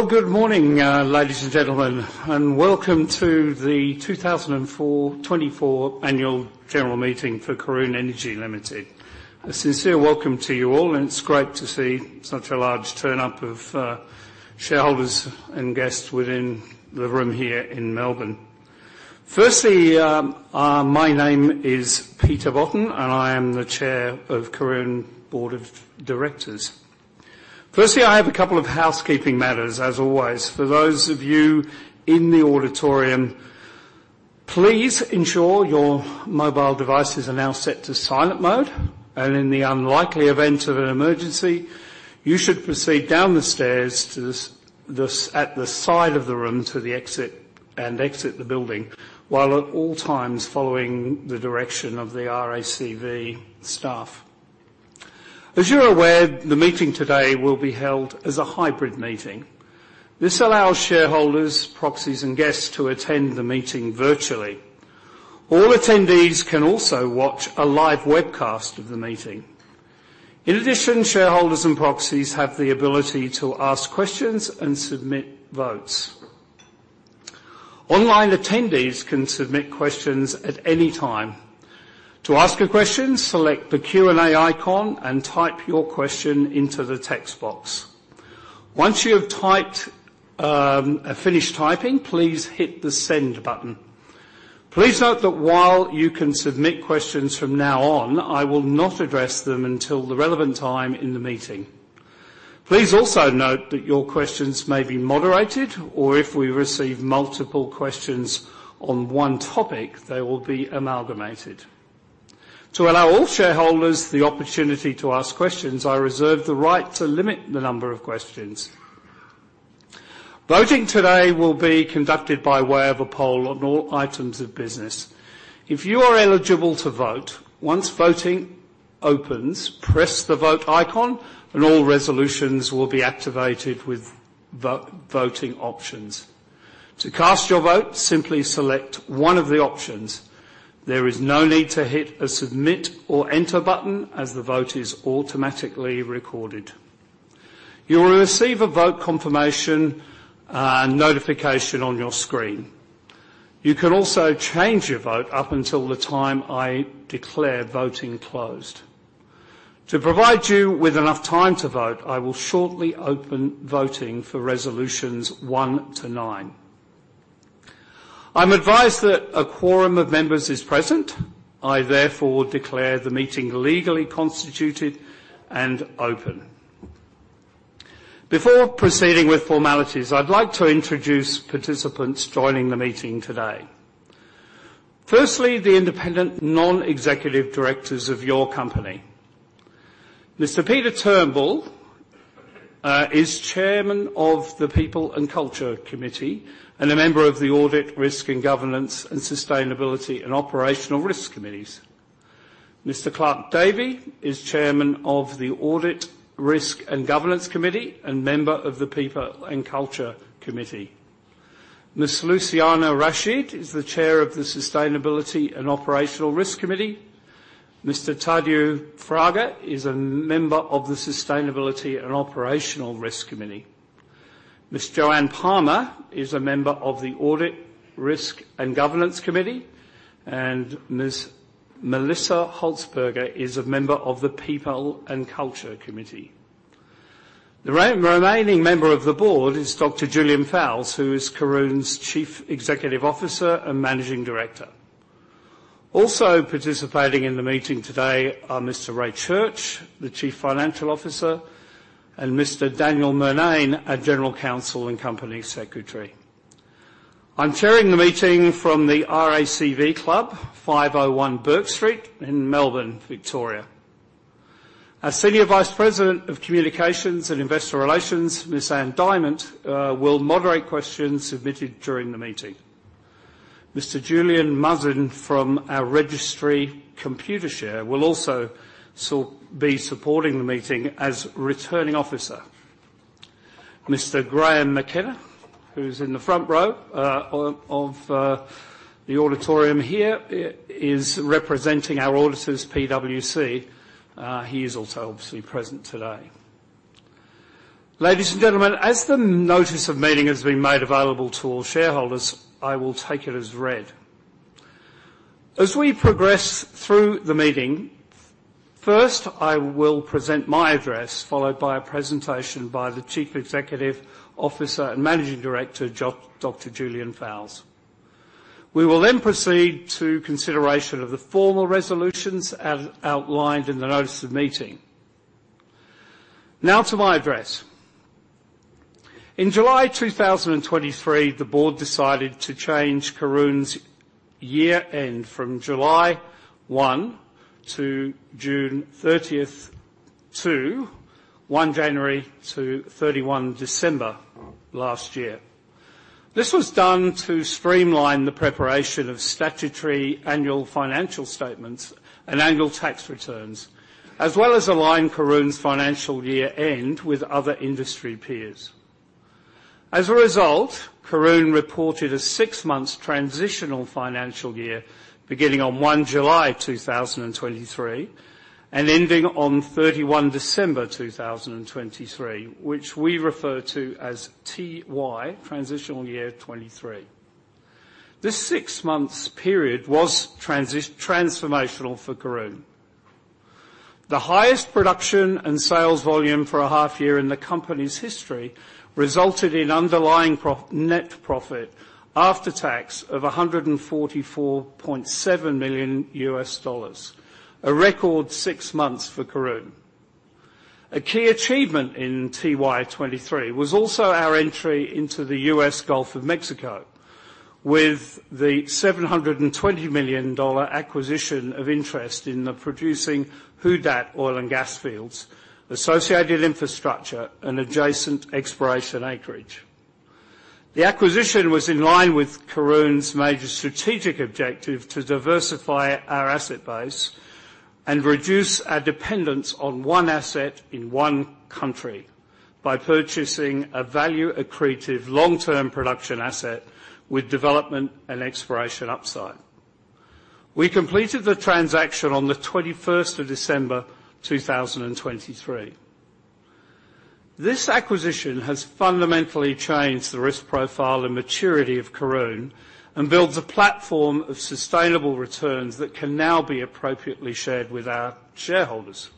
Well, good morning, ladies and gentlemen, and welcome to the 2024 Annual General Meeting for Karoon Energy Limited. A sincere welcome to you all, and it's great to see such a large turn up of shareholders and guests within the room here in Melbourne. Firstly, my name is Peter Botten, and I am the Chair of the Karoon Board of Directors. Firstly, I have a couple of housekeeping matters, as always. For those of you in the auditorium, please ensure your mobile devices are now set to silent mode, and in the unlikely event of an emergency, you should proceed down the stairs to the side of the room to the exit and exit the building, while at all times following the direction of the RACV staff. As you're aware, the meeting today will be held as a hybrid meeting. This allows shareholders, proxies, and guests to attend the meeting virtually. All attendees can also watch a live webcast of the meeting. In addition, shareholders and proxies have the ability to ask questions and submit votes. Online attendees can submit questions at any time. To ask a question, select the Q&A icon and type your question into the text box. Once you have typed, finished typing, please hit the Send button. Please note that while you can submit questions from now on, I will not address them until the relevant time in the meeting. Please also note that your questions may be moderated, or if we receive multiple questions on one topic, they will be amalgamated. To allow all shareholders the opportunity to ask questions, I reserve the right to limit the number of questions. Voting today will be conducted by way of a poll on all items of business. If you are eligible to vote, once voting opens, press the Vote icon and all resolutions will be activated with vo-voting options. To cast your vote, simply select one of the options. There is no need to hit a Submit or Enter button, as the vote is automatically recorded. You will receive a vote confirmation, notification on your screen. You can also change your vote up until the time I declare voting closed. To provide you with enough time to vote, I will shortly open voting for resolutions one to nine. I'm advised that a quorum of members is present. I therefore declare the meeting legally constituted and open. Before proceeding with formalities, I'd like to introduce participants joining the meeting today. Firstly, the independent non-executive directors of your company. Mr. Peter Turnbull is chairman of the People and Culture Committee and a member of the Audit, Risk and Governance and Sustainability and Operational Risk committees. Mr. Clark Davey is chairman of the Audit, Risk and Governance Committee and member of the People and Culture Committee. Ms. Luciana Rachid is the chair of the Sustainability and Operational Risk Committee. Mr. Tadeu Fraga is a member of the Sustainability and Operational Risk Committee. Ms. Joanne Palmer is a member of the Audit, Risk and Governance Committee, and Ms. Melissa Holzberger is a member of the People and Culture Committee. The remaining member of the Board is Dr. Julian Fowles, who is Karoon's Chief Executive Officer and Managing Director. Also participating in the meeting today are Mr. Ray Church, the Chief Financial Officer, and Mr. Daniel Murnane, our General Counsel and Company Secretary. I'm chairing the meeting from the RACV Club, 501 Bourke Street in Melbourne, Victoria. Our senior vice president of communications and investor relations, Ms. Ann Diamant, will moderate questions submitted during the meeting. Mr. Julian Mazza from our registry, Computershare, will also be supporting the meeting as returning officer. Mr. Graham McKenna, who's in the front row of the auditorium here, is representing our auditors, PwC. He is also obviously present today. Ladies and gentlemen, as the Notice of Meeting has been made available to all shareholders, I will take it as read. As we progress through the meeting, first, I will present my address, followed by a presentation by the Chief Executive Officer and Managing Director, Dr. Julian Fowles. We will then proceed to consideration of the formal resolutions as outlined in the Notice of Meeting. Now to my address. In July 2023, the Board decided to change Karoon's year-end from July 1 to June 30 to 1 January to 31 December last year. This was done to streamline the preparation of statutory annual financial statements and annual tax returns, as well as align Karoon's financial year-end with other industry peers. As a result, Karoon reported a six-month transitional financial year, beginning on 1 July 2023, and ending on 31 December 2023, which we refer to as TY, transitional year, 2023. This six-month period was transformational for Karoon. The highest production and sales volume for a half year in the company's history resulted in underlying net profit after tax of $144.7 million, a record six months for Karoon. A key achievement in FY 2023 was also our entry into the US Gulf of Mexico, with the $720 million acquisition of interest in the producing Who Dat oil and gas fields, associated infrastructure, and adjacent exploration acreage. The acquisition was in line with Karoon's major strategic objective to diversify our asset base and reduce our dependence on one asset in one country by purchasing a value-accretive, long-term production asset with development and exploration upside. We completed the transaction on the twenty-first of December, 2023. This acquisition has fundamentally changed the risk profile and maturity of Karoon and builds a platform of sustainable returns that can now be appropriately shared with our shareholders.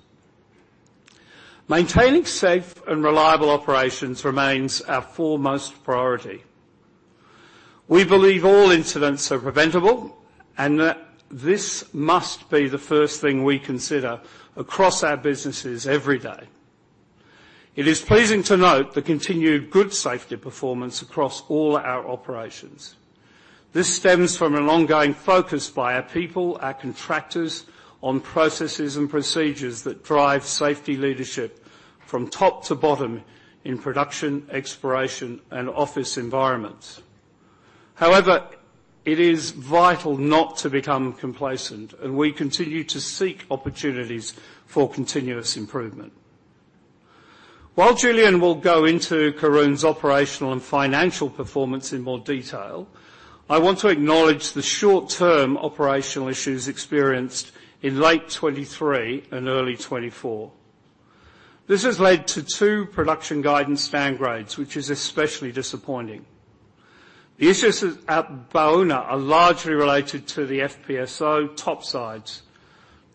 Maintaining safe and reliable operations remains our foremost priority. We believe all incidents are preventable, and that this must be the first thing we consider across our businesses every day. It is pleasing to note the continued good safety performance across all our operations. This stems from an ongoing focus by our people, our contractors, on processes and procedures that drive safety leadership from top to bottom in production, exploration, and office environments. However, it is vital not to become complacent, and we continue to seek opportunities for continuous improvement. While Julian will go into Karoon's operational and financial performance in more detail, I want to acknowledge the short-term operational issues experienced in late 2023 and early 2024. This has led to two production guidance downgrades, which is especially disappointing. The issues at Baúna are largely related to the FPSO top sides.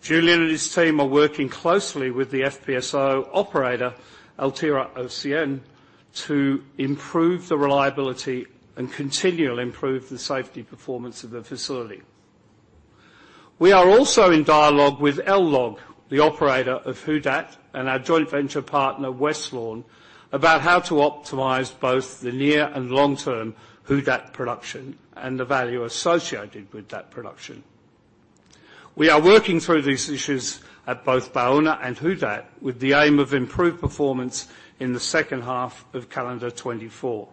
Julian and his team are working closely with the FPSO operator, Altera & Ocyan, to improve the reliability and continually improve the safety performance of the facility. We are also in dialogue with LLOG, the operator of Who Dat, and our joint venture partner, Westlawn, about how to optimize both the near and long-term Who Dat production and the value associated with that production. We are working through these issues at both Baúna and Who Dat with the aim of improved performance in the second half of calendar 2024.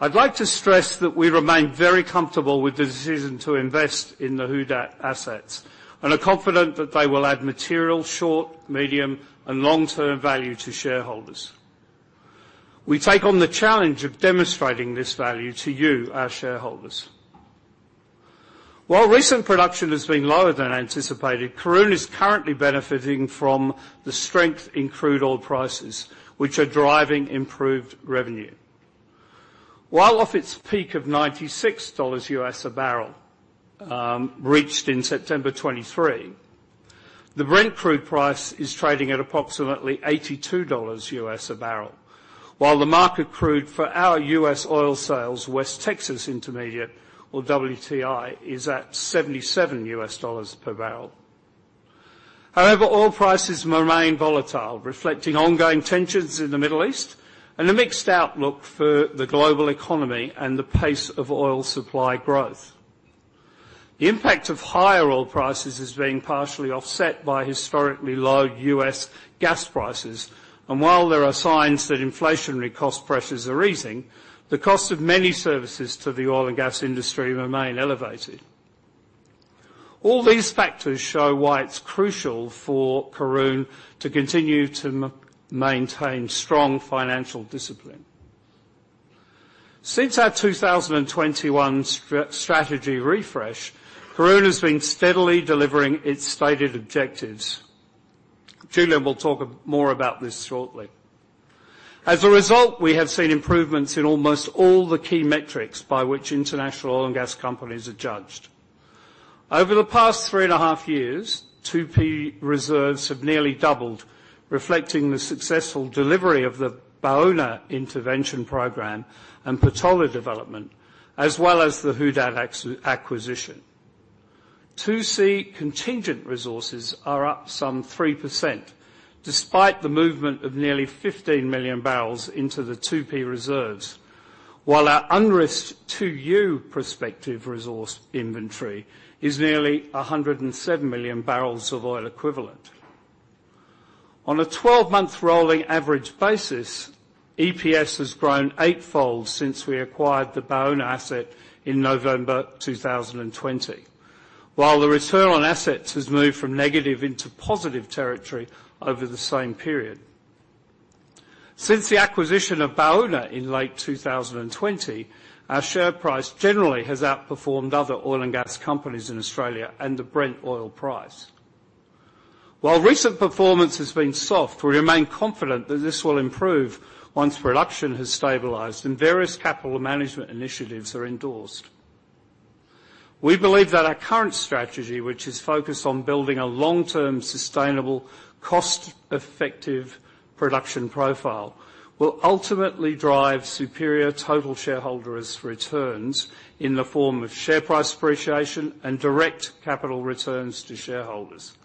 I'd like to stress that we remain very comfortable with the decision to invest in the Who Dat assets and are confident that they will add material short, medium, and long-term value to shareholders. We take on the challenge of demonstrating this value to you, our shareholders. While recent production has been lower than anticipated, Karoon is currently benefiting from the strength in crude oil prices, which are driving improved revenue. While off its peak of $96 a barrel, reached in September 2023, the Brent crude price is trading at approximately $82 a barrel, while the market crude for our U.S. oil sales, West Texas Intermediate, or WTI, is at $77 per barrel. However, oil prices remain volatile, reflecting ongoing tensions in the Middle East and a mixed outlook for the global economy and the pace of oil supply growth. The impact of higher oil prices is being partially offset by historically low U.S. gas prices, and while there are signs that inflationary cost pressures are easing, the cost of many services to the oil and gas industry remain elevated. All these factors show why it's crucial for Karoon to continue to maintain strong financial discipline. Since our 2021 strategy refresh, Karoon has been steadily delivering its stated objectives. Julian will talk more about this shortly. As a result, we have seen improvements in almost all the key metrics by which international oil and gas companies are judged. Over the past 3.5 years, 2P reserves have nearly doubled, reflecting the successful delivery of the Baúna intervention program and Patola development, as well as the Who Dat acquisition. 2C contingent resources are up some 3%, despite the movement of nearly 15 million barrels into the 2P reserves, while our unrisked 2U Prospective Resource inventory is nearly 107 million barrels of oil equivalent. On a 12-month rolling average basis, EPS has grown eightfold since we acquired the Baúna asset in November 2020, while the return on assets has moved from negative into positive territory over the same period. Since the acquisition of Baúna in late 2020, our share price generally has outperformed other oil and gas companies in Australia and the Brent oil price. While recent performance has been soft, we remain confident that this will improve once production has stabilized and various capital management initiatives are endorsed. We believe that our current strategy, which is focused on building a long-term, sustainable, cost-effective production profile, will ultimately drive superior total shareholders' returns in the form of share price appreciation and direct capital returns to shareholders.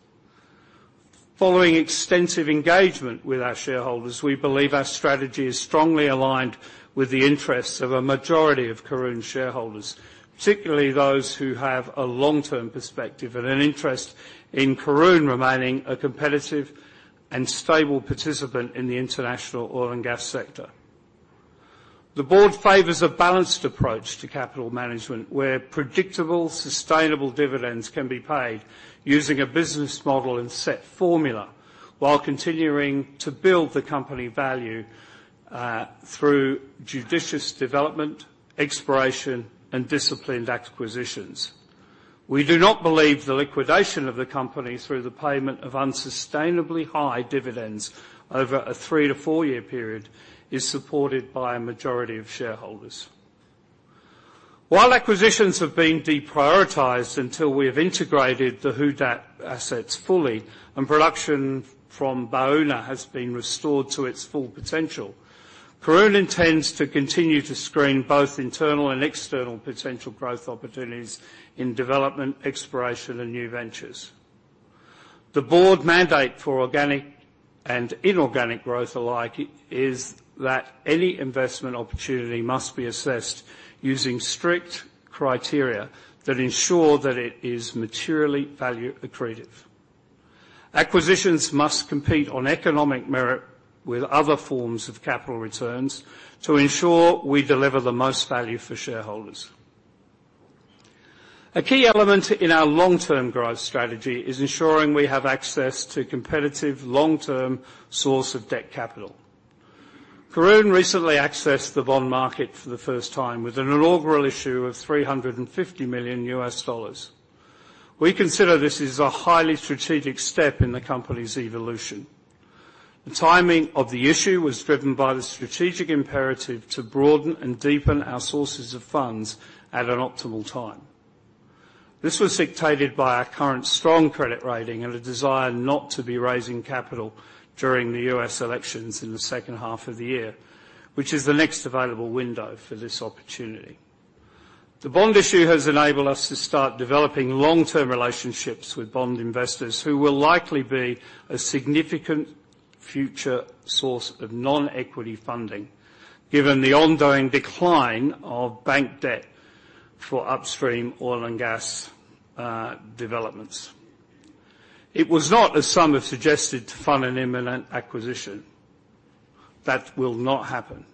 Following extensive engagement with our shareholders, we believe our strategy is strongly aligned with the interests of a majority of Karoon shareholders, particularly those who have a long-term perspective and an interest in Karoon remaining a competitive and stable participant in the international oil and gas sector. The board favors a balanced approach to capital management, where predictable, sustainable dividends can be paid using a business model and set formula while continuing to build the company value through judicious development, exploration, and disciplined acquisitions. We do not believe the liquidation of the company through the payment of unsustainably high dividends over a three-four-year period is supported by a majority of shareholders. While acquisitions have been deprioritized until we have integrated the Who Dat assets fully and production from Baúna has been restored to its full potential, Karoon intends to continue to screen both internal and external potential growth opportunities in development, exploration, and new ventures. The Board mandate for organic and inorganic growth alike is that any investment opportunity must be assessed using strict criteria that ensure that it is materially value accretive. Acquisitions must compete on economic merit with other forms of capital returns to ensure we deliver the most value for shareholders. A key element in our long-term growth strategy is ensuring we have access to competitive long-term source of debt capital. Karoon recently accessed the bond market for the first time with an inaugural issue of $350 million. We consider this as a highly strategic step in the company's evolution. The timing of the issue was driven by the strategic imperative to broaden and deepen our sources of funds at an optimal time. This was dictated by our current strong credit rating and a desire not to be raising capital during the U.S. elections in the second half of the year, which is the next available window for this opportunity. The bond issue has enabled us to start developing long-term relationships with bond investors, who will likely be a significant future source of non-equity funding, given the ongoing decline of bank debt for upstream oil and gas developments. It was not, as some have suggested, to fund an imminent acquisition. That will not happen.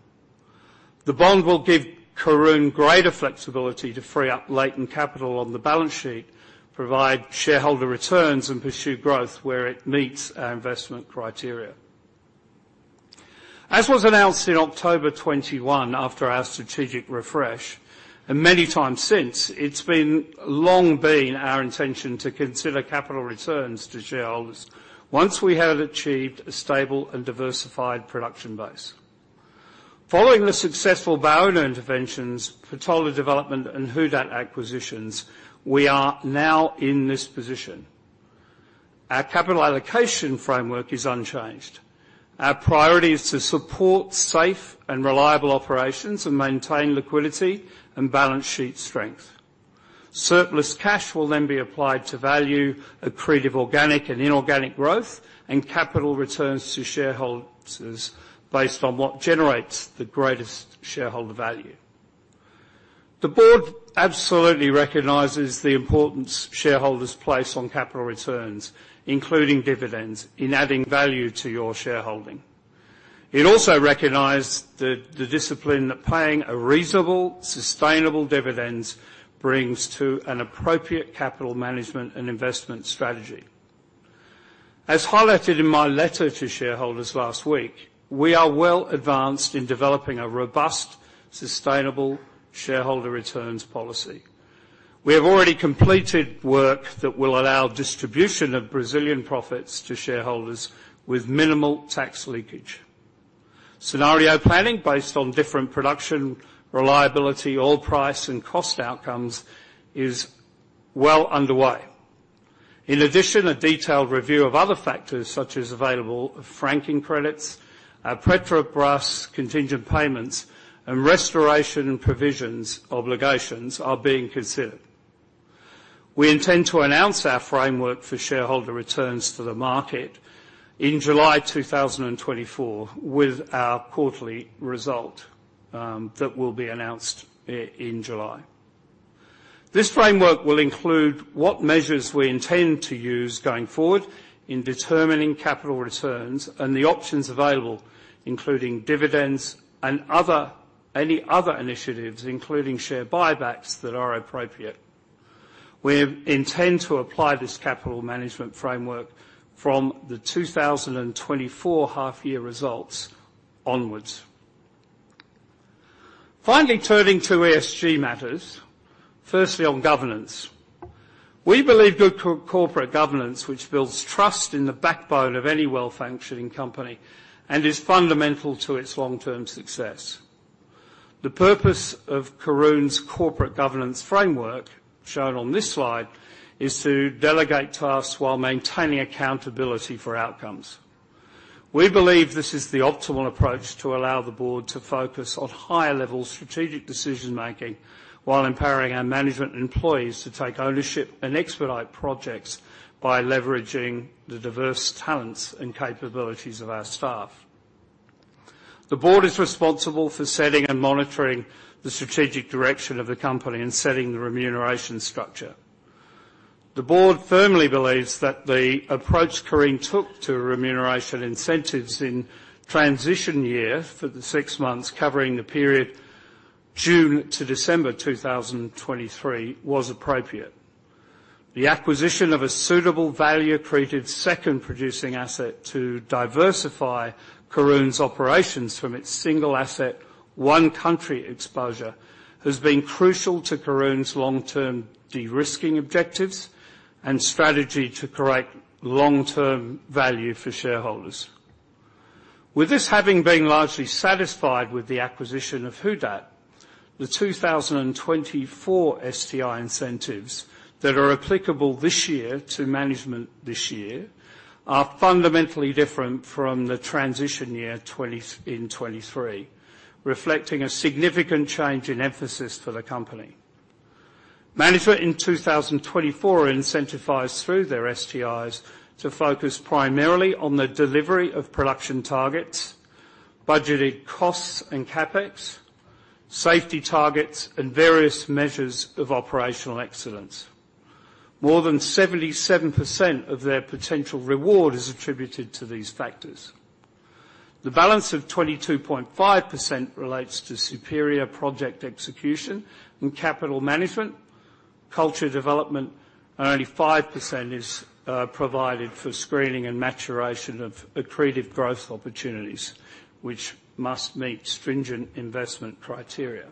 The bond will give Karoon greater flexibility to free up latent capital on the balance sheet, provide shareholder returns, and pursue growth where it meets our investment criteria. As was announced in October 2021, after our strategic refresh, and many times since, it's been long been our intention to consider capital returns to shareholders once we have achieved a stable and diversified production base. Following the successful Baúna interventions, Patola development, and Who Dat acquisitions, we are now in this position. Our capital allocation framework is unchanged. Our priority is to support safe and reliable operations and maintain liquidity and balance sheet strength. Surplus cash will then be applied to value accretive, organic and inorganic growth, and capital returns to shareholders based on what generates the greatest shareholder value. The Board absolutely recognizes the importance shareholders place on capital returns, including dividends, in adding value to your shareholding. It also recognized the discipline that paying a reasonable, sustainable dividend brings to an appropriate capital management and investment strategy. As highlighted in my letter to shareholders last week, we are well advanced in developing a robust, sustainable shareholder returns policy. We have already completed work that will allow distribution of Brazilian profits to shareholders with minimal tax leakage. Scenario planning based on different production, reliability, oil price, and cost outcomes is well underway. In addition, a detailed review of other factors, such as available franking credits, Petrobras contingent payments, and restoration and provisions obligations, are being considered. We intend to announce our framework for shareholder returns to the market in July 2024, with our quarterly result, that will be announced in July. This framework will include what measures we intend to use going forward in determining capital returns and the options available, including dividends and any other initiatives, including share buybacks, that are appropriate. We intend to apply this capital management framework from the 2024 half-year results onwards. Finally, turning to ESG matters. Firstly, on governance. We believe good corporate governance, which builds trust in the backbone of any well-functioning company and is fundamental to its long-term success. The purpose of Karoon's corporate governance framework, shown on this slide, is to delegate tasks while maintaining accountability for outcomes. We believe this is the optimal approach to allow the Board to focus on higher-level strategic decision-making, while empowering our management and employees to take ownership and expedite projects by leveraging the diverse talents and capabilities of our staff. The Board is responsible for setting and monitoring the strategic direction of the company and setting the remuneration structure. The Board firmly believes that the approach Karoon took to remuneration incentives in transition year for the six months covering the period June to December 2023 was appropriate. The acquisition of a suitable value-accretive second producing asset to diversify Karoon's operations from its single asset, one country exposure, has been crucial to Karoon's long-term de-risking objectives and strategy to create long-term value for shareholders. With this having been largely satisfied with the acquisition of Who Dat, the 2024 STI incentives that are applicable this year to management this year are fundamentally different from the transition year twenty-- in 2023, reflecting a significant change in emphasis for the company. Management in 2024 are incentivized through their STIs to focus primarily on the delivery of production targets, budgeted costs and CapEx, safety targets, and various measures of operational excellence. More than 77% of their potential reward is attributed to these factors. The balance of 22.5% relates to superior project execution and capital management, culture development, and only 5% is provided for screening and maturation of accretive growth opportunities, which must meet stringent investment criteria.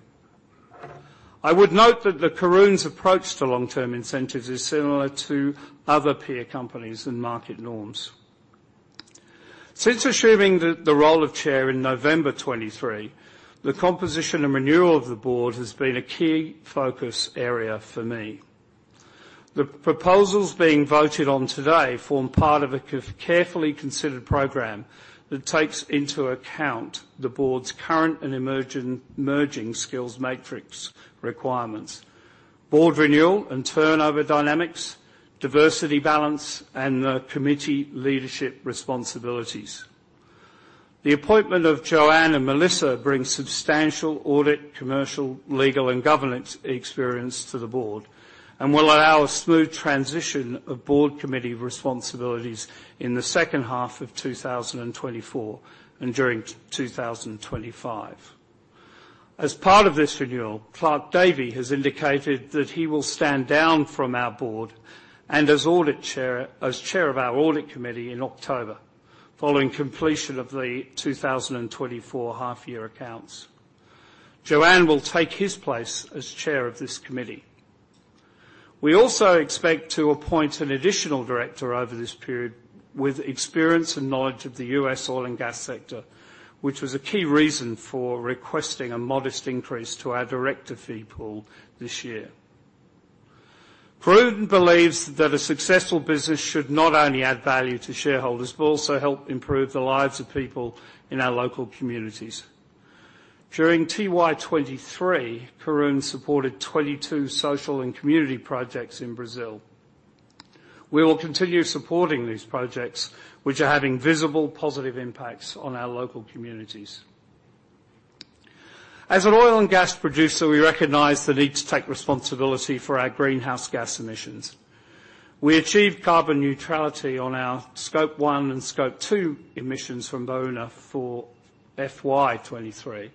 I would note that Karoon's approach to long-term incentives is similar to other peer companies and market norms. Since assuming the role of Chair in November 2023, the composition and renewal of the Board has been a key focus area for me. The proposals being voted on today form part of a carefully considered program that takes into account the Board's current and emerging skills matrix requirements, Board renewal and turnover dynamics, diversity balance, and the committee leadership responsibilities. The appointment of Joanne and Melissa brings substantial audit, commercial, legal, and governance experience to the Board, and will allow a smooth transition of Board committee responsibilities in the second half of 2024 and during 2025. As part of this renewal, Clark Davey has indicated that he will stand down from our Board and as Chair of our Audit Committee in October, following completion of the 2024 half-year accounts. Joanne will take his place as chair of this committee. We also expect to appoint an additional director over this period with experience and knowledge of the U.S. oil and gas sector, which was a key reason for requesting a modest increase to our director fee pool this year. Karoon believes that a successful business should not only add value to shareholders, but also help improve the lives of people in our local communities. During FY 2023, Karoon supported 22 social and community projects in Brazil. We will continue supporting these projects, which are having visible, positive impacts on our local communities. As an oil and gas producer, we recognize the need to take responsibility for our greenhouse gas emissions. We achieved carbon neutrality on our Scope 1 and Scope 2 emissions from Baúna for FY 2023,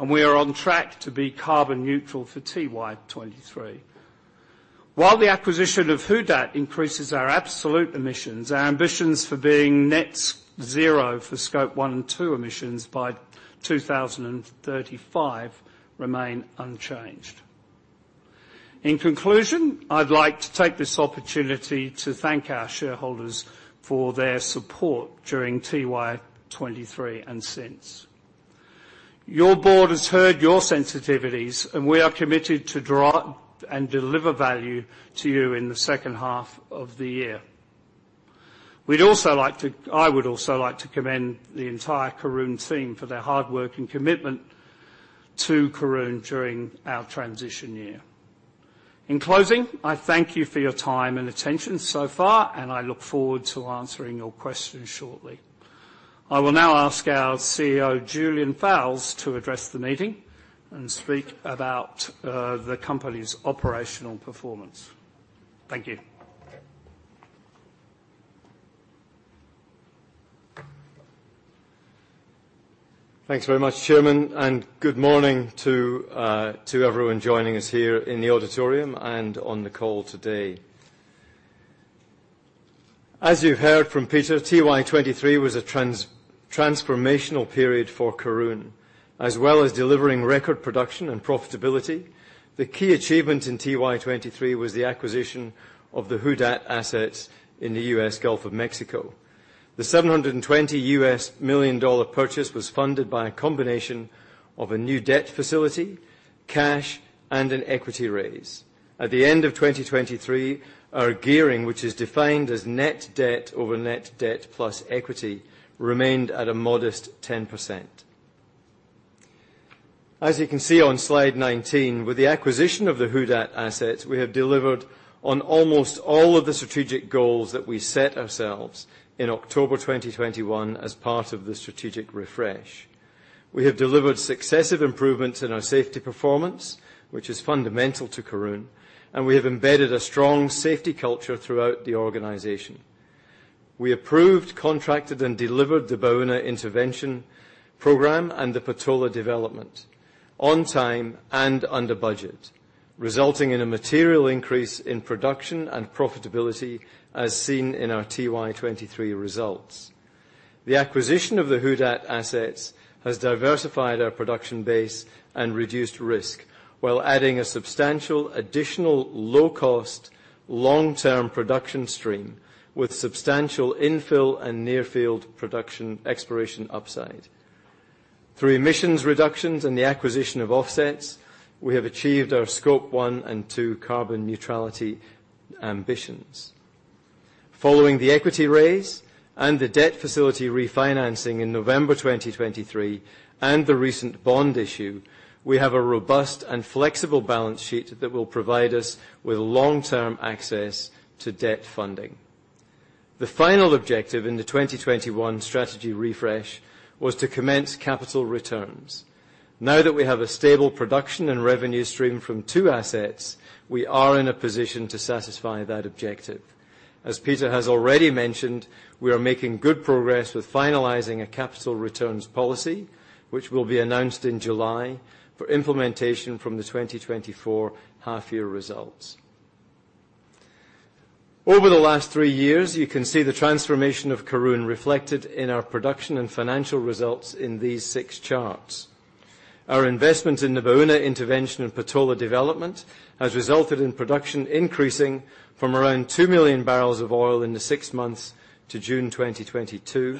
and we are on track to be carbon neutral for FY 2023. While the acquisition of Who Dat increases our absolute emissions, our ambitions for being net zero for Scope 1 and 2 emissions by 2035 remain unchanged. In conclusion, I'd like to take this opportunity to thank our shareholders for their support during FY 2023 and since. Your Board has heard your sensitivities, and we are committed to draw and deliver value to you in the second half of the year. I would also like to commend the entire Karoon team for their hard work and commitment to Karoon during our transition year. In closing, I thank you for your time and attention so far, and I look forward to answering your questions shortly. I will now ask our CEO, Julian Fowles, to address the meeting and speak about the company's operational performance. Thank you. Thanks very much, Chairman, and good morning to everyone joining us here in the auditorium and on the call today. ...As you heard from Peter, FY23 was a transformational period for Karoon. As well as delivering record production and profitability, the key achievement in FY23 was the acquisition of the Who Dat assets in the U.S. Gulf of Mexico. The $720 million purchase was funded by a combination of a new debt facility, cash, and an equity raise. At the end of 2023, our gearing, which is defined as net debt over net debt plus equity, remained at a modest 10%. As you can see on slide 19, with the acquisition of the Who Dat assets, we have delivered on almost all of the strategic goals that we set ourselves in October 2021 as part of the strategic refresh. We have delivered successive improvements in our safety performance, which is fundamental to Karoon, and we have embedded a strong safety culture throughout the organization. We approved, contracted, and delivered the Baúna intervention program and the Patola development on time and under budget, resulting in a material increase in production and profitability, as seen in our FY23 results. The acquisition of the Who Dat assets has diversified our production base and reduced risk, while adding a substantial additional low-cost, long-term production stream with substantial infill and near field production exploration upside. Through emissions reductions and the acquisition of offsets, we have achieved our Scope 1 and Scope 2 carbon neutrality ambitions. Following the equity raise and the debt facility refinancing in November 2023 and the recent bond issue, we have a robust and flexible balance sheet that will provide us with long-term access to debt funding. The final objective in the 2021 strategy refresh was to commence capital returns. Now that we have a stable production and revenue stream from two assets, we are in a position to satisfy that objective. As Peter has already mentioned, we are making good progress with finalizing a capital returns policy, which will be announced in July for implementation from the 2024 half-year results. Over the last three years, you can see the transformation of Karoon reflected in our production and financial results in these six charts. Our investment in the Baúna intervention and Patola development has resulted in production increasing from around 2 million barrels of oil in the six months to June 2022,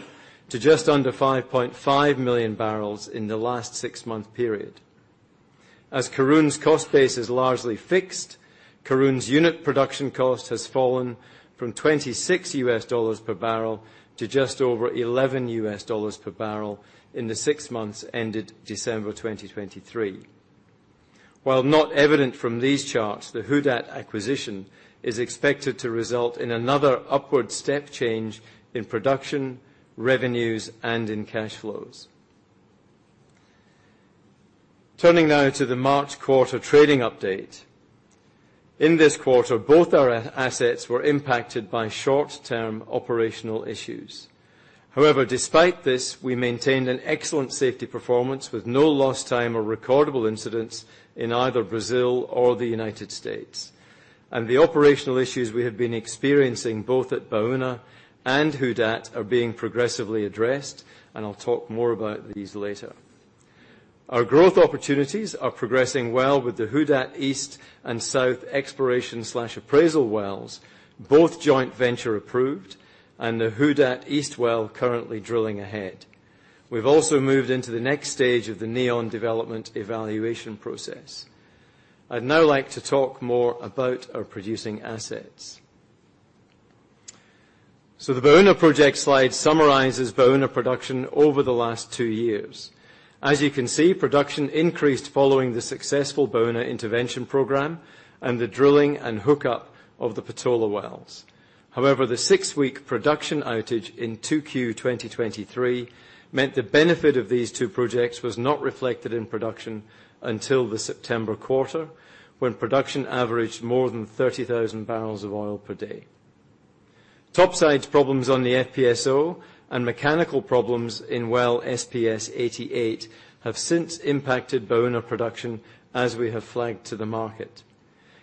to just under 5.5 million barrels in the last six-month period. As Karoon's cost base is largely fixed, Karoon's unit production cost has fallen from $26 per barrel to just over $11 per barrel in the six months ended December 2023. While not evident from these charts, the Who Dat acquisition is expected to result in another upward step change in production, revenues, and in cash flows. Turning now to the March quarter trading update. In this quarter, both our assets were impacted by short-term operational issues. However, despite this, we maintained an excellent safety performance with no lost time or recordable incidents in either Brazil or the United States. The operational issues we have been experiencing, both at Baúna and Who Dat, are being progressively addressed, and I'll talk more about these later. Our growth opportunities are progressing well with the Who Dat East and South exploration/appraisal wells, both joint venture approved, and the Who Dat East well currently drilling ahead. We've also moved into the next stage of the Neon development evaluation process. I'd now like to talk more about our producing assets. The Baúna project slide summarizes Baúna production over the last 2 years. As you can see, production increased following the successful Baúna intervention program and the drilling and hookup of the Patola wells. However, the 6-week production outage in 2Q 2023 meant the benefit of these two projects was not reflected in production until the September quarter, when production averaged more than 30,000 barrels of oil per day. Topside problems on the FPSO and mechanical problems in Well SPS-88 have since impacted Baúna production, as we have flagged to the market.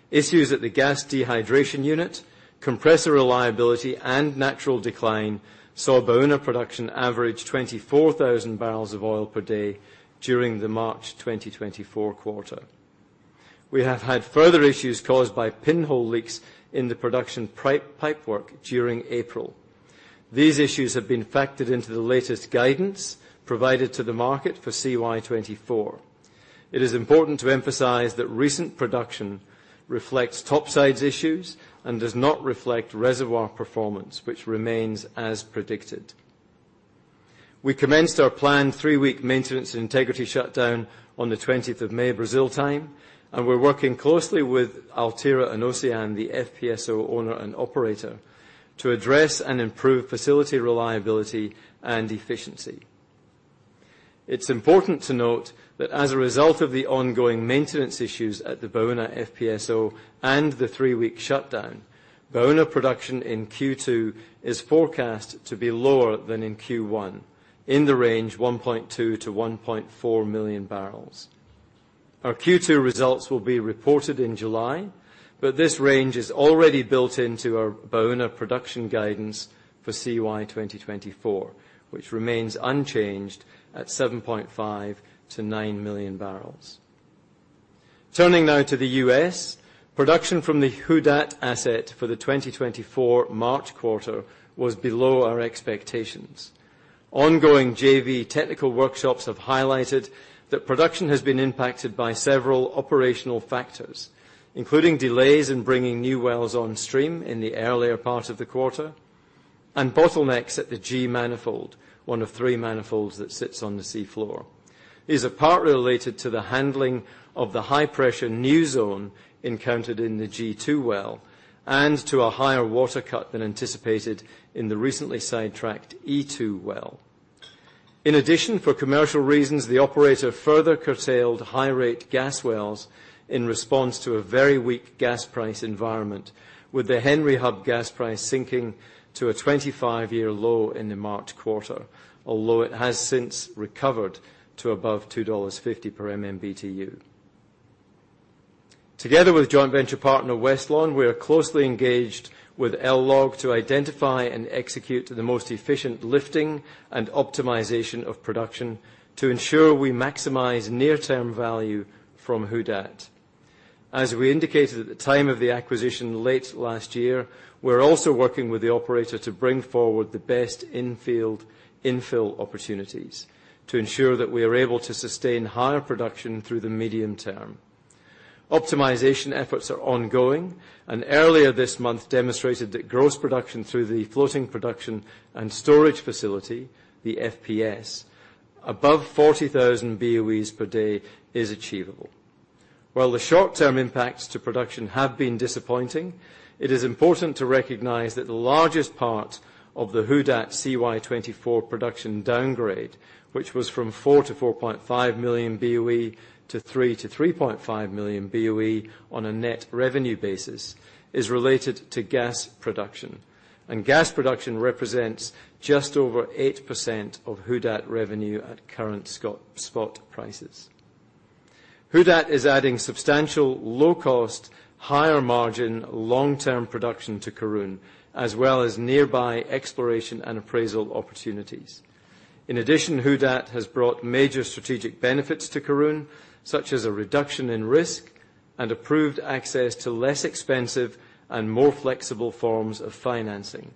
Issues at the gas dehydration unit, compressor reliability, and natural decline saw Baúna production average 24,000 barrels of oil per day during the March 2024 quarter. We have had further issues caused by pinhole leaks in the production pipe, pipework during April. These issues have been factored into the latest guidance provided to the market for CY24. It is important to emphasize that recent production reflects topsides issues and does not reflect reservoir performance, which remains as predicted. We commenced our planned 3-week maintenance and integrity shutdown on the 20th of May, Brazil time, and we're working closely with Altera and Ocyan, the FPSO owner and operator, to address and improve facility reliability and efficiency. It's important to note that as a result of the ongoing maintenance issues at the Baúna FPSO and the 3-week shutdown, Baúna production in Q2 is forecast to be lower than in Q1, in the range 1.2-1.4 million barrels. Our Q2 results will be reported in July, but this range is already built into our Baúna production guidance for CY 2024, which remains unchanged at 7.5-9 million barrels. Turning now to the US, production from the Who Dat asset for the 2024 March quarter was below our expectations. Ongoing JV technical workshops have highlighted that production has been impacted by several operational factors, including delays in bringing new wells on stream in the earlier part of the quarter, and bottlenecks at the G Manifold, one of three manifolds that sits on the sea floor. These are partly related to the handling of the high-pressure new zone encountered in the G2 well and to a higher water cut than anticipated in the recently sidetracked E2 well. In addition, for commercial reasons, the operator further curtailed high-rate gas wells in response to a very weak gas price environment, with the Henry Hub gas price sinking to a 25-year low in the March quarter, although it has since recovered to above $2.50 per MMBtu. Together with joint venture partner Westlawn, we are closely engaged with LLOG to identify and execute the most efficient lifting and optimization of production to ensure we maximize near-term value from Who Dat. As we indicated at the time of the acquisition late last year, we're also working with the operator to bring forward the best in-field infill opportunities to ensure that we are able to sustain higher production through the medium term. Optimization efforts are ongoing, and earlier this month demonstrated that gross production through the floating production and storage facility, the FPS, above 40,000 BOEs per day is achievable. While the short-term impacts to production have been disappointing, it is important to recognize that the largest part of the Who Dat CY 2024 production downgrade, which was from 4-4.5 million BOE to 3-3.5 million BOE on a net revenue basis, is related to gas production. And gas production represents just over 8% of Who Dat revenue at current spot prices. Who Dat is adding substantial, low-cost, higher-margin, long-term production to Karoon, as well as nearby exploration and appraisal opportunities. In addition, Who Dat has brought major strategic benefits to Karoon, such as a reduction in risk and approved access to less expensive and more flexible forms of financing.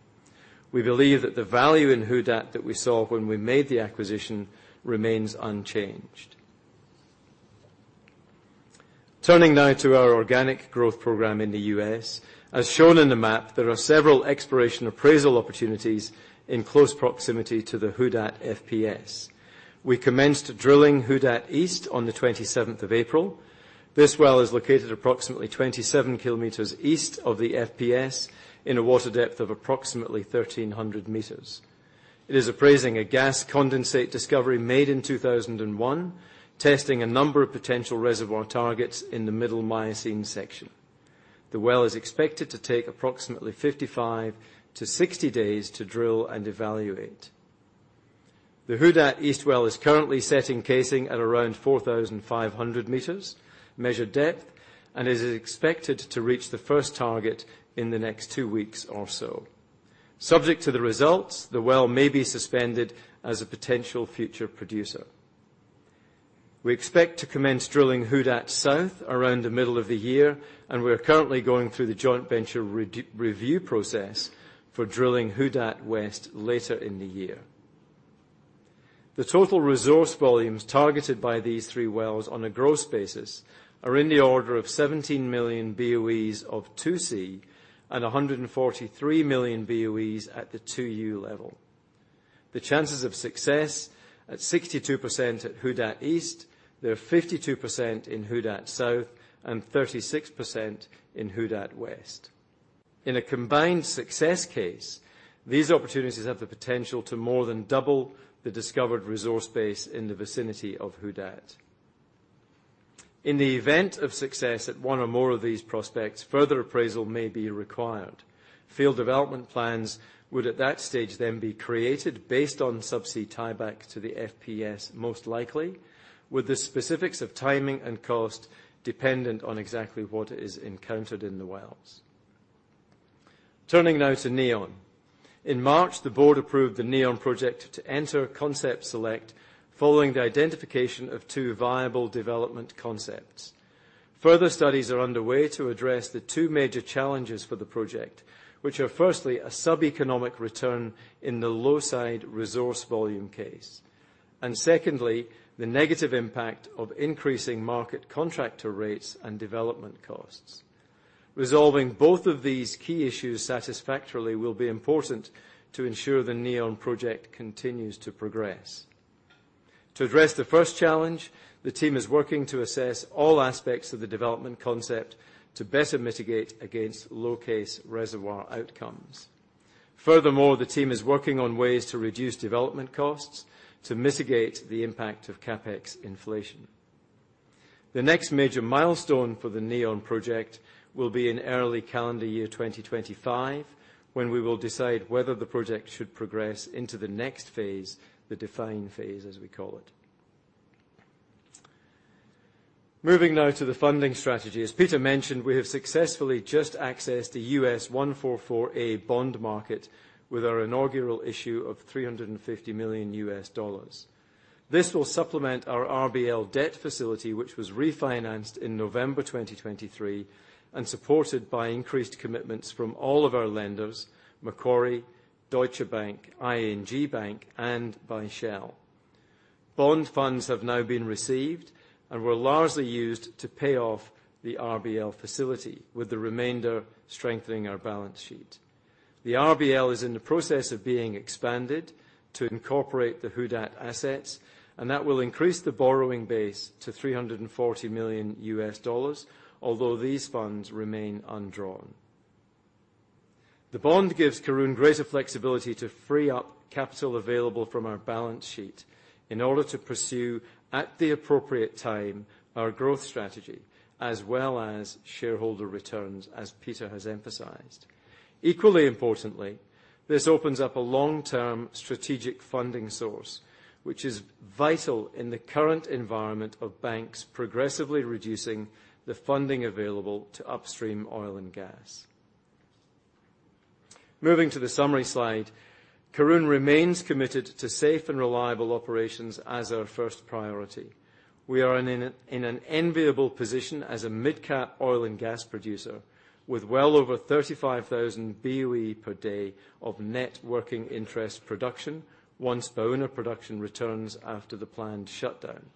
We believe that the value in Who Dat that we saw when we made the acquisition remains unchanged. Turning now to our organic growth program in the US. As shown in the map, there are several exploration appraisal opportunities in close proximity to the Who Dat FPS. We commenced drilling Who Dat East on the 27th of April. This well is located approximately 27 kilometers east of the FPS in a water depth of approximately 1,300 meters. It is appraising a gas condensate discovery made in 2001, testing a number of potential reservoir targets in the Middle Miocene section. The well is expected to take approximately 55-60 days to drill and evaluate. The Who Dat East well is currently setting casing at around 4,500 meters measured depth and is expected to reach the first target in the next two weeks or so. Subject to the results, the well may be suspended as a potential future producer. We expect to commence drilling Who Dat South around the middle of the year, and we are currently going through the joint venture review process for drilling Who Dat West later in the year. The total resource volumes targeted by these three wells on a gross basis are in the order of 17 million BOEs of 2C and 143 million BOEs at the 2U level. The chances of success at 62% at Who Dat East, they are 52% in Who Dat South, and 36% in Who Dat West. In a combined success case, these opportunities have the potential to more than double the discovered resource base in the vicinity of Who Dat. In the event of success at one or more of these prospects, further appraisal may be required. Field development plans would at that stage then be created based on subsea tieback to the FPS, most likely, with the specifics of timing and cost dependent on exactly what is encountered in the wells. Turning now to Neon. In March, the board approved the Neon project to enter concept select following the identification of two viable development concepts. Further studies are underway to address the two major challenges for the project, which are firstly, a sub-economic return in the low-side resource volume case, and secondly, the negative impact of increasing market contractor rates and development costs. Resolving both of these key issues satisfactorily will be important to ensure the Neon project continues to progress. To address the first challenge, the team is working to assess all aspects of the development concept to better mitigate against low-case reservoir outcomes. Furthermore, the team is working on ways to reduce development costs to mitigate the impact of CapEx inflation. The next major milestone for the Neon project will be in early calendar year 2025, when we will decide whether the project should progress into the next phase, the define phase, as we call it... Moving now to the funding strategy. As Peter mentioned, we have successfully just accessed the U.S. 144A bond market with our inaugural issue of $350 million. This will supplement our RBL debt facility, which was refinanced in November 2023, and supported by increased commitments from all of our lenders, Macquarie, Deutsche Bank, ING Bank, and by Shell. Bond funds have now been received and were largely used to pay off the RBL facility, with the remainder strengthening our balance sheet. The RBL is in the process of being expanded to incorporate the Who Dat assets, and that will increase the borrowing base to $340 million, although these funds remain undrawn. The bond gives Karoon greater flexibility to free up capital available from our balance sheet in order to pursue, at the appropriate time, our growth strategy, as well as shareholder returns, as Peter has emphasized. Equally importantly, this opens up a long-term strategic funding source, which is vital in the current environment of banks progressively reducing the funding available to upstream oil and gas. Moving to the summary slide, Karoon remains committed to safe and reliable operations as our first priority. We are in an enviable position as a mid-cap oil and gas producer, with well over 35,000 BOE per day of net working interest production once Baúna production returns after the planned shutdown,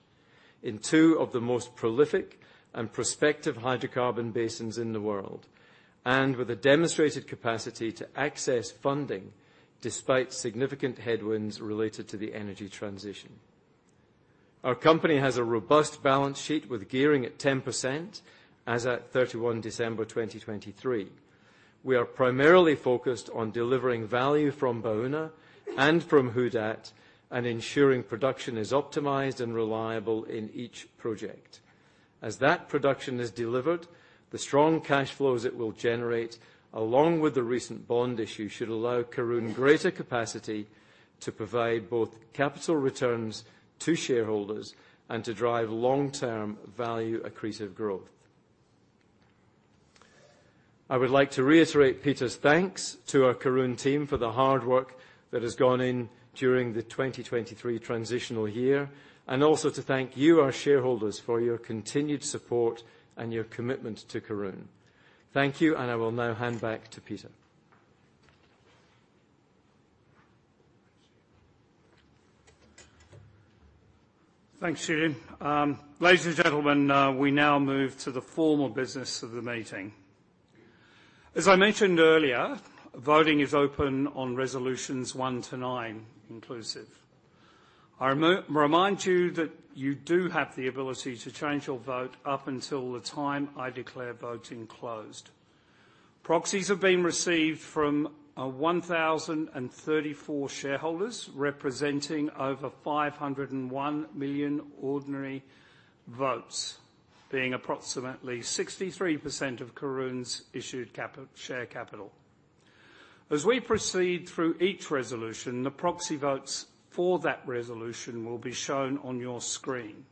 in two of the most prolific and prospective hydrocarbon basins in the world, and with a demonstrated capacity to access funding despite significant headwinds related to the energy transition. Our company has a robust balance sheet with gearing at 10% as at 31 December 2023. We are primarily focused on delivering value from Baúna and from Who Dat, and ensuring production is optimized and reliable in each project. As that production is delivered, the strong cash flows it will generate, along with the recent bond issue, should allow Karoon greater capacity to provide both capital returns to shareholders and to drive long-term value accretive growth. I would like to reiterate Peter's thanks to our Karoon team for the hard work that has gone in during the 2023 transitional year, and also to thank you, our shareholders, for your continued support and your commitment to Karoon. Thank you, and I will now hand back to Peter. Thanks, Julian. Ladies and gentlemen, we now move to the formal business of the meeting. As I mentioned earlier, voting is open on resolutions 1 to 9 inclusive. I remind you that you do have the ability to change your vote up until the time I declare voting closed. Proxies have been received from 1,034 shareholders, representing over 501 million ordinary votes, being approximately 63% of Karoon's issued share capital. As we proceed through each resolution, the proxy votes for that resolution will be shown on your screen.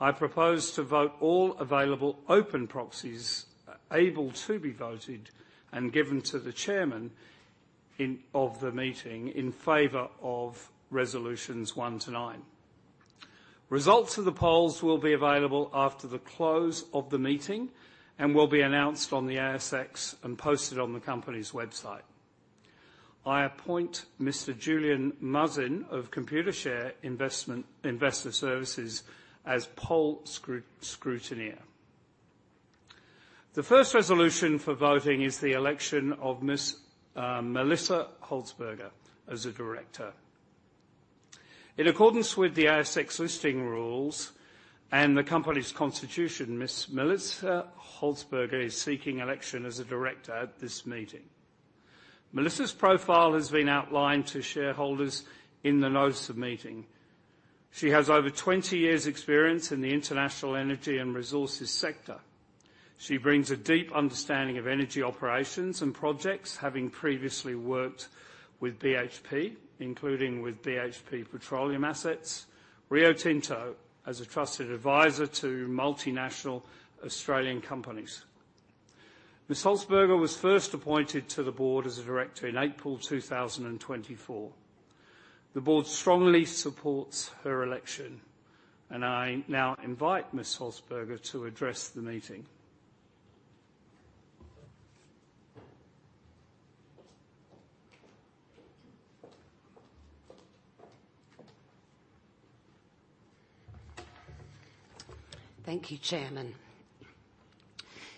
I propose to vote all available open proxies able to be voted and given to the chairman of the meeting in favor of resolutions 1 to 9. Results of the polls will be available after the close of the meeting and will be announced on the ASX and posted on the company's website. I appoint Mr. Julian Mazza of Computershare Investor Services, as poll scrutineer. The first resolution for voting is the election of Ms. Melissa Holzberger as a director. In accordance with the ASX Listing Rules and the company's constitution, Ms. Melissa Holzberger is seeking election as a director at this meeting. Melissa's profile has been outlined to shareholders in the Notice of Meeting. She has over 20 years' experience in the international energy and resources sector. She brings a deep understanding of energy operations and projects, having previously worked with BHP, including with BHP Petroleum Assets, Rio Tinto, as a trusted advisor to multinational Australian companies. Ms. Holzberger was first appointed to the Board as a director in April 2024. The Board strongly supports her election, and I now invite Ms. Holzberger to address the meeting. Thank you, Chairman.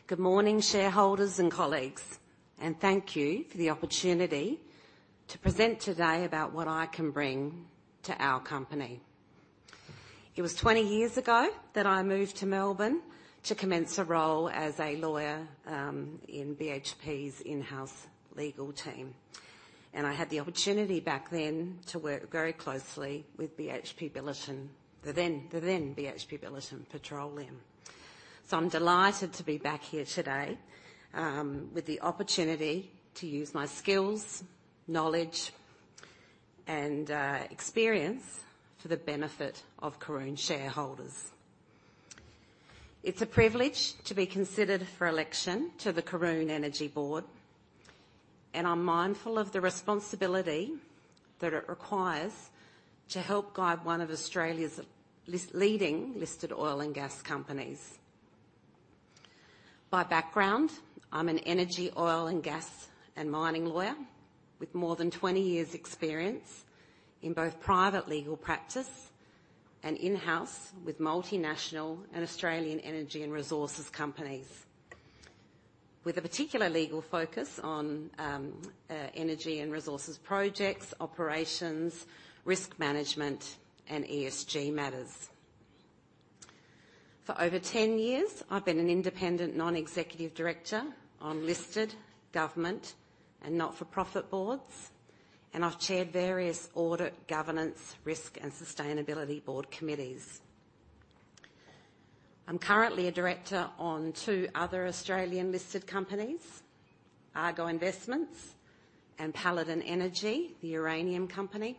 Good morning, shareholders and colleagues, and thank you for the opportunity to present today about what I can bring to our company. It was 20 years ago that I moved to Melbourne to commence a role as a lawyer in BHP's in-house legal team, and I had the opportunity back then to work very closely with BHP Billiton, the then BHP Billiton Petroleum. So I'm delighted to be back here today with the opportunity to use my skills, knowledge and experience for the benefit of Karoon shareholders. It's a privilege to be considered for election to the Karoon Energy Board, and I'm mindful of the responsibility that it requires to help guide one of Australia's leading listed oil and gas companies. By background, I'm an energy, oil and gas, and mining lawyer with more than 20 years experience in both private legal practice and in-house with multinational and Australian energy and resources companies. With a particular legal focus on energy and resources projects, operations, risk management, and ESG matters. For over 10 years, I've been an independent non-executive director on listed government and not-for-profit boards, and I've chaired various audit, governance, risk, and sustainability Board committees. I'm currently a director on two other Australian listed companies, Argo Investments and Paladin Energy, the uranium company.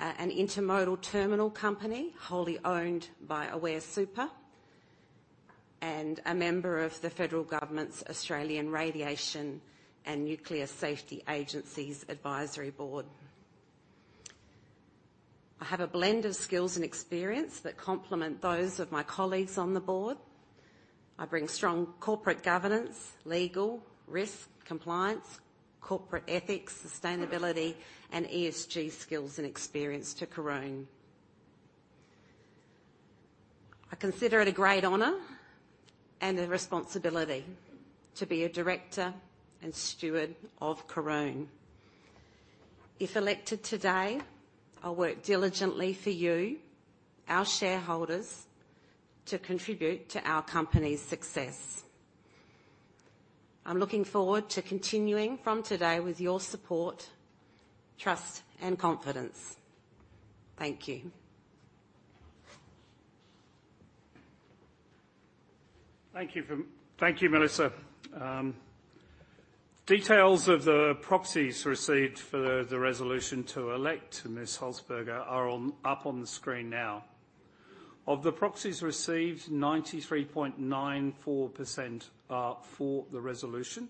An intermodal terminal company, wholly owned by Aware Super, and a member of the federal government's Australian Radiation and Nuclear Safety Agency's Advisory Board. I have a blend of skills and experience that complement those of my colleagues on the Board. I bring strong corporate governance, legal, risk, compliance, corporate ethics, sustainability, and ESG skills and experience to Karoon. I consider it a great honor and a responsibility to be a director and steward of Karoon. If elected today, I'll work diligently for you, our shareholders, to contribute to our company's success. I'm looking forward to continuing from today with your support, trust, and confidence. Thank you. Thank you, Melissa. Details of the proxies received for the resolution to elect Ms. Holzberger are up on the screen now. Of the proxies received, 93.94% are for the resolution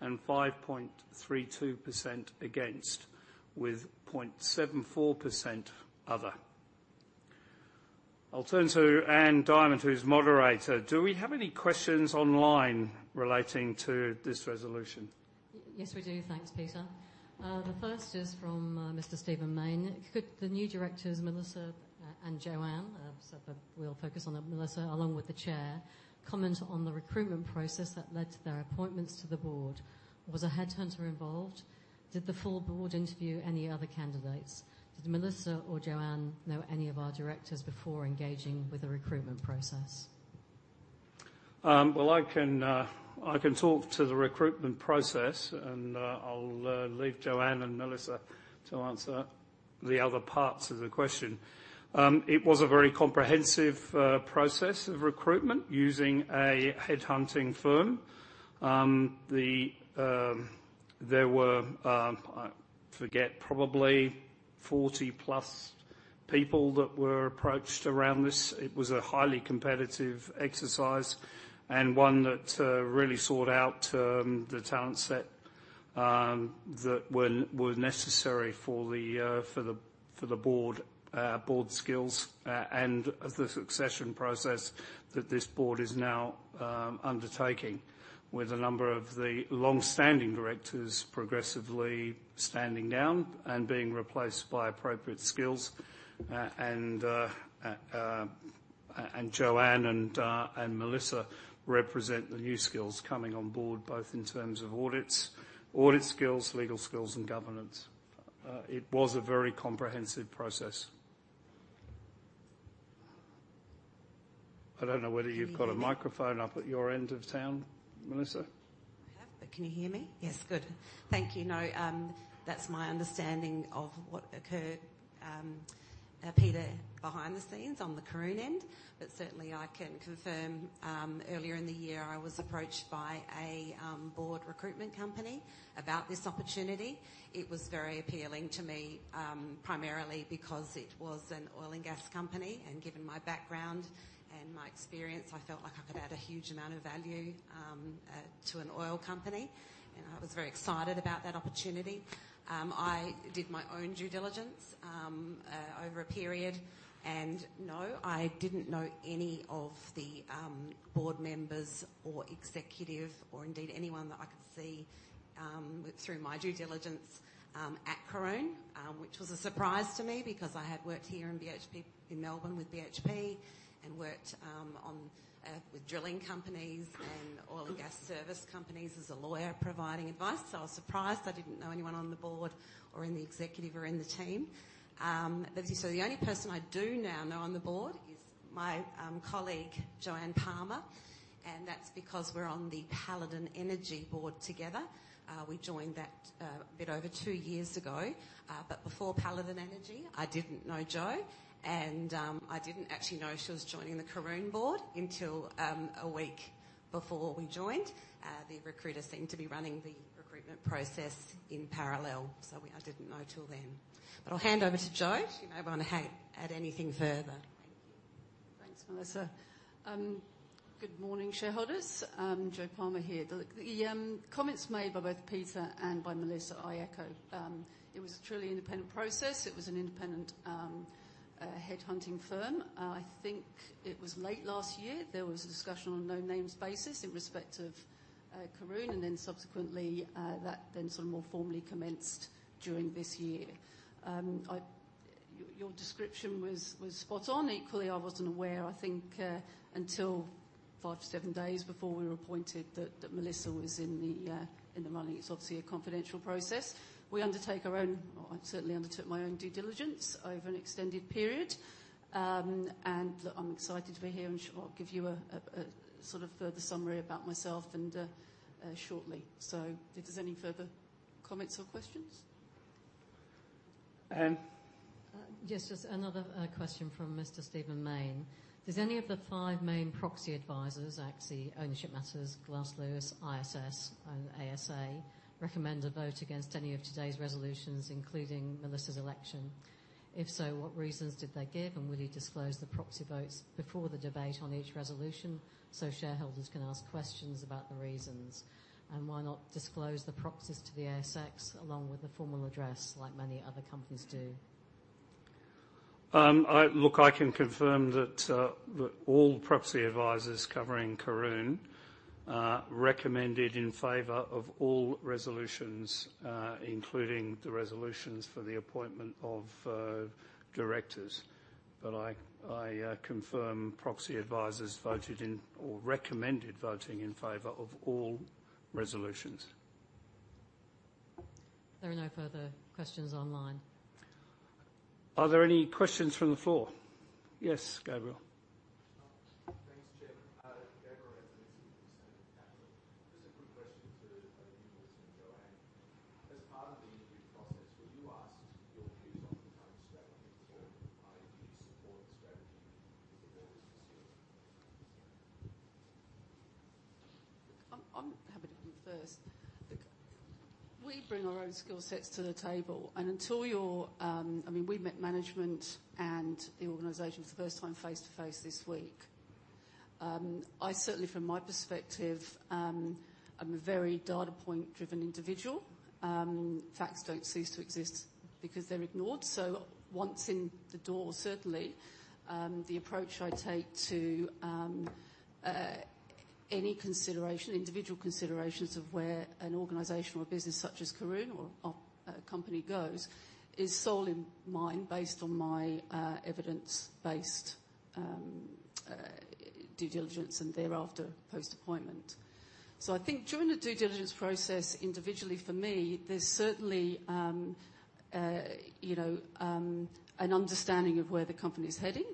and 5.32% against, with 0.74% other. I'll turn to Ann Diamant, who's moderator. Do we have any questions online relating to this resolution? Yes, we do. Thanks, Peter. The first is from Mr. Stephen Mayne. Could the new directors, Melissa and Joanne, so we'll focus on Melissa, along with the chair, comment on the recruitment process that led to their appointments to the Board? Was a headhunter involved? Did the full Board interview any other candidates? Did Melissa or Joanne know any of our directors before engaging with the recruitment process? Well, I can talk to the recruitment process, and I'll leave Joanne and Melissa to answer the other parts of the question. It was a very comprehensive process of recruitment using a headhunting firm. There were, I forget, probably 40+ people that were approached around this. It was a highly competitive exercise and one that really sought out the talent set that were necessary for the Board skills and the succession process that this Board is now undertaking, with a number of the long-standing directors progressively standing down and being replaced by appropriate skills. And Joanne and Melissa represent the new skills coming on Board, both in terms of audits, audit skills, legal skills, and governance. It was a very comprehensive process. I don't know whether you've got a microphone up at your end of town, Melissa. I have, but can you hear me? Yes. Good. Thank you. No, that's my understanding of what occurred, Peter, behind the scenes on the Karoon end, but certainly I can confirm, earlier in the year, I was approached by a Board recruitment company about this opportunity. It was very appealing to me, primarily because it was an oil and gas company, and given my background and my experience, I felt like I could add a huge amount of value, to an oil company, and I was very excited about that opportunity. I did my own due diligence, over a period, and no, I didn't know any of the Board members or executive or indeed anyone that I could see, through my due diligence, at Karoon. Which was a surprise to me because I had worked here in BHP, in Melbourne, with BHP, and worked on with drilling companies and oil and gas service companies as a lawyer providing advice. So I was surprised I didn't know anyone on the Board or in the executive or in the team. As you saw, the only person I do now know on the Board is my colleague, Joanne Palmer, and that's because we're on the Paladin Energy Board together. We joined that a bit over two years ago. But before Paladin Energy, I didn't know Jo, and I didn't actually know she was joining the Karoon Board until a week before we joined. The recruiters seemed to be running the recruitment process in parallel, so I didn't know till then. But I'll hand over to Jo. She may want to add anything further. Thanks, Melissa. Good morning, shareholders. Jo Palmer here. The comments made by both Peter and by Melissa, I echo. It was a truly independent process. It was an independent headhunting firm. I think it was late last year, there was a discussion on a no-names basis in respect of Karoon, and then subsequently, that then sort of more formally commenced during this year. Your description was spot on. Equally, I wasn't aware, I think, until 5-7 days before we were appointed, that Melissa was in the running. It's obviously a confidential process. We undertake our own... Well, I certainly undertook my own due diligence over an extended period. And I'm excited to be here, and I'll give you a sort of further summary about myself and shortly. So if there's any further comments or questions? Um- Yes, just another question from Mr. Stephen Mayne. Does any of the five main proxy advisors, ACSI, Ownership Matters, Glass Lewis, ISS, and ASA, recommend a vote against any of today's resolutions, including Melissa's election? If so, what reasons did they give, and will you disclose the proxy votes before the debate on each resolution, so shareholders can ask questions about the reasons? And why not disclose the proxies to the ASX, along with a formal address, like many other companies do? Look, I can confirm that all proxy advisors covering Karoon recommended in favor of all resolutions, including the resolutions for the appointment of directors. But I confirm proxy advisors voted in or recommended voting in favor of all resolutions. There are no further questions online. Are there any questions from the floor? Yes, Gabriel. Thanks, Chair. Gabriel Harrison, Sandon Capital. Just a quick question to you, Melissa and Joanne. As part of the interview process, were you asked your views on the current strategy or do you support the strategy going forward this year? I'm happy to go first. We bring our own skill sets to the table, and until your, I mean, we met management and the organization for the first time face-to-face this week. I certainly, from my perspective, I'm a very data point-driven individual. Facts don't cease to exist because they're ignored. So once in the door, certainly, the approach I take to any consideration, individual considerations of where an organization or a business such as Karoon or our company goes, is solely mine, based on my evidence-based due diligence and thereafter, post-appointment. So I think during the due diligence process, individually for me, there's certainly, you know, an understanding of where the company is heading,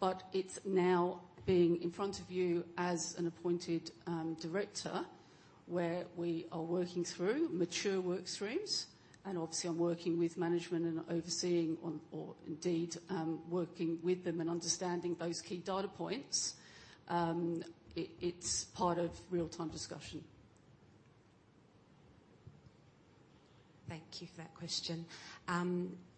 but it's now being in front of you as an appointed director, where we are working through mature work streams. And obviously, I'm working with management and overseeing or, indeed, working with them and understanding those key data points. It's part of real-time discussion. Thank you for that question.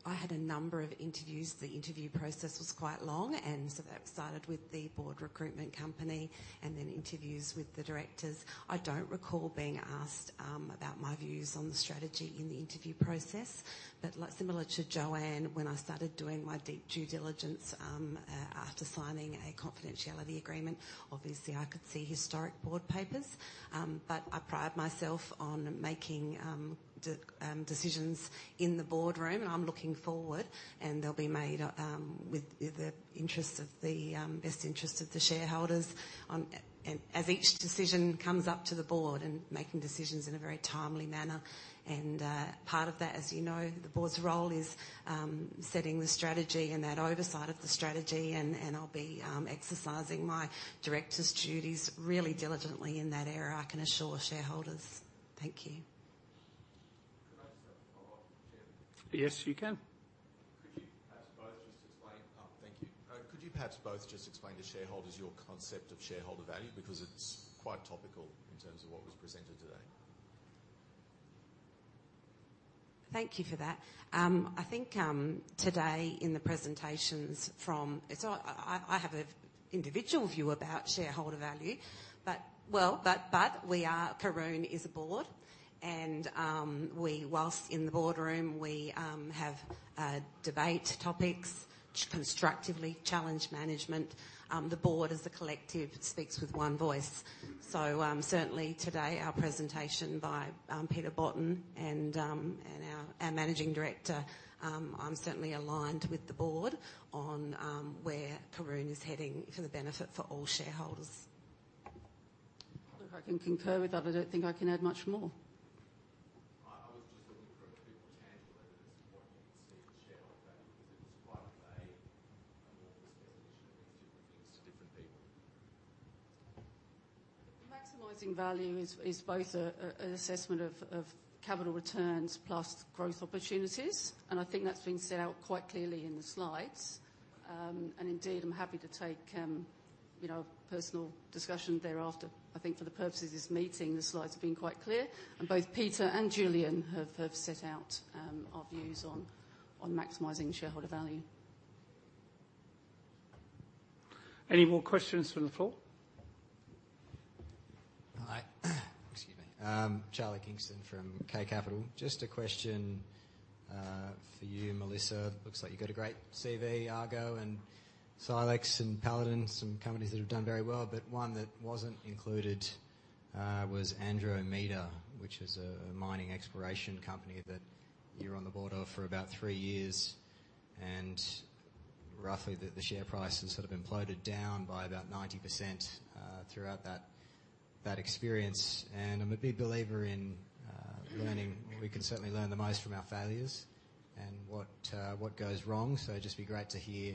I had a number of interviews. The interview process was quite long, and so that started with the Board recruitment company and then interviews with the directors. I don't recall being asked about my views on the strategy in the interview process, but like similar to Joanne, when I started doing my due diligence, after signing a confidentiality agreement, obviously I could see historic Board papers. But I pride myself on making decisions in the boardroom. I'm looking forward, and they'll be made with the interests of the best interests of the shareholders. And as each decision comes up to the Board, and making decisions in a very timely manner. And, part of that, as you know, the Board's role is setting the strategy and that oversight of the strategy, and I'll be exercising my director's duties really diligently in that area, I can assure shareholders. Thank you. Can I just have a follow-up, Chair? Yes, you can. Thank you. Could you perhaps both just explain to shareholders your concept of shareholder value? Because it's quite topical in terms of what was presented today. Thank you for that. I think today, in the presentations from... So I have an individual view about shareholder value. But, well, but we are, Karoon is a Board, and we while in the boardroom, we have debate topics, constructively challenge management. The Board, as a collective, speaks with one voice. So, certainly today, our presentation by Peter Botten and our managing director, I'm certainly aligned with the Board on where Karoon is heading for the benefit for all shareholders. Look, I can concur with that. I don't think I can add much more. I was just looking for a bit more tangible evidence of what you see in shareholder value, because it's quite a vague and amorphous definition. It means different things to different people. Maximizing value is both an assessment of capital returns plus growth opportunities, and I think that's been set out quite clearly in the slides. And indeed, I'm happy to take, you know, personal discussion thereafter. I think for the purposes of this meeting, the slides have been quite clear, and both Peter and Julian have set out our views on that.... on maximizing shareholder value. Any more questions from the floor? Hi. Excuse me. Charlie Kingston from K Capital. Just a question for you, Melissa. Looks like you've got a great CV, Argo and Silex and Paladin, some companies that have done very well, but one that wasn't included was Andromeda, which is a mining exploration company that you're on the Board of for about three years. And roughly, the share price has sort of imploded down by about 90% throughout that experience. And I'm a big believer in learning. We can certainly learn the most from our failures and what goes wrong. So it'd just be great to hear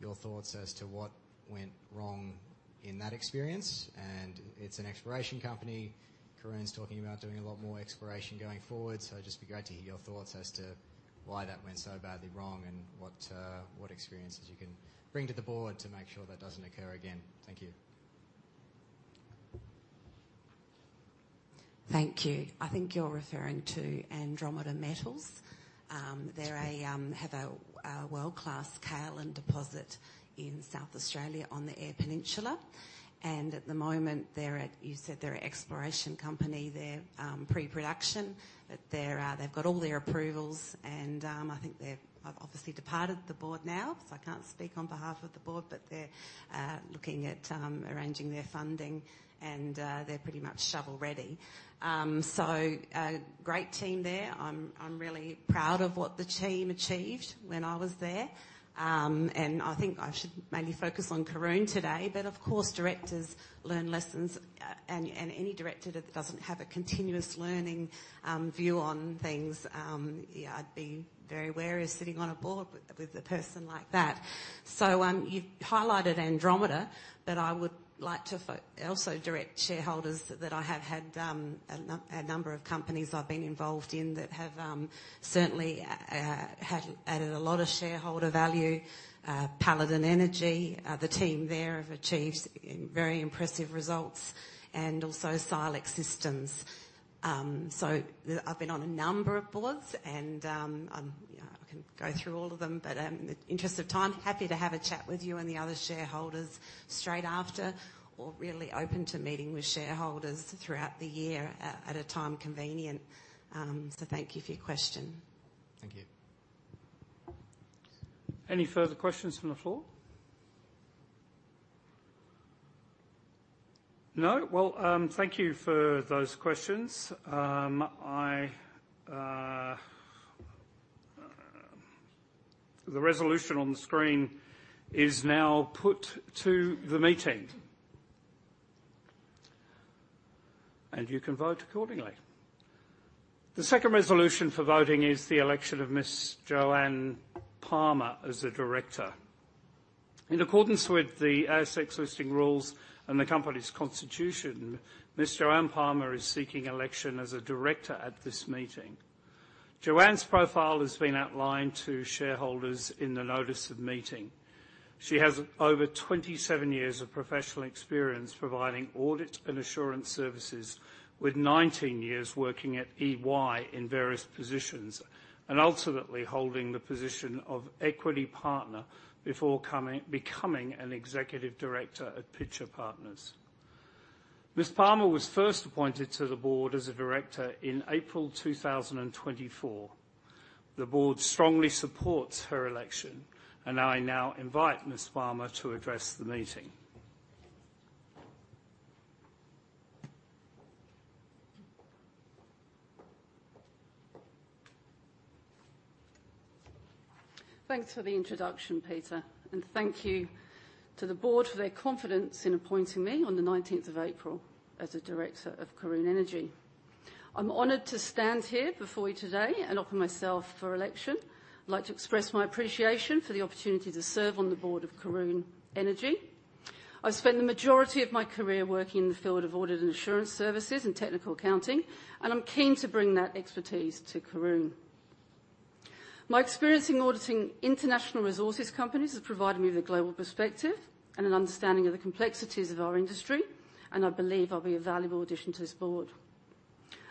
your thoughts as to what went wrong in that experience. And it's an exploration company. Karoon's talking about doing a lot more exploration going forward, so it'd just be great to hear your thoughts as to why that went so badly wrong and what, what experiences you can bring to the Board to make sure that doesn't occur again. Thank you. Thank you. I think you're referring to Andromeda Metals. They're a have a world-class kaolin deposit in South Australia on the Eyre Peninsula. And at the moment, they're at... You said they're an exploration company. They're pre-production, but they've got all their approvals, and I think they've obviously departed the Board now, so I can't speak on behalf of the Board. But they're looking at arranging their funding, and they're pretty much shovel-ready. So, a great team there. I'm really proud of what the team achieved when I was there. And I think I should mainly focus on Karoon today, but of course, directors learn lessons. And any director that doesn't have a continuous learning view on things, yeah, I'd be very wary of sitting on a Board with, with a person like that. So, you've highlighted Andromeda, but I would like to also direct shareholders that I have had a number of companies I've been involved in that have certainly had added a lot of shareholder value. Paladin Energy, the team there have achieved very impressive results, and also Silex Systems. So I've been on a number of Boards, and yeah, I can go through all of them, but in the interest of time, happy to have a chat with you and the other shareholders straight after, or really open to meeting with shareholders throughout the year at a time convenient. So thank you for your question. Thank you. Any further questions from the floor? No? Well, thank you for those questions. The resolution on the screen is now put to the meeting. You can vote accordingly. The second resolution for voting is the election of Ms. Joanne Palmer as a director. In accordance with the ASX Listing Rules and the company's constitution, Ms. Joanne Palmer is seeking election as a director at this meeting. Joanne's profile has been outlined to shareholders in the Notice of Meeting. She has over 27 years of professional experience providing audit and assurance services, with 19 years working at EY in various positions, and ultimately holding the position of equity partner before coming, becoming an executive director at Pitcher Partners. Ms. Palmer was first appointed to the Board as a director in April 2024. The Board strongly supports her election, and I now invite Ms. Palmer to address the meeting. Thanks for the introduction, Peter, and thank you to the Board for their confidence in appointing me on the nineteenth of April as a director of Karoon Energy. I'm honored to stand here before you today and offer myself for election. I'd like to express my appreciation for the opportunity to serve on the Board of Karoon Energy. I've spent the majority of my career working in the field of audit and assurance services and technical accounting, and I'm keen to bring that expertise to Karoon. My experience in auditing international resources companies has provided me with a global perspective and an understanding of the complexities of our industry, and I believe I'll be a valuable addition to this Board.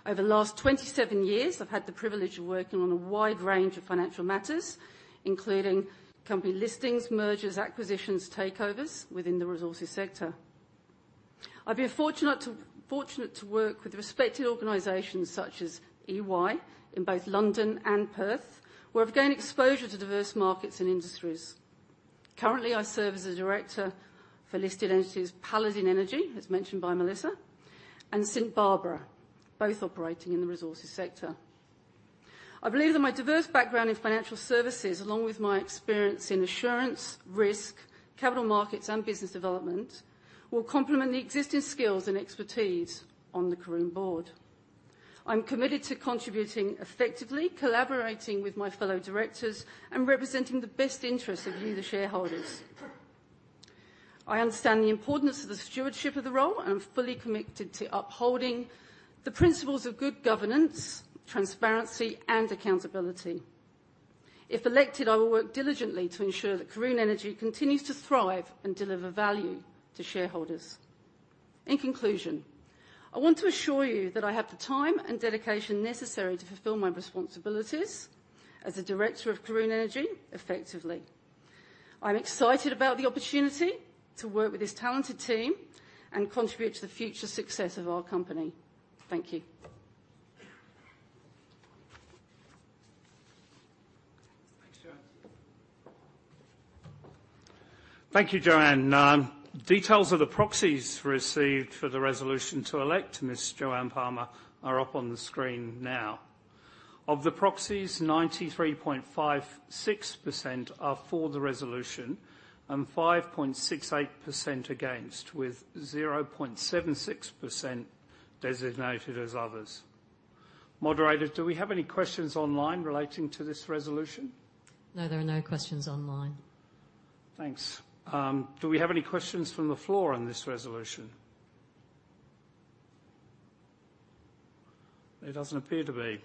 Over the last 27 years, I've had the privilege of working on a wide range of financial matters, including company listings, mergers, acquisitions, takeovers within the resources sector. I've been fortunate to work with respected organizations such as EY in both London and Perth, where I've gained exposure to diverse markets and industries. Currently, I serve as a director for listed entities, Paladin Energy, as mentioned by Melissa, and St Barbara, both operating in the resources sector. I believe that my diverse background in financial services, along with my experience in assurance, risk, capital markets, and business development, will complement the existing skills and expertise on the Karoon Board. I'm committed to contributing effectively, collaborating with my fellow directors, and representing the best interests of you, the shareholders. I understand the importance of the stewardship of the role and am fully committed to upholding the principles of good governance, transparency, and accountability. If elected, I will work diligently to ensure that Karoon Energy continues to thrive and deliver value to shareholders.... In conclusion, I want to assure you that I have the time and dedication necessary to fulfill my responsibilities as a director of Karoon Energy effectively. I'm excited about the opportunity to work with this talented team and contribute to the future success of our company. Thank you. Thanks, Joanne. Thank you, Joanne. Details of the proxies received for the resolution to elect Ms. Joanne Palmer are up on the screen now. Of the proxies, 93.56% are for the resolution and 5.68% against, with 0.76% designated as others. Moderator, do we have any questions online relating to this resolution? No, there are no questions online. Thanks. Do we have any questions from the floor on this resolution? There doesn't appear to be.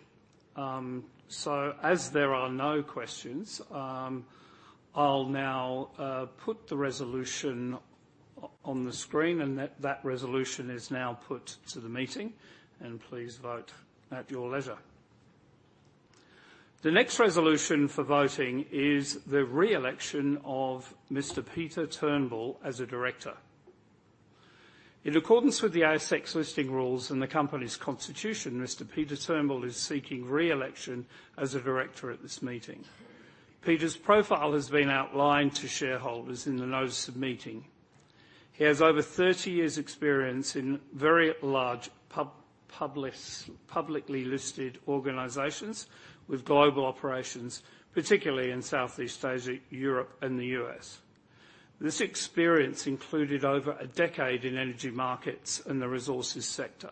So as there are no questions, I'll now put the resolution on the screen, and that resolution is now put to the meeting, and please vote at your leisure. The next resolution for voting is the re-election of Mr. Peter Turnbull as a director. In accordance with the ASX Listing Rules and the company's constitution, Mr. Peter Turnbull is seeking re-election as a director at this meeting. Peter's profile has been outlined to shareholders in the Notice of Meeting. He has over 30 years' experience in very large publicly listed organizations with global operations, particularly in Southeast Asia, Europe, and the US. This experience included over a decade in energy markets and the resources sector.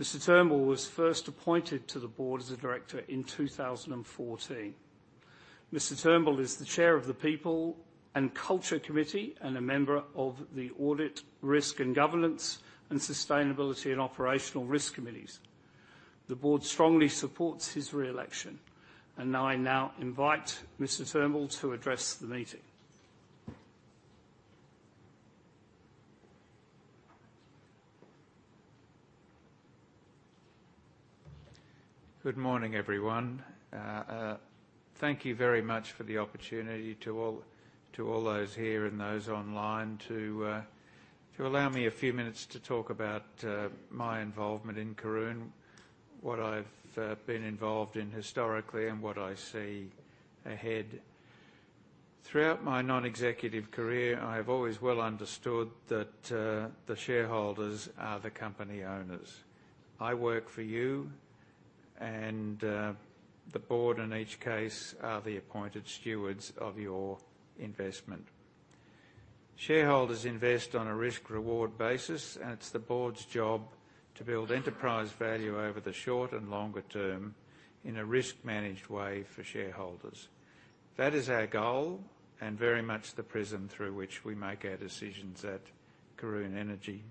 Mr. Turnbull was first appointed to the Board as a director in 2014. Mr. Turnbull is the chair of the People and Culture Committee and a member of the Audit, Risk and Governance and Sustainability and Operational Risk Committees. The Board strongly supports his re-election, and I now invite Mr. Turnbull to address the meeting. Good morning, everyone. Thank you very much for the opportunity to all, to all those here and those online to allow me a few minutes to talk about my involvement in Karoon, what I've been involved in historically, and what I see ahead. Throughout my non-executive career, I have always well understood that the shareholders are the company owners. I work for you, and the Board in each case are the appointed stewards of your investment. Shareholders invest on a risk-reward basis, and it's the Board's job to build enterprise value over the short and longer term in a risk-managed way for shareholders. That is our goal and very much the prism through which we make our decisions at Karoon Energy.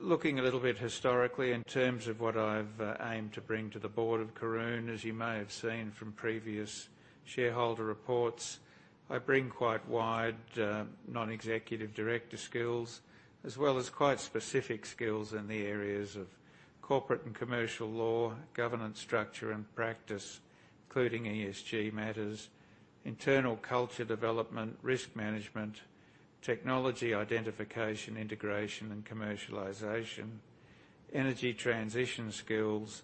Looking a little bit historically in terms of what I've aimed to bring to the Board of Karoon, as you may have seen from previous shareholder reports, I bring quite wide non-executive director skills, as well as quite specific skills in the areas of corporate and commercial law, governance structure and practice, including ESG matters, internal culture development, risk management, technology identification, integration, and commercialization, energy transition skills,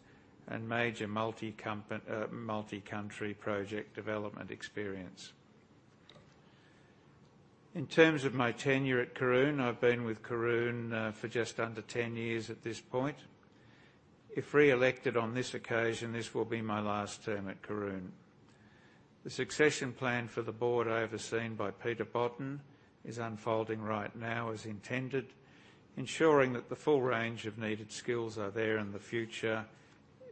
and major multi-country project development experience. In terms of my tenure at Karoon, I've been with Karoon for just under 10 years at this point. If re-elected on this occasion, this will be my last term at Karoon. The succession plan for the Board, overseen by Peter Botten, is unfolding right now as intended, ensuring that the full range of needed skills are there in the future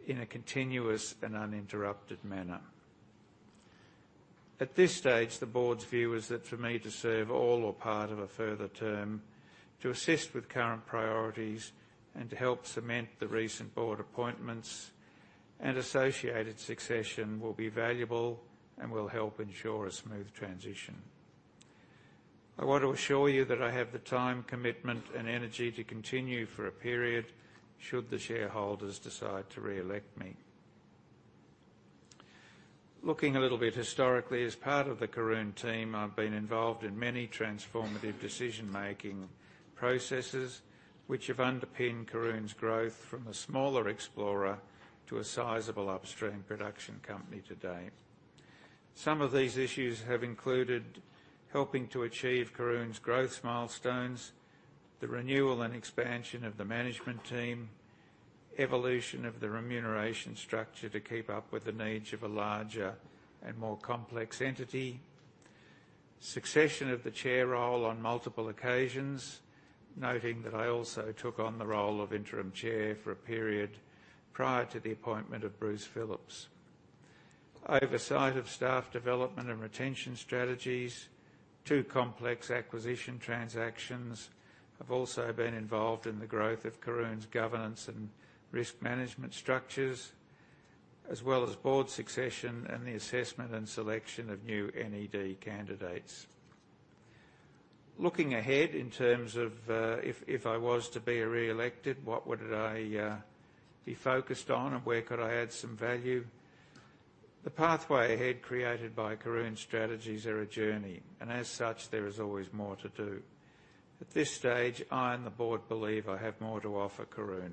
in a continuous and uninterrupted manner. At this stage, the Board's view is that for me to serve all or part of a further term, to assist with current priorities and to help cement the recent Board appointments and associated succession, will be valuable and will help ensure a smooth transition. I want to assure you that I have the time, commitment, and energy to continue for a period, should the shareholders decide to re-elect me. Looking a little bit historically, as part of the Karoon team, I've been involved in many transformative decision-making processes, which have underpinned Karoon's growth from a smaller explorer to a sizable upstream production company today. Some of these issues have included helping to achieve Karoon's growth milestones, the renewal and expansion of the management team, evolution of the remuneration structure to keep up with the needs of a larger and more complex entity, succession of the chair role on multiple occasions, noting that I also took on the role of interim chair for a period prior to the appointment of Bruce Phillips. Oversight of staff development and retention strategies, two complex acquisition transactions. I've also been involved in the growth of Karoon's governance and risk management structures… as well as Board succession and the assessment and selection of new NED candidates. Looking ahead, in terms of, if, if I was to be reelected, what would I, be focused on, and where could I add some value? The pathway ahead created by Karoon's strategies are a journey, and as such, there is always more to do. At this stage, I and the Board believe I have more to offer Karoon.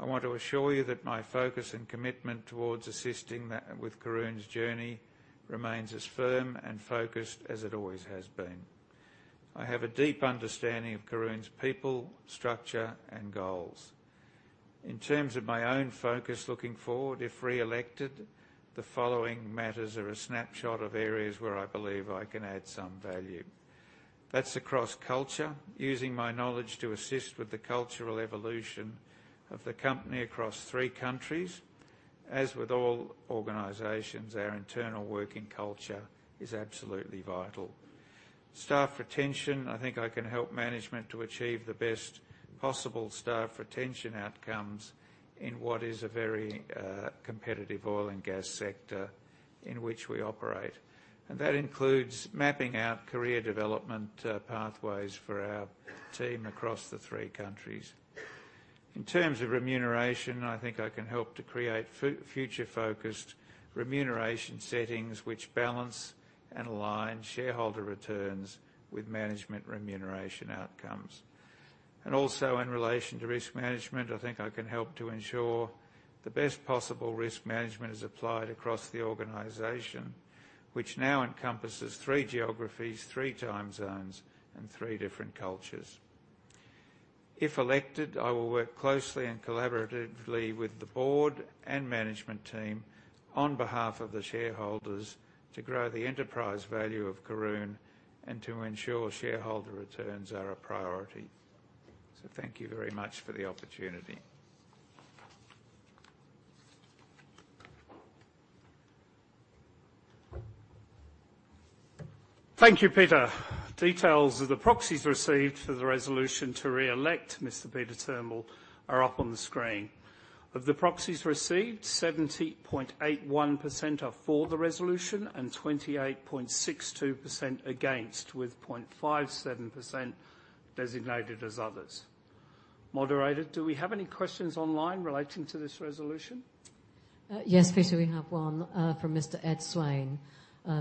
I want to assure you that my focus and commitment towards assisting that, with Karoon's journey remains as firm and focused as it always has been. I have a deep understanding of Karoon's people, structure, and goals. In terms of my own focus looking forward, if reelected, the following matters are a snapshot of areas where I believe I can add some value. That's across culture, using my knowledge to assist with the cultural evolution of the company across three countries. As with all organizations, our internal working culture is absolutely vital. Staff retention, I think I can help management to achieve the best possible staff retention outcomes in what is a very competitive oil and gas sector in which we operate. And that includes mapping out career development pathways for our team across the three countries. In terms of remuneration, I think I can help to create future-focused remuneration settings, which balance and align shareholder returns with management remuneration outcomes. And also, in relation to risk management, I think I can help to ensure the best possible risk management is applied across the organization, which now encompasses three geographies, three time zones, and three different cultures. If elected, I will work closely and collaboratively with the Board and Management team on behalf of the shareholders to grow the enterprise value of Karoon and to ensure shareholder returns are a priority. So thank you very much for the opportunity. Thank you, Peter. Details of the proxies received for the resolution to reelect Mr. Peter Turnbull are up on the screen. Of the proxies received, 70.81% are for the resolution and 28.62% against, with 0.57% designated as others. Moderator, do we have any questions online relating to this resolution? Yes, Peter, we have one from Mr. Ed Swain.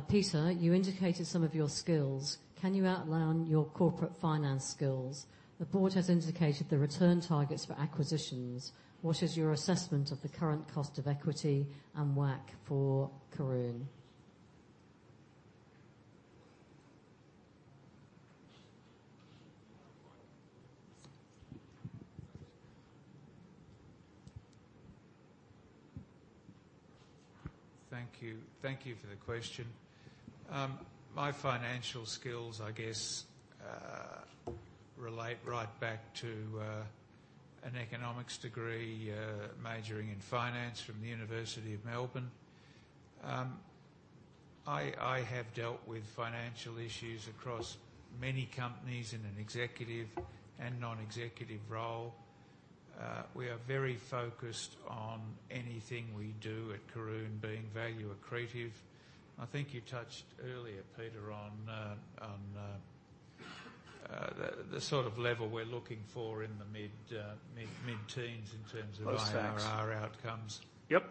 "Peter, you indicated some of your skills. Can you outline your corporate finance skills? The Board has indicated the return targets for acquisitions. What is your assessment of the current cost of equity and WACC for Karoon? Thank you. Thank you for the question. My financial skills, I guess, relate right back to an economics degree majoring in finance from the University of Melbourne. I have dealt with financial issues across many companies in an executive and non-executive role. We are very focused on anything we do at Karoon being value accretive. I think you touched earlier, Peter, on the sort of level we're looking for in the mid-teens in terms of- Post-tax. -IRR outcomes. Yep.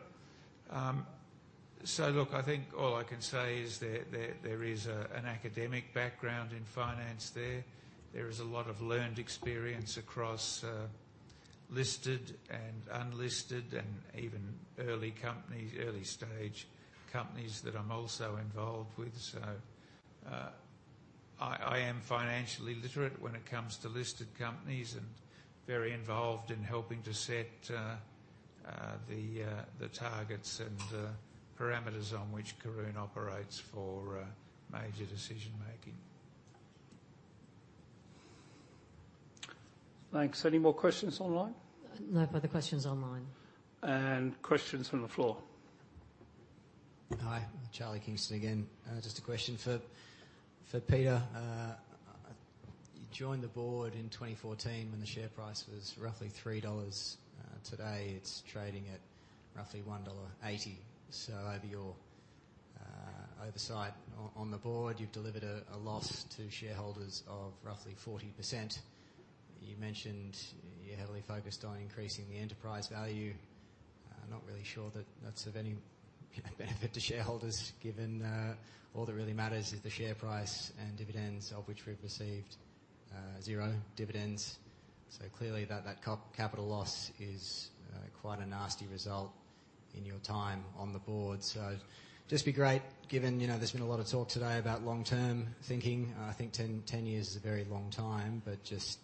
So look, I think all I can say is there is an academic background in finance there. There is a lot of learned experience across listed and unlisted and even early companies, early-stage companies that I'm also involved with. So, I am financially literate when it comes to listed companies and very involved in helping to set the targets and parameters on which Karoon operates for major decision making. Thanks. Any more questions online? No further questions online. Questions from the floor? Hi, Charlie Kingston again. Just a question for Peter. You joined the Board in 2014 when the share price was roughly 3 dollars. Today, it's trading at roughly 1.80 dollar. So over your oversight on the Board, you've delivered a loss to shareholders of roughly 40%. You mentioned you're heavily focused on increasing the enterprise value. I'm not really sure that that's of any benefit to shareholders, given all that really matters is the share price and dividends, of which we've received 0 dividends. So clearly, that capital loss is quite a nasty result in your time on the Board. So just be great, given, you know, there's been a lot of talk today about long-term thinking. I think 10, 10 years is a very long time, but just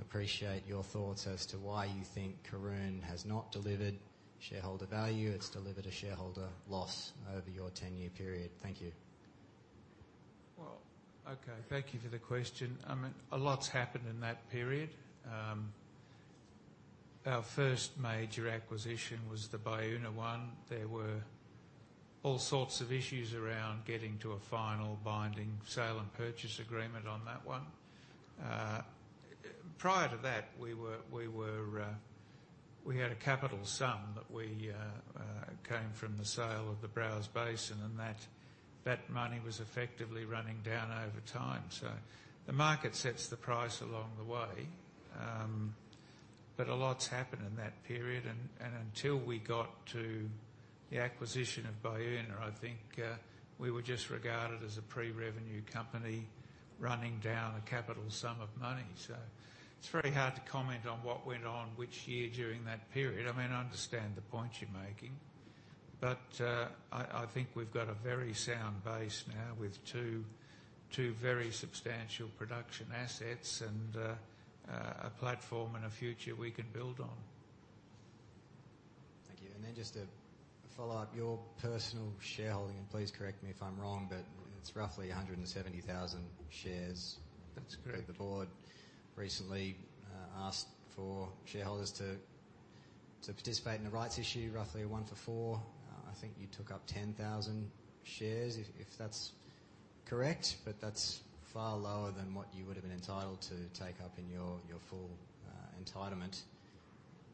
appreciate your thoughts as to why you think Karoon has not delivered shareholder value. It's delivered a shareholder loss over your 10-year period. Thank you. Well, okay, thank you for the question. I mean, a lot's happened in that period. Our first major acquisition was the Baúna one. There were all sorts of issues around getting to a final binding sale and purchase agreement on that one. Prior to that, we had a capital sum that came from the sale of the Browse Basin, and that money was effectively running down over time. So the market sets the price along the way. But a lot's happened in that period, and until we got to the acquisition of Baúna, I think we were just regarded as a pre-revenue company running down a capital sum of money. So it's very hard to comment on what went on which year during that period. I mean, I understand the point you're making, but, I think we've got a very sound base now with 2, 2 very substantial production assets and, a platform and a future we can build on. Thank you. And then just to follow up, your personal shareholding, and please correct me if I'm wrong, but it's roughly 170,000 shares. That's correct. The Board recently asked for shareholders to participate in a rights issue, roughly one for four. I think you took up 10,000 shares, if that's correct. But that's far lower than what you would have been entitled to take up in your full entitlement.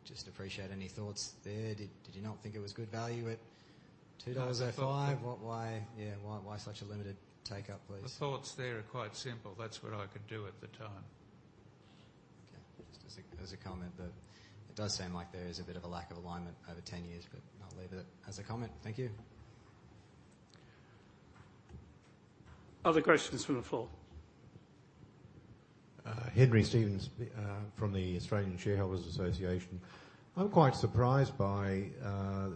Just appreciate any thoughts there. Did you not think it was good value at 2.05 dollars? I thought- What, why? Yeah, why, why such a limited take-up, please? The thoughts there are quite simple. That's what I could do at the time. Okay. Just as a, as a comment, but it does seem like there is a bit of a lack of alignment over ten years, but I'll leave it as a comment. Thank you. Other questions from the floor? Henry Stephens from the Australian Shareholders' Association. I'm quite surprised by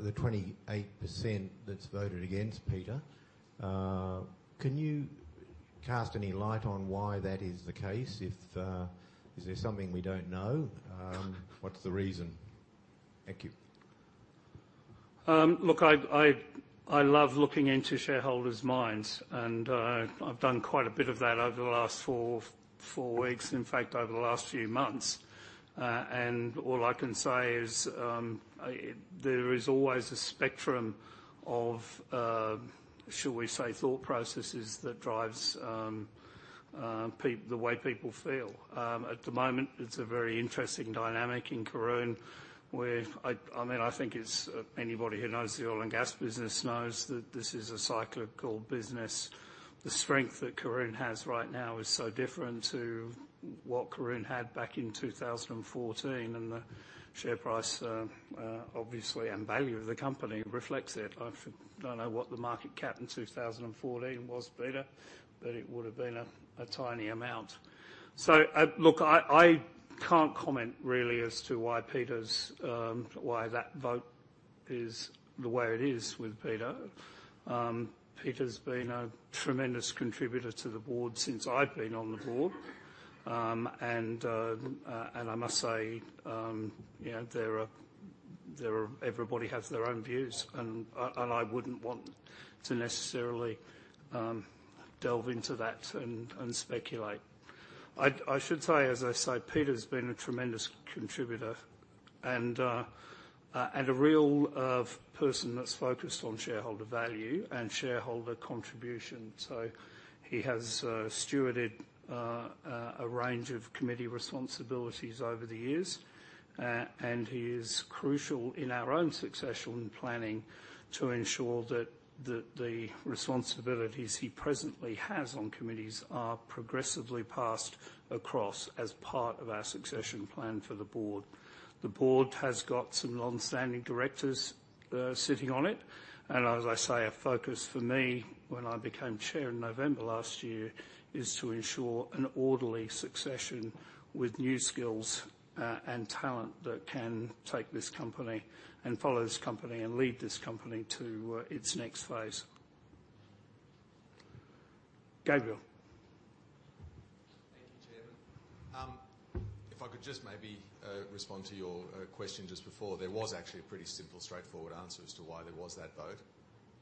the 28% that's voted against Peter. Can you cast any light on why that is the case? If is there something we don't know? What's the reason? Thank you. Look, I love looking into shareholders' minds, and I've done quite a bit of that over the last four weeks. In fact, over the last few months. All I can say is, there is always a spectrum of, shall we say, thought processes that drives the way people feel. At the moment, it's a very interesting dynamic in Karoon, where I mean, I think it's anybody who knows the oil and gas business knows that this is a cyclical business. The strength that Karoon has right now is so different to what Karoon had back in 2014, and the share price, obviously, and value of the company reflects it. I don't know what the market cap in 2014 was, Peter, but it would have been a tiny amount. So look, I can't comment really as to why Peter's why that vote is the way it is with Peter. Peter's been a tremendous contributor to the Board since I've been on the Board. And I must say, you know, there are everybody has their own views, and I wouldn't want to necessarily delve into that and speculate. I should say, as I say, Peter's been a tremendous contributor and a real person that's focused on shareholder value and shareholder contribution. So he has stewarded a range of committee responsibilities over the years. And he is crucial in our own succession planning to ensure that the responsibilities he presently has on committees are progressively passed across as part of our succession plan for the Board. The Board has got some long-standing directors sitting on it, and as I say, a focus for me when I became chair in November last year, is to ensure an orderly succession with new skills and talent that can take this company and follow this company and lead this company to its next phase. Gabriel? Thank you, Chair. If I could just maybe respond to your question just before. There was actually a pretty simple, straightforward answer as to why there was that vote.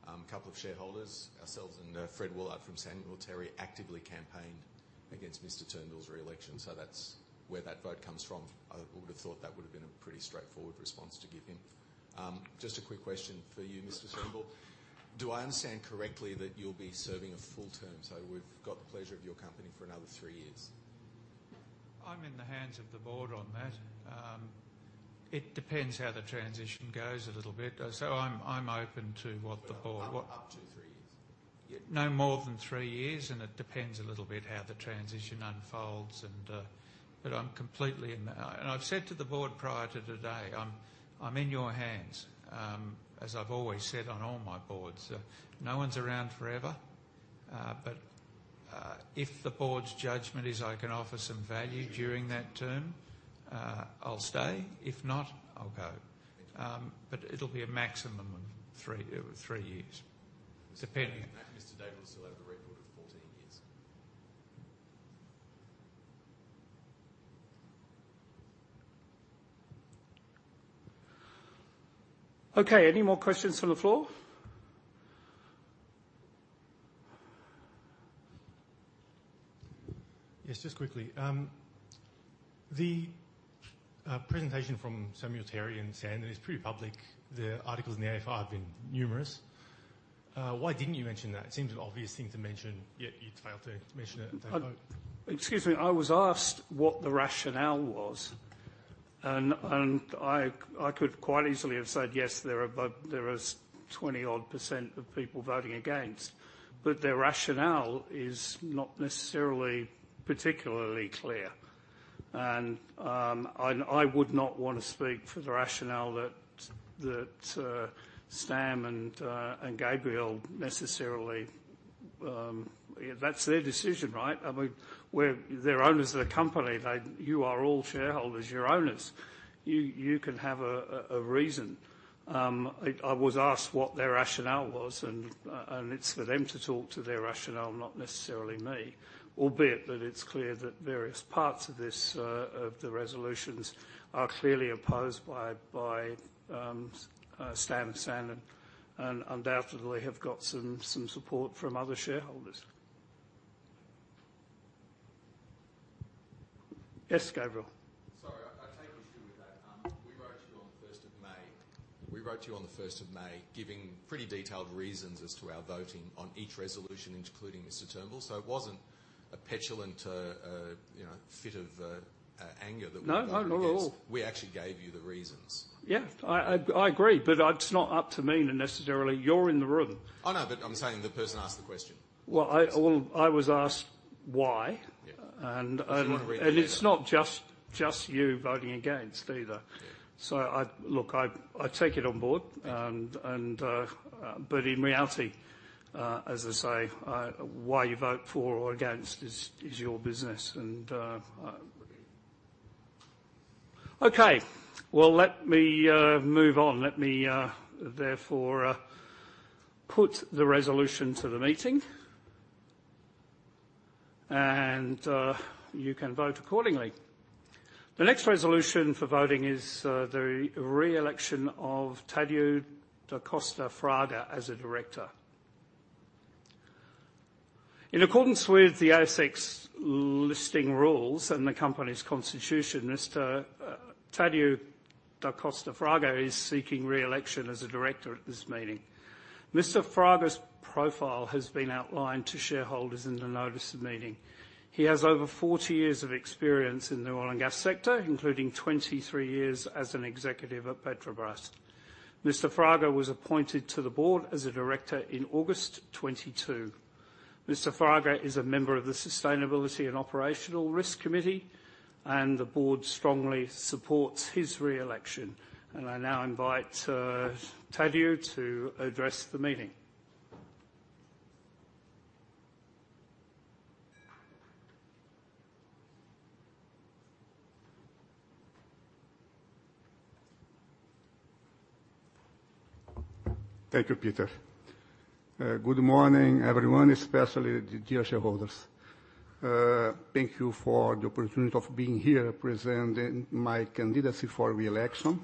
A couple of shareholders, ourselves and Fred Woollard from Samuel Terry, actively campaigned against Mr. Turnbull's re-election, so that's where that vote comes from. I would have thought that would have been a pretty straightforward response to give him. Just a quick question for you, Mr. Turnbull. Do I understand correctly that you'll be serving a full term, so we've got the pleasure of your company for another three years? I'm in the hands of the Board on that. It depends how the transition goes a little bit. So I'm open to what the Board- Up to three years. No more than three years, and it depends a little bit how the transition unfolds, and, but I'm completely in the... And I've said to the Board prior to today, "I'm, I'm in your hands," as I've always said on all my Boards. No one's around forever, but, if the Board's judgment is I can offer some value during that term, I'll stay. If not, I'll go. Thank you. But it'll be a maximum of three, three years, depending. Mr. Davey will still have a record of 14 years. Okay, any more questions from the floor? Yes, just quickly. The presentation from Samuel Terry and Sandon is pretty public. The articles in the AFR have been numerous. Why didn't you mention that? It seems an obvious thing to mention, yet you failed to mention it at that point. Excuse me. I was asked what the rationale was, and I could quite easily have said, "Yes, there are about—there is 20-odd% of people voting against," but their rationale is not necessarily particularly clear. And I would not want to speak for the rationale that Sam and Gabriel necessarily, that's their decision, right? I mean, we're—they're owners of the company. They... You are all shareholders, you're owners. You can have a reason. I was asked what their rationale was, and it's for them to talk to their rationale, not necessarily me. Albeit that it's clear that various parts of this of the resolutions are clearly opposed by Sam and Sandon, and undoubtedly have got some support from other shareholders. Yes, Gabriel? Sorry, I take issue with that. We wrote you on the first of May. We wrote you on the first of May, giving pretty detailed reasons as to our voting on each resolution, including Mr. Turnbull. So it wasn't a petulant, you know, fit of anger that we- No, not at all. We actually gave you the reasons. Yeah, I agree, but it's not up to me necessarily. You're in the room. I know, but I'm saying the person asked the question. Well, I was asked why- Yeah. -and, and- If you want to read the data. It's not just you voting against either. Yeah. Look, I take it on Board. Thank you. but in reality, as I say, why you vote for or against is your business, and... Okay, well, let me move on. Let me therefore put the resolution to the meeting. You can vote accordingly. The next resolution for voting is the re-election of Tadeu da Costa Fraga as a director. In accordance with the ASX Listing Rules and the company's constitution, Mr. Tadeu da Costa Fraga is seeking re-election as a director at this meeting. Mr. Fraga's profile has been outlined to shareholders in the Notice of Meeting. He has over 40 years of experience in the oil and gas sector, including 23 years as an executive at Petrobras. Mr. Fraga was appointed to the Board as a director in August 2022. Mr. Fraga is a member of the Sustainability and Operational Risk Committee, and the Board strongly supports his re-election, and I now invite Tadeu to address the meeting. Thank you, Peter. Good morning, everyone, especially the dear shareholders. Thank you for the opportunity of being here presenting my candidacy for re-election.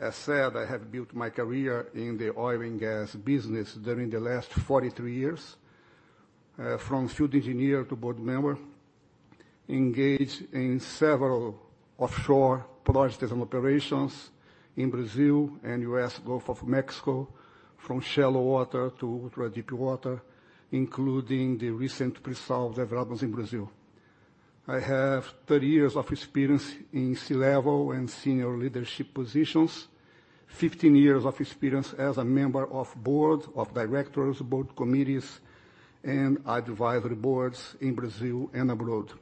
As said, I have built my career in the oil and gas business during the last 43 years, from field engineer to Board member, engaged in several offshore projects and operations in Brazil and U.S., Gulf of Mexico, from shallow water to ultra-deep water, including the recent pre-salt developments in Brazil. I have 30 years of experience in C-level and senior leadership positions, 15 years of experience as a member of Board of Directors, Board Committees, and Advisory Boards in Brazil and abroad.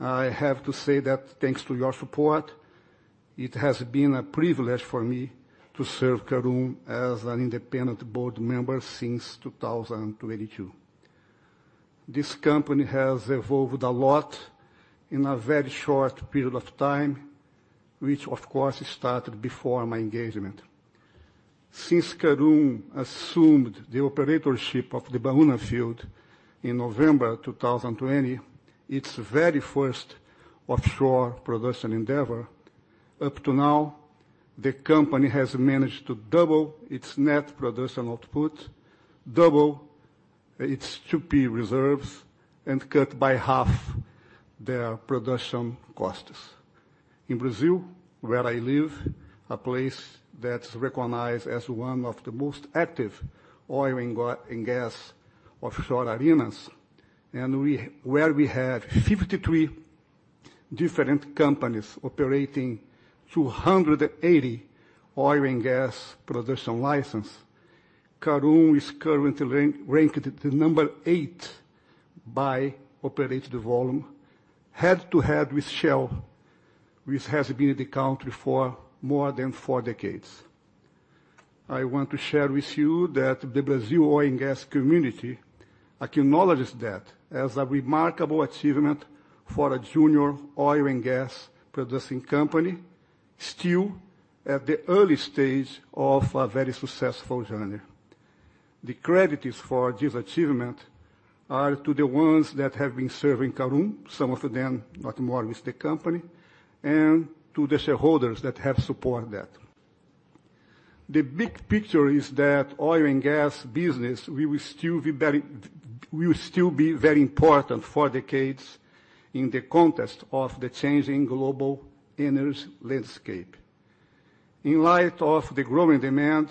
I have to say that thanks to your support, it has been a privilege for me to serve Karoon as an independent Board member since 2022. This company has evolved a lot in a very short period of time, which of course, started before my engagement. Since Karoon assumed the operatorship of the Baúna field in November 2020, its very first offshore production endeavor, up to now, the company has managed to double its net production output, double its 2P reserves, and cut by half their production costs. In Brazil, where I live, a place that's recognized as one of the most active oil and gas offshore arenas, where we have 53 different companies operating 280 oil and gas production licenses, Karoon is currently ranked the number 8 by operated volume, head-to-head with Shell, which has been in the country for more than four decades. I want to share with you that the Brazil oil and gas community acknowledges that as a remarkable achievement for a junior oil and gas producing company, still at the early stage of a very successful journey. The credits for this achievement are to the ones that have been serving Karoon, some of them no more with the company, and to the shareholders that have supported that. The big picture is that oil and gas business, we will still be very, we will still be very important for decades in the context of the changing global energy landscape. In light of the growing demand,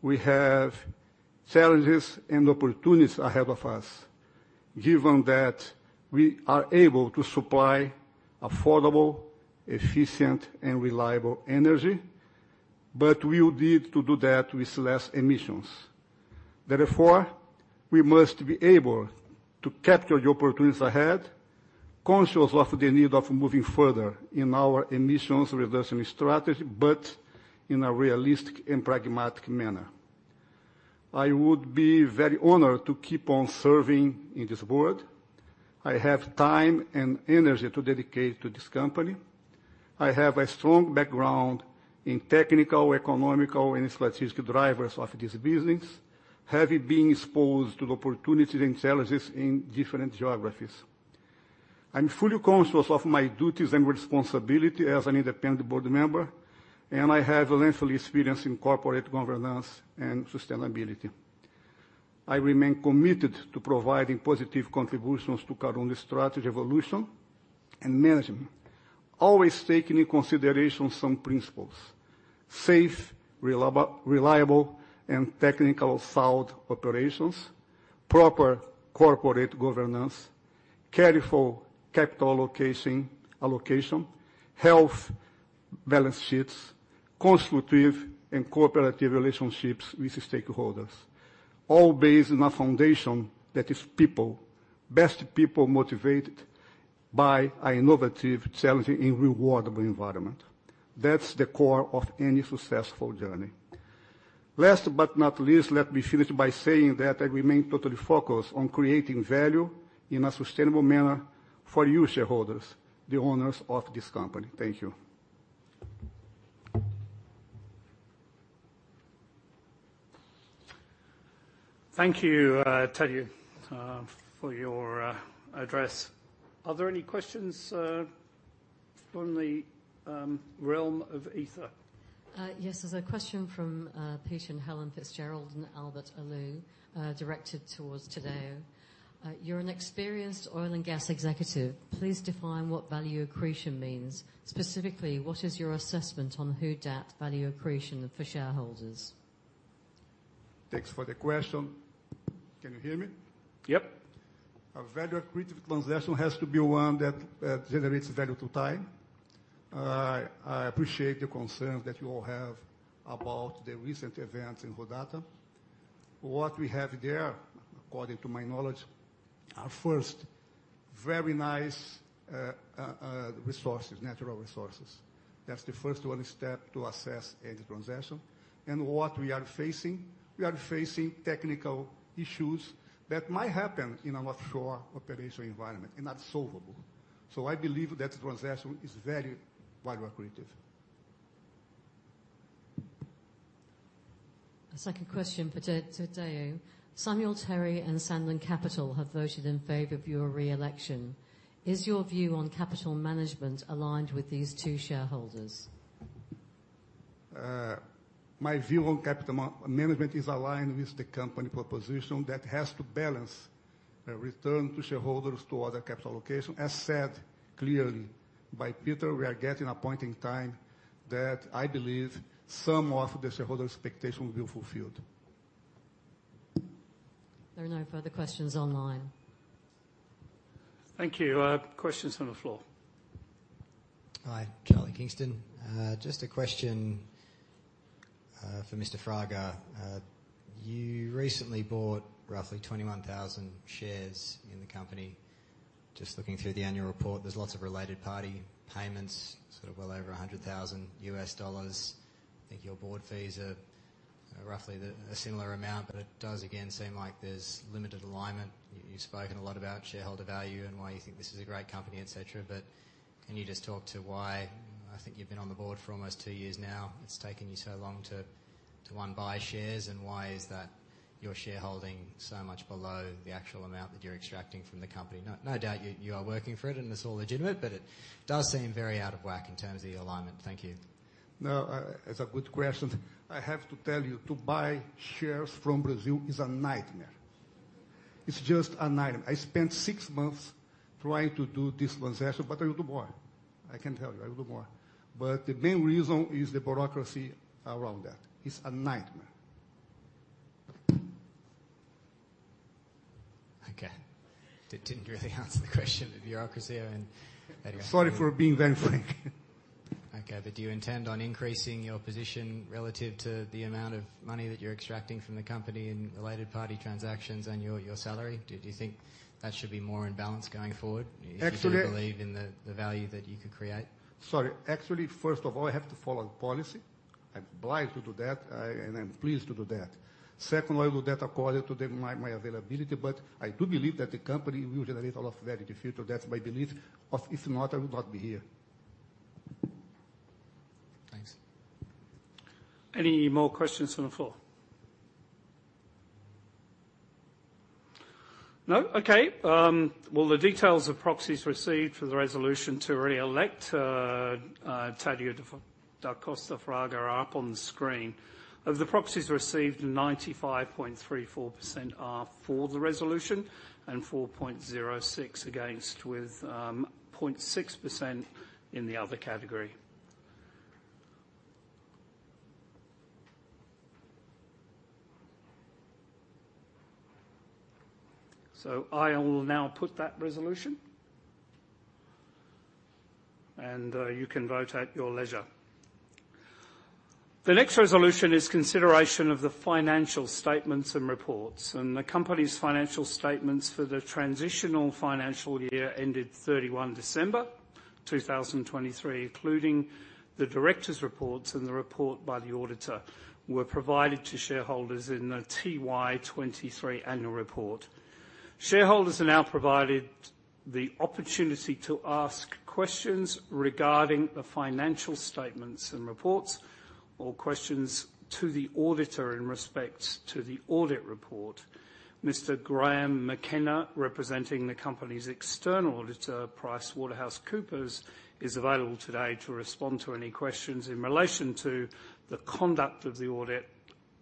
we have challenges and opportunities ahead of us, given that we are able to supply affordable, efficient, and reliable energy, but we will need to do that with less emissions. Therefore, we must be able to capture the opportunities ahead, conscious of the need of moving further in our emissions reduction strategy, but in a realistic and pragmatic manner. I would be very honored to keep on serving in this Board. I have time and energy to dedicate to this company. I have a strong background in technical, economical, and strategic drivers of this business, having been exposed to the opportunities and challenges in different geographies. I'm fully conscious of my duties and responsibility as an independent board member, and I have a lengthy experience in corporate governance and sustainability. I remain committed to providing positive contributions to current strategy, evolution, and management, always taking into consideration some principles: safe, reliable, and technically sound operations, proper corporate governance, careful capital allocation, healthy balance sheets, constructive and cooperative relationships with stakeholders, all based on a foundation that is people, best people motivated by an innovative, challenging, and rewarding environment. That's the core of any successful journey. Last but not least, let me finish by saying that I remain totally focused on creating value in a sustainable manner for you, shareholders, the owners of this company. Thank you. Thank you, Tadeu, for your address. Are there any questions from the realm of ether? Yes, there's a question from Pete and Helen Fitzgerald and Albert Alou, directed towards Tadeu. You're an experienced oil and gas executive. Please define what value accretion means. Specifically, what is your assessment on Who Dat value accretion for shareholders? Thanks for the question. Can you hear me? Yep. A value accretive transaction has to be one that generates value to time. I appreciate the concern that you all have about the recent events in Who Dat. What we have there, according to my knowledge, are first, very nice resources, natural resources. That's the first one step to assess any transaction. And what we are facing, we are facing technical issues that might happen in an offshore operational environment, and that's solvable. So I believe that transaction is very value accretive. A second question for Tadeu. Samuel Terry and Sandon Capital have voted in favor of your re-election. Is your view on capital management aligned with these two shareholders? My view on capital management is aligned with the company proposition that has to balance a return to shareholders to other capital location. As said clearly by Peter, we are getting a point in time that I believe some of the shareholder expectations will be fulfilled. There are no further questions online. Thank you. Questions from the floor? Hi, Charlie Kingston. Just a question, for Mr. Fraga. You recently bought roughly 21,000 shares in the company. Just looking through the annual report, there's lots of related party payments, sort of well over $100,000. I think your Board fees are, are roughly the, a similar amount, but it does again, seem like there's limited alignment. You, you've spoken a lot about shareholder value and why you think this is a great company, et cetera, but can you just talk to why... I think you've been on the Board for almost two years now. It's taken you so long to, to, one, buy shares, and why is that your shareholding so much below the actual amount that you're extracting from the company? No, no doubt you are working for it, and it's all legitimate, but it does seem very out of whack in terms of your alignment. Thank you. No, it's a good question. I have to tell you, to buy shares from Brazil is a nightmare. It's just a nightmare. I spent six months trying to do this transaction, but I will do more. I can tell you, I will do more. But the main reason is the bureaucracy around that. It's a nightmare. Okay. That didn't really answer the question, the bureaucracy and- Sorry for being very frank. Okay, but do you intend on increasing your position relative to the amount of money that you're extracting from the company and related party transactions and your, your salary? Do, do you think that should be more in balance going forward- Actually- If you believe in the value that you could create? Sorry. Actually, first of all, I have to follow policy. I'm obliged to do that, and I'm pleased to do that. Secondly, I will do that according to my availability, but I do believe that the company will generate a lot of value in the future. That's my belief. If not, I would not be here. Thanks. Any more questions from the floor? No? Okay, well, the details of proxies received for the resolution to re-elect Tadeu da Costa Fraga are up on the screen. Of the proxies received, 95.34% are for the resolution and 4.06% against, with 0.6% in the Other category. So I will now put that resolution, and you can vote at your leisure. The next resolution is consideration of the financial statements and reports, and the company's financial statements for the transitional financial year ended 31 December 2023, including the directors' reports and the report by the auditor, were provided to shareholders in the FY 2023 annual report. Shareholders are now provided the opportunity to ask questions regarding the financial statements and reports, or questions to the auditor in respects to the audit report. Mr. Graeme McKenna, representing the company's external auditor, PricewaterhouseCoopers, is available today to respond to any questions in relation to the conduct of the audit,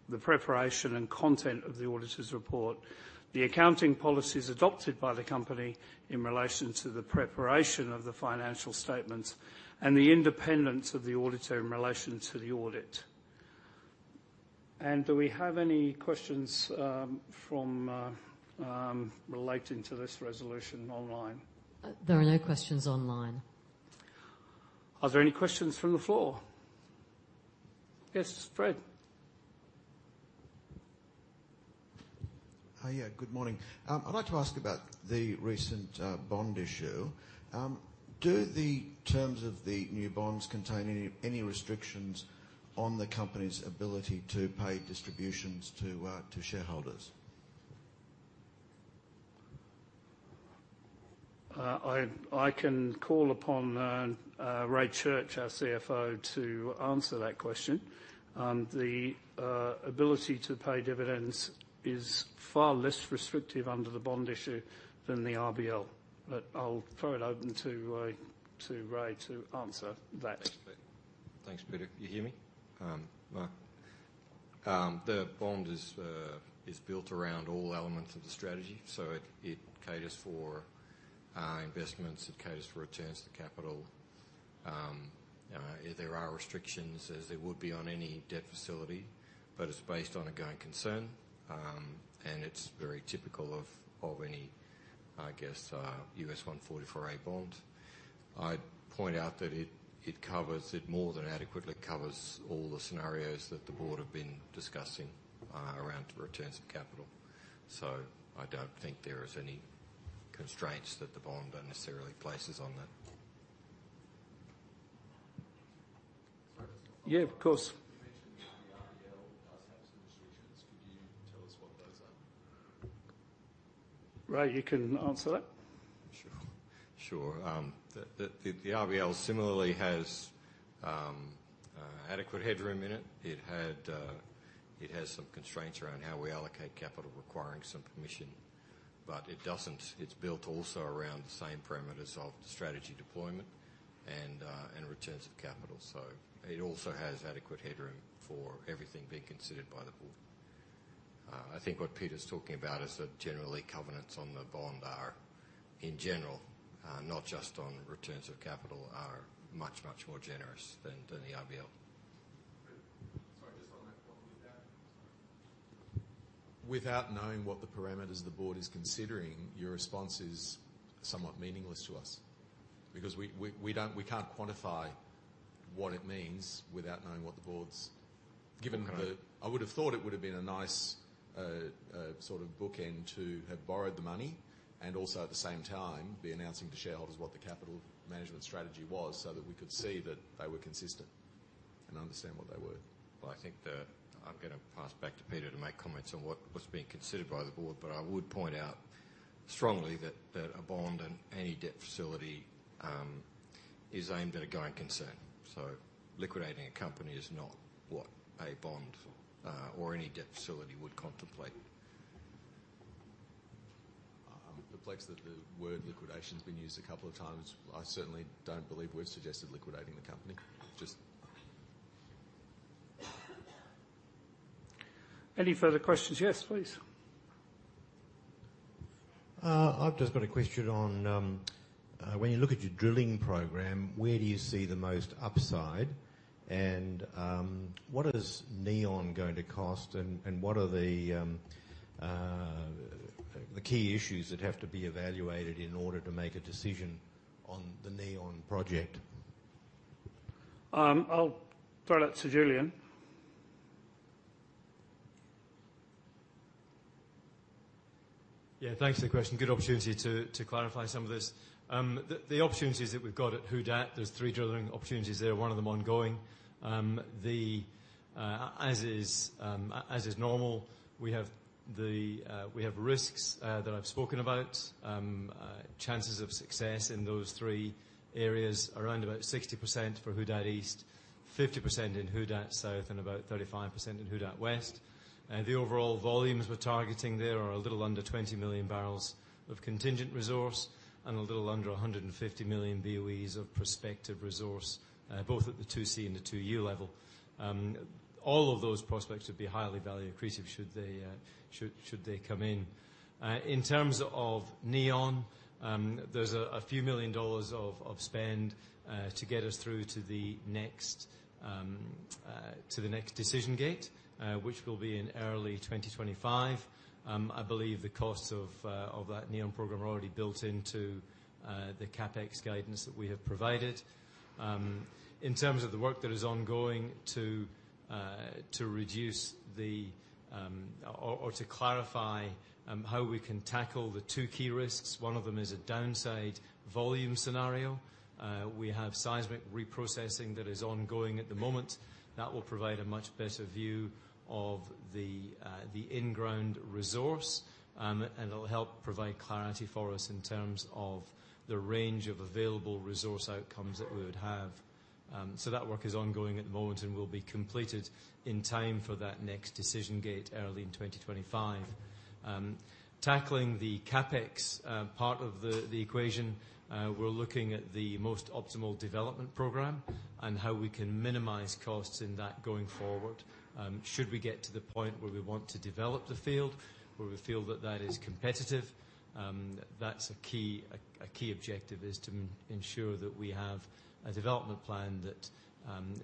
the preparation and content of the auditor's report, the accounting policies adopted by the company in relation to the preparation of the financial statements, and the independence of the auditor in relation to the audit. Do we have any questions from relating to this resolution online? There are no questions online. Are there any questions from the floor? Yes, Fred. Yeah, good morning. I'd like to ask about the recent bond issue. Do the terms of the new bonds contain any restrictions on the company's ability to pay distributions to shareholders? I can call upon Ray Church, our CFO, to answer that question. The ability to pay dividends is far less restrictive under the bond issue than the RBL. But I'll throw it open to Ray to answer that. Thanks, Peter. Can you hear me? Well, the bond is built around all elements of the strategy, so it caters for investments, it caters for returns to capital. There are restrictions, as there would be on any debt facility, but it's based on a going concern, and it's very typical of any, I guess, U.S. 144A bond. I'd point out that it covers, it more than adequately covers all the scenarios that the Board have been discussing around returns of capital. So I don't think there is any constraints that the bond unnecessarily places on that. Yeah, of course. You mentioned the RBL does have some restrictions. Could you tell us what those are? Ray, you can answer that. Sure. Sure, the RBL similarly has adequate headroom in it. It had, it has some constraints around how we allocate capital, requiring some permission, but it doesn't. It's built also around the same parameters of strategy deployment and returns of capital. So it also has adequate headroom for everything being considered by the Board. I think what Peter's talking about is that generally, covenants on the bond are, in general, not just on returns of capital, are much, much more generous than the RBL. Sorry, just on that point, without- Without knowing what the parameters the Board is considering, your response is somewhat meaningless to us because we don't, we can't quantify what it means without knowing what the Board's. Okay. Given the, I would have thought it would have been a nice, sort of bookend to have borrowed the money and also, at the same time, be announcing to shareholders what the capital management strategy was, so that we could see that they were consistent and understand what they were. Well, I think the... I'm gonna pass back to Peter to make comments on what, what's being considered by the Board, but I would point out strongly that, that a bond and any debt facility is aimed at a going concern. So liquidating a company is not what a bond or any debt facility would contemplate. Perplexed that the word liquidation has been used a couple of times. I certainly don't believe we've suggested liquidating the company, just- Any further questions? Yes, please. I've just got a question on, when you look at your drilling program, where do you see the most upside? And, what is Neon going to cost, and what are the key issues that have to be evaluated in order to make a decision on the Neon project? I'll throw that to Julian. .Yeah, thanks for the question. Good opportunity to clarify some of this. The opportunities that we've got at Who Dat, there's three drilling opportunities there, one of them ongoing. As is normal, we have the risks that I've spoken about. Chances of success in those three areas, around about 60% for Who Dat East, 50% in Who Dat South, and about 35% in Who Dat West. The overall volumes we're targeting there are a little under 20 million barrels of contingent resource, and a little under 150 million BOEs of prospective resource, both at the 2C and the 2U level. All of those prospects would be highly value accretive, should they come in. In terms of Neon, there's a few million dollars of spend to get us through to the next decision gate, which will be in early 2025. I believe the costs of that Neon program are already built into the CapEx guidance that we have provided. In terms of the work that is ongoing to reduce or to clarify how we can tackle the two key risks, one of them is a downside volume scenario. We have seismic reprocessing that is ongoing at the moment. That will provide a much better view of the in-ground resource, and it'll help provide clarity for us in terms of the range of available resource outcomes that we would have. So that work is ongoing at the moment and will be completed in time for that next decision gate, early in 2025. Tackling the CapEx part of the equation, we're looking at the most optimal development program and how we can minimize costs in that going forward. Should we get to the point where we want to develop the field, where we feel that that is competitive, that's a key... a key objective is to ensure that we have a development plan that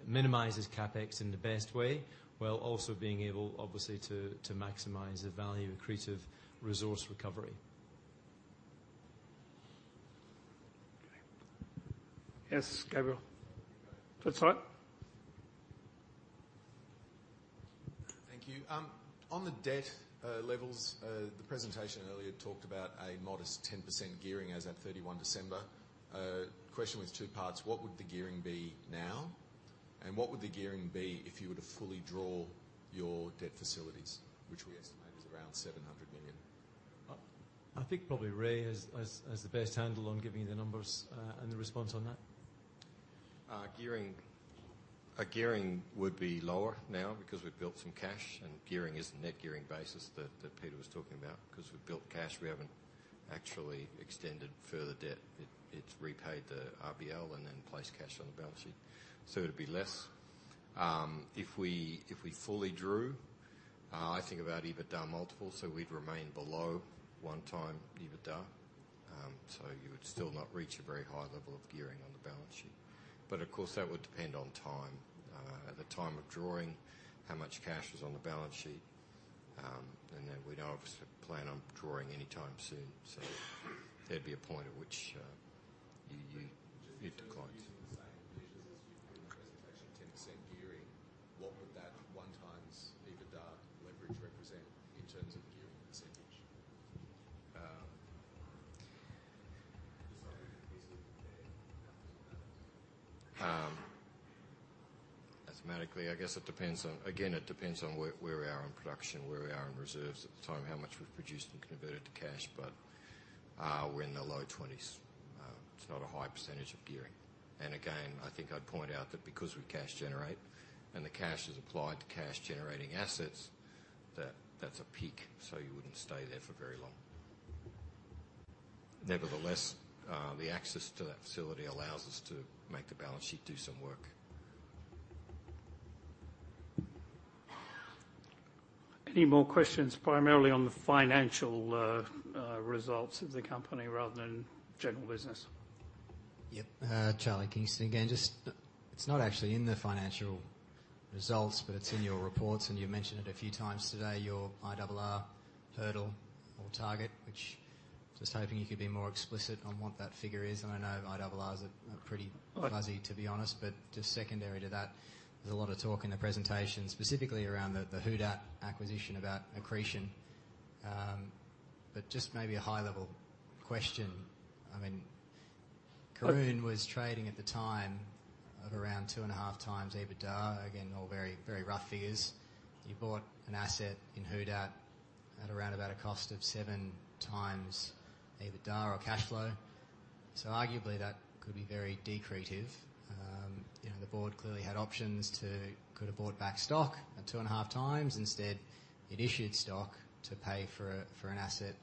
minimizes CapEx in the best way, while also being able, obviously, to maximize the value accretive resource recovery. Yes, Gabriel. That's right. Thank you. On the debt levels, the presentation earlier talked about a modest 10% gearing as at 31 December. Question with two parts: What would the gearing be now? And what would the gearing be if you were to fully draw your debt facilities, which we estimate is around $700 million? I think probably Ray has the best handle on giving you the numbers and the response on that. Gearing would be lower now because we've built some cash, and gearing is a net gearing basis that Peter was talking about. Because we've built cash, we haven't actually extended further debt. It, it's repaid the RBL and then placed cash on the balance sheet, so it'd be less. If we fully drew, I think about EBITDA multiples, so we'd remain below 1x EBITDA. So you would still not reach a very high level of gearing on the balance sheet. But of course, that would depend on time. At the time of drawing, how much cash was on the balance sheet, and then we don't obviously plan on drawing anytime soon. So there'd be a point at which it declines. In the same presentation, 10% gearing, what would that 1x EBITDA leverage represent in terms of gearing percentage? Um... Is it there? Mathematically, I guess it depends on... Again, it depends on where, where we are in production, where we are in reserves at the time, how much we've produced and converted to cash, but, we're in the low 20s%. It's not a high percentage of gearing. And again, I think I'd point out that because we cash generate, and the cash is applied to cash-generating assets, that that's a peak, so you wouldn't stay there for very long. Nevertheless, the access to that facility allows us to make the balance sheet do some work. Any more questions, primarily on the financial results of the company rather than general business? Yep. Charlie Kingston again. Just, it's not actually in the financial results, but it's in your reports, and you mentioned it a few times today, your IRR hurdle or target, which just hoping you could be more explicit on what that figure is. I know IRRs are pretty fuzzy, to be honest. But just secondary to that, there's a lot of talk in the presentation, specifically around the Who Dat acquisition, about accretion. But just maybe a high-level question. I mean, Karoon was trading at the time of around 2.5x EBITDA. Again, all very, very rough figures. You bought an asset in Who Dat at around about a cost of 7x EBITDA or cash flow. So arguably, that could be very dilutive. You know, the Board clearly had options to... could have bought back stock at 2.5x. Instead, it issued stock to pay for a, for an asset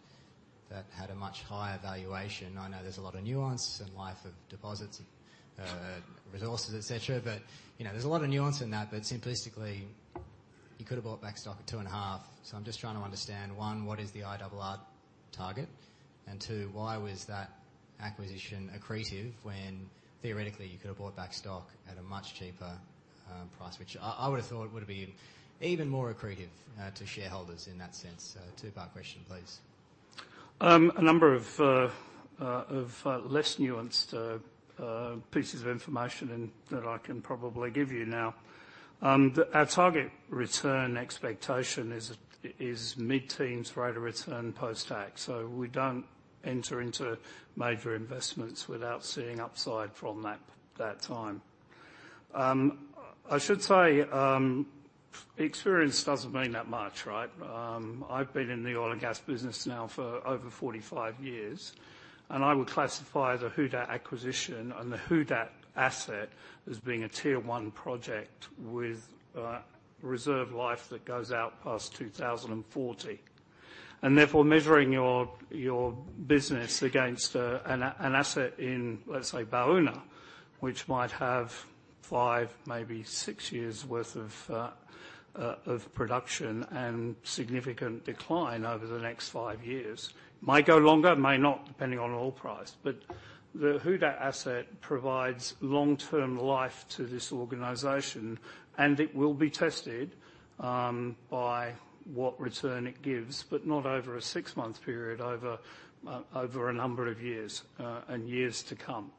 that had a much higher valuation. I know there's a lot of nuance and life of deposits, resources, et cetera, but you know, there's a lot of nuance in that. But simplistically, you could have bought back stock at $2.5. So I'm just trying to understand, one, what is the IRR target? And two, why was that acquisition accretive when theoretically you could have bought back stock at a much cheaper, price, which I, I would have thought would have been even more accretive, to shareholders in that sense? So two-part question, please. A number of less nuanced pieces of information than that I can probably give you now. Our target return expectation is mid-teens rate of return post-tax, so we don't enter into major investments without seeing upside from that time. I should say, experience doesn't mean that much, right? I've been in the oil and gas business now for over 45 years, and I would classify the Who Dat acquisition and the Who Dat asset as being a Tier One project with reserve life that goes out past 2040. And therefore, measuring your business against an asset in, let's say, Baúna, which might have five, maybe six years' worth of production and significant decline over the next five years, might go longer, may not, depending on oil price. But the Who Dat asset provides long-term life to this organization, and it will be tested by what return it gives, but not over a six-month period, over a number of years, and years to come.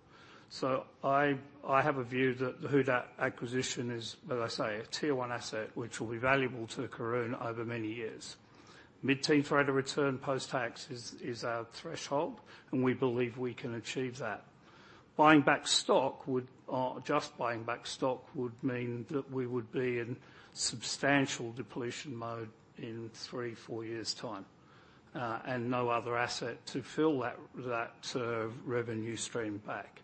So I have a view that the Who Dat acquisition is, as I say, a Tier One asset, which will be valuable to Karoon over many years. Mid-teen rate of return post-tax is our threshold, and we believe we can achieve that. Buying back stock would... just buying back stock would mean that we would be in substantial depletion mode in three-four years' time, and no other asset to fill that revenue stream back.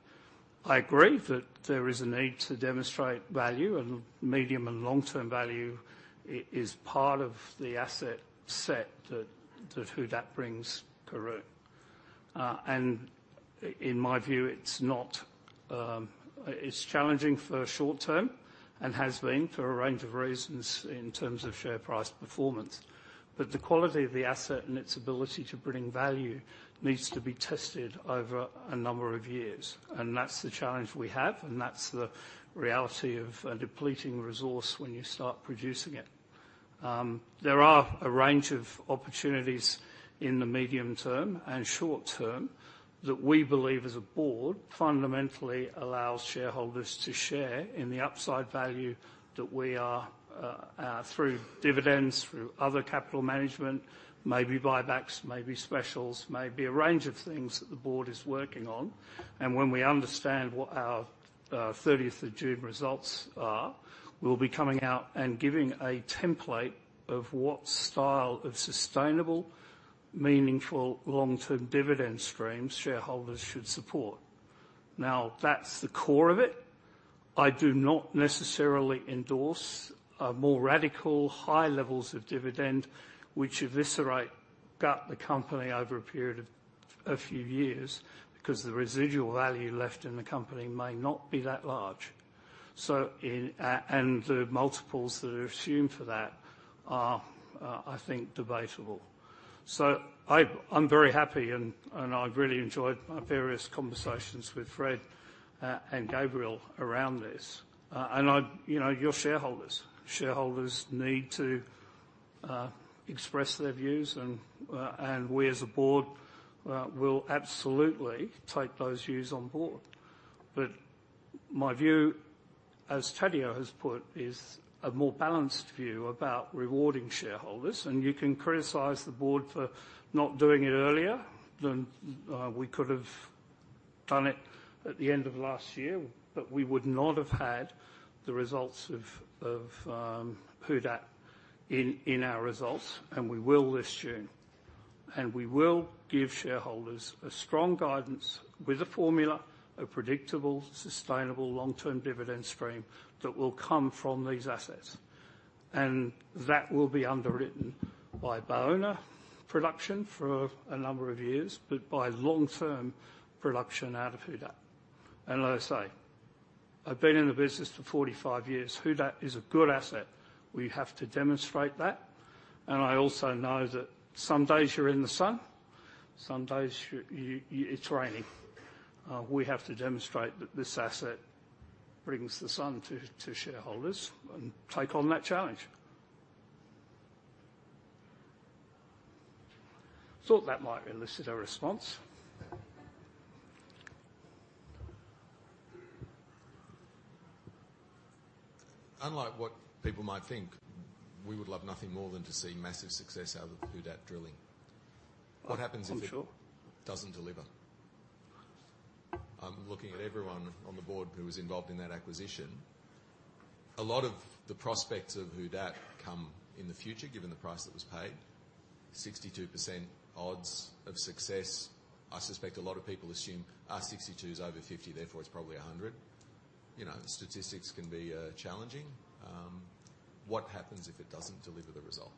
I agree that there is a need to demonstrate value, and medium- and long-term value is part of the asset set that Who Dat brings Karoon. In my view, it's not... It's challenging for the short term and has been for a range of reasons in terms of share price performance. But the quality of the asset and its ability to bring value needs to be tested over a number of years, and that's the challenge we have, and that's the reality of a depleting resource when you start producing it. There are a range of opportunities in the medium term and short term that we believe, as a Board, fundamentally allows shareholders to share in the upside value that we are through dividends, through other capital management, maybe buybacks, maybe specials, maybe a range of things that the Board is working on. When we understand what our thirtieth of June results are, we'll be coming out and giving a template of what style of sustainable, meaningful, long-term dividend stream shareholders should support. Now, that's the core of it. I do not necessarily endorse more radical, high levels of dividend which eviscerate, gut the company over a period of a few years, because the residual value left in the company may not be that large. So in and the multiples that are assumed for that are, I think, debatable. So I'm very happy, and I've really enjoyed my various conversations with Fred and Gabriel around this. And I... You know, you're shareholders. Shareholders need to express their views, and we, as a Board, will absolutely take those views on Board. But my view, as Tadeu has put, is a more balanced view about rewarding shareholders, and you can criticize the Board for not doing it earlier, than we could have done it at the end of last year, but we would not have had the results of Who Dat in our results, and we will this June. And we will give shareholders a strong guidance with a formula, a predictable, sustainable, long-term dividend stream that will come from these assets. And that will be underwritten by Baúna production for a number of years, but by long-term production out of Who Dat. And like I say, I've been in the business for 45 years. Who Dat is a good asset. We have to demonstrate that, and I also know that some days you're in the sun, some days it's raining. We have to demonstrate that this asset brings the sun to shareholders and take on that challenge. Thought that might elicit a response. Unlike what people might think, we would love nothing more than to see massive success out of the Who Dat drilling. I'm sure. What happens if it doesn't deliver? I'm looking at everyone on the Board who was involved in that acquisition. A lot of the prospects of Who Dat come in the future, given the price that was paid. 62% odds of success. I suspect a lot of people assume, 62 is over 50, therefore it's probably 100. You know, statistics can be challenging. What happens if it doesn't deliver the result?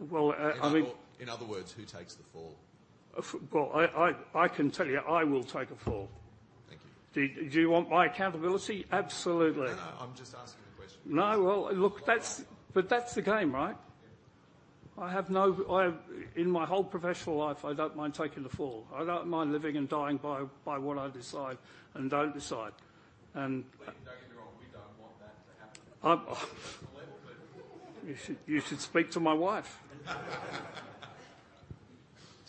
Well, I mean- In other words, who takes the fall? Well, I can tell you, I will take a fall. Thank you. Do you want my accountability? Absolutely. No, no, I'm just asking the question. No, well, look, that's, but that's the game, right? Yeah. I, in my whole professional life, I don't mind taking the fall. I don't mind living and dying by, by what I decide and don't decide. And- Please don't get it wrong. Oh, you should speak to my wife.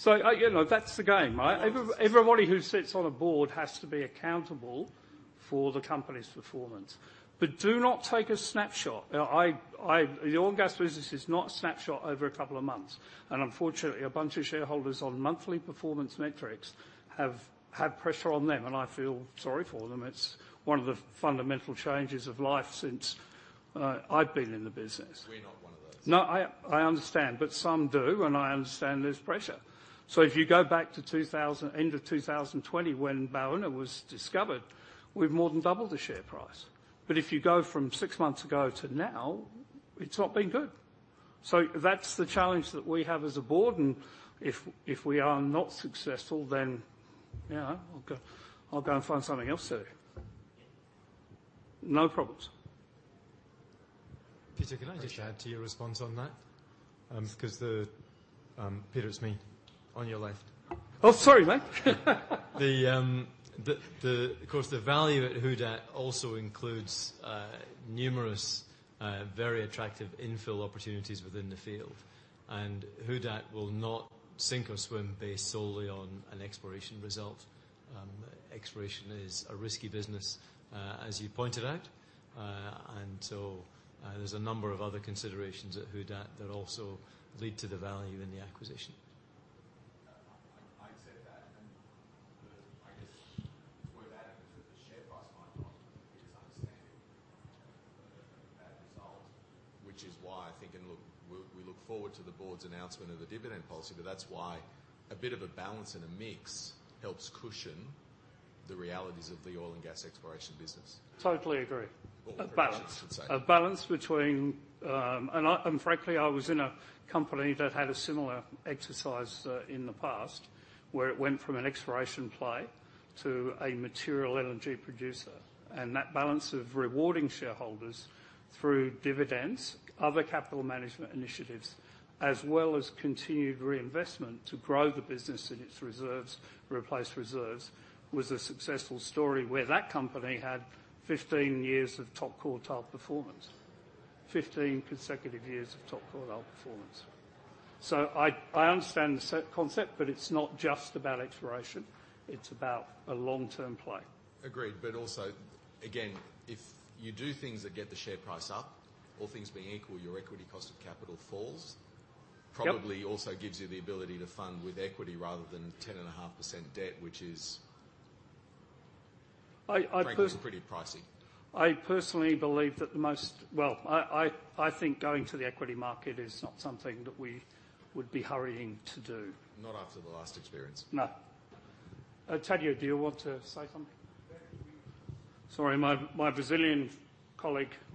So, you know, that's the game, right? Everybody who sits on a Board has to be accountable for the company's performance. But do not take a snapshot. Now, the oil and gas business is not a snapshot over a couple of months, and unfortunately, a bunch of shareholders on monthly performance metrics have had pressure on them, and I feel sorry for them. It's one of the fundamental changes of life since I've been in the business. We're not one of those. No, I understand, but some do, and I understand there's pressure. So if you go back to 2000, end of 2020, when Baúna was discovered, we've more than doubled the share price. But if you go from six months ago to now, it's not been good. So that's the challenge that we have as a board, and if we are not successful, then, you know, I'll go and find something else to do. No problems. Peter, can I just add to your response on that? Peter, it's me. On your left. Oh, sorry, mate. Of course, the value at Who Dat also includes numerous very attractive infill opportunities within the field, and Who Dat will not sink or swim based solely on an exploration result. Exploration is a risky business, as you pointed out. And so, there's a number of other considerations at Who Dat that also lead to the value in the acquisition. I accept that, and I guess it's worth adding to the share price mindset is understanding that result, which is why I think... And look, we look forward to the board's announcement of the dividend policy, but that's why a bit of a balance and a mix helps cushion the realities of the oil and gas exploration business. Totally agree. Or balance, I should say. A balance between, And I, and frankly, I was in a company that had a similar exercise, in the past, where it went from an exploration play to a material LNG producer. And that balance of rewarding shareholders through dividends, other capital management initiatives, as well as continued reinvestment to grow the business in its reserves, replace reserves, was a successful story where that company had 15 years of top quartile performance. 15 consecutive years of top quartile performance. So I, I understand the concept, but it's not just about exploration, it's about a long-term play. Agreed. But also, again, if you do things that get the share price up, all things being equal, your equity cost of capital falls. Yep. Probably also gives you the ability to fund with equity rather than 10.5% debt, which is- I, I per-... frankly, is pretty pricey. I personally believe that the most... Well, I think going to the equity market is not something that we would be hurrying to do. Not after the last experience. No. Tadeu, do you want to say something? Yeah, we- Sorry, my Brazilian colleague would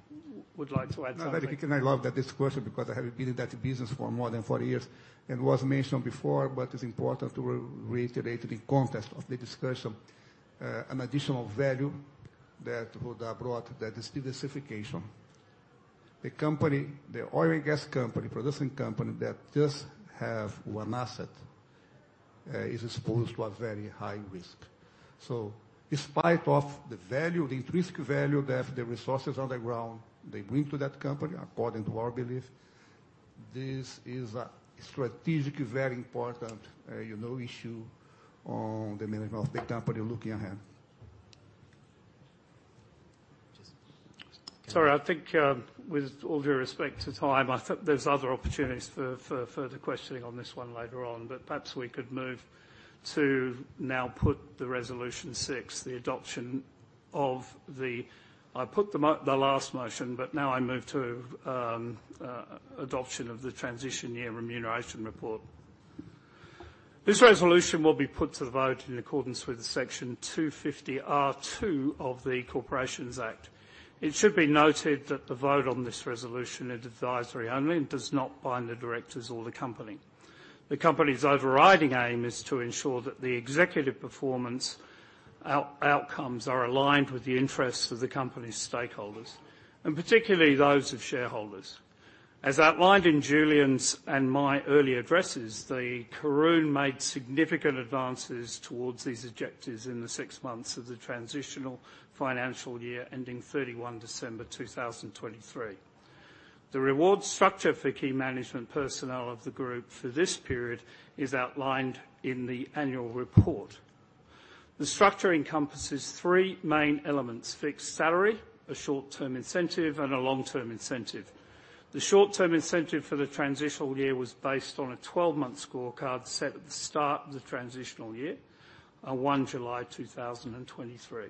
like to add something. No, thank you, and I love that discussion because I have been in that business for more than 40 years. It was mentioned before, but it's important to re-reiterate in the context of the discussion, an additional value that Who Dat brought, that is diversification. The company, the oil and gas company, production company, that just have one asset, is exposed to a very high risk. So despite of the value, the intrinsic value, that the resources on the ground, they bring to that company, according to our belief, this is a strategically very important, you know, issue on the management of the company looking ahead. Just- Sorry, I think, with all due respect to time, I think there's other opportunities for further questioning on this one later on, but perhaps we could move to now put the Resolution 6, the adoption of the... I put the mo- the last motion, but now I move to adoption of the Transition Year Remuneration Report. This resolution will be put to the vote in accordance with Section 250R(2) of the Corporations Act. It should be noted that the vote on this resolution is advisory only and does not bind the directors or the company. The company's overriding aim is to ensure that the executive performance outcomes are aligned with the interests of the company's stakeholders, and particularly those of shareholders. As outlined in Julian's and my earlier addresses, the Karoon made significant advances towards these objectives in the six months of the transitional financial year, ending 31 December 2023. The reward structure for key management personnel of the group for this period is outlined in the annual report. The structure encompasses three main elements: fixed salary, a short-term incentive, and a long-term incentive. The short-term incentive for the transitional year was based on a 12-month scorecard set at the start of the transitional year, on 1 July 2023.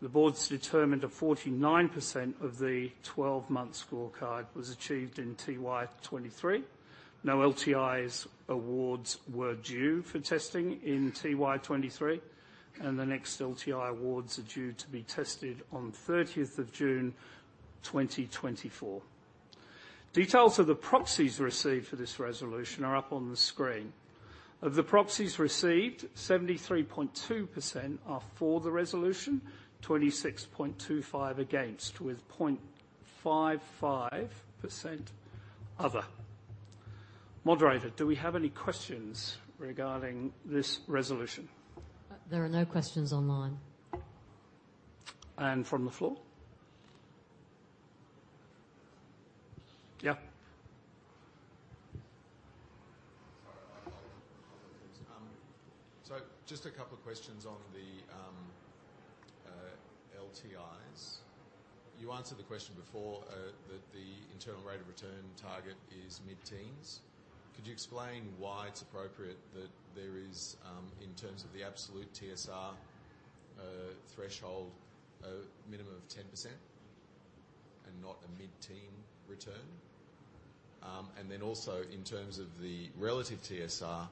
The Board determined that 49% of the 12-month scorecard was achieved in TY 23. No LTI awards were due for testing in TY 23, and the next LTI awards are due to be tested on 30 June 2024. Details of the proxies received for this resolution are up on the screen. Of the proxies received, 73.2% are for the resolution, 26.25% against, with 0.55% other. Moderator, do we have any questions regarding this resolution? There are no questions online. From the floor? Yeah. Sorry, I'll introduce. So just a couple of questions on the LTIs. You answered the question before that the internal rate of return target is mid-teens. Could you explain why it's appropriate that there is, in terms of the absolute TSR, threshold, a minimum of 10% and not a mid-teen return? And then also, in terms of the relative TSR,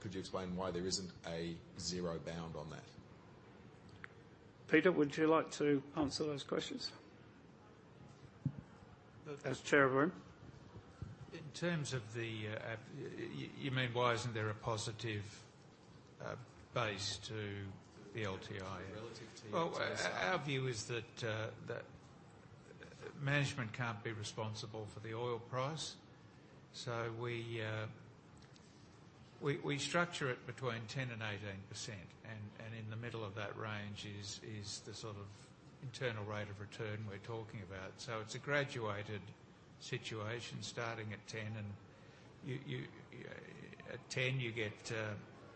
could you explain why there isn't a zero bound on that? Peter, would you like to answer those questions? As Chair of the room. In terms of the app, you mean why isn't there a positive base to the LTI? Relative to TSR. Well, our view is that management can't be responsible for the oil price. So we structure it between 10%-18%, and in the middle of that range is the sort of internal rate of return we're talking about. So it's a graduated situation, starting at 10%, and you... At 10%, you get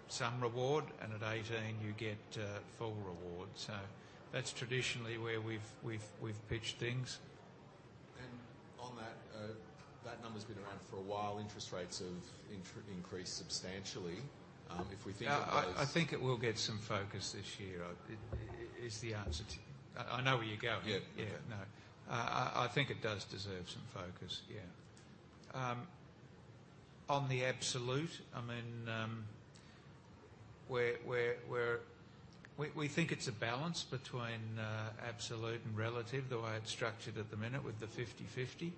some reward, and at 18%, you get full reward. So that's traditionally where we've pitched things. On that, that number's been around for a while. Interest rates have increased substantially. If we think of those- I think it will get some focus this year, is the answer to... I know where you're going. Yeah. Yeah, no. I think it does deserve some focus, yeah. On the absolute, I mean, we think it's a balance between absolute and relative, the way it's structured at the minute with the 50/50.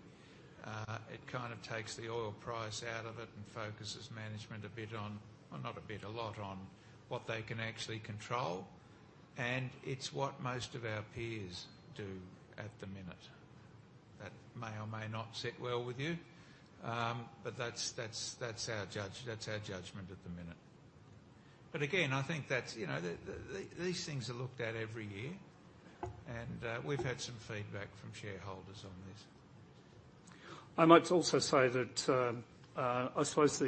It kind of takes the oil price out of it and focuses management a bit on, well, not a bit, a lot on what they can actually control, and it's what most of our peers do at the minute. That may or may not sit well with you, but that's our judgment at the minute. But again, I think that's, you know, these things are looked at every year, and we've had some feedback from shareholders on this. I might also say that, I suppose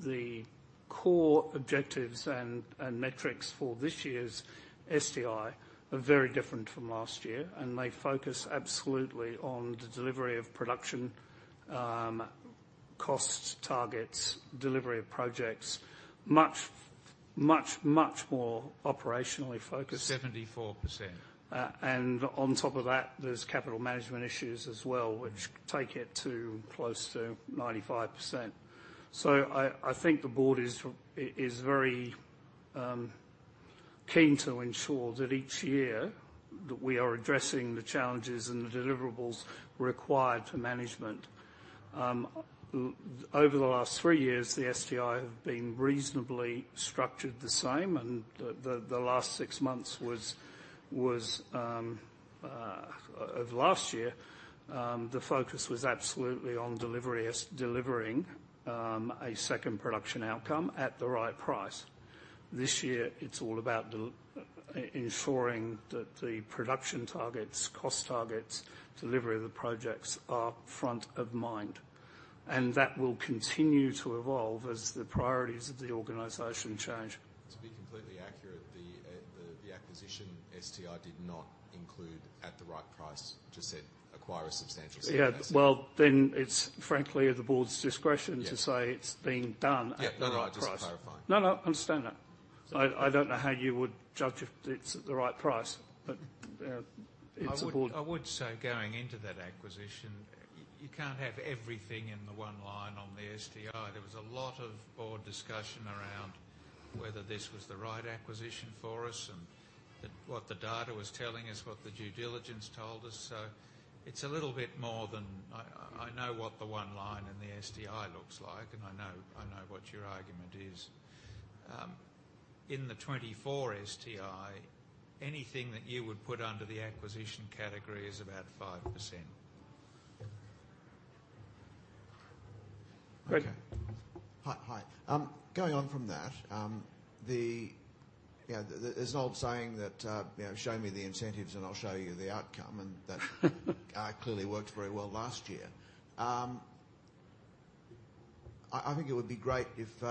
the core objectives and metrics for this year's STI are very different from last year, and they focus absolutely on the delivery of production, cost targets, delivery of projects, much, much, much more operationally focused. Seventy-four percent. And on top of that, there's capital management issues as well, which take it to close to 95%. So I think the board is very keen to ensure that each year, that we are addressing the challenges and the deliverables required for management. Over the last three years, the STI have been reasonably structured the same, and the last six months was of last year, the focus was absolutely on delivery, us delivering a second production outcome at the right price. This year, it's all about ensuring that the production targets, cost targets, delivery of the projects are front of mind, and that will continue to evolve as the priorities of the organization change. To be completely accurate, the acquisition STI did not include at the right price. It just said acquire a substantial- Yeah, well, then it's frankly at the board's discretion- Yeah... to say it's been done at the right price. Yeah. No, no, just clarifying. No, no, I understand that. I, I don't know how you would judge if it's at the right price, but it's the board- I would say going into that acquisition, you can't have everything in the one line on the STI. There was a lot of board discussion around whether this was the right acquisition for us and what the data was telling us, what the due diligence told us. So it's a little bit more than... I know what the one line in the STI looks like, and I know what your argument is. In the 2024 STI, anything that you would put under the acquisition category is about 5%. Great. Hi, hi. Going on from that, you know, the, there's an old saying that, you know, "Show me the incentives, and I'll show you the outcome," and that clearly worked very well last year. I think it would be great if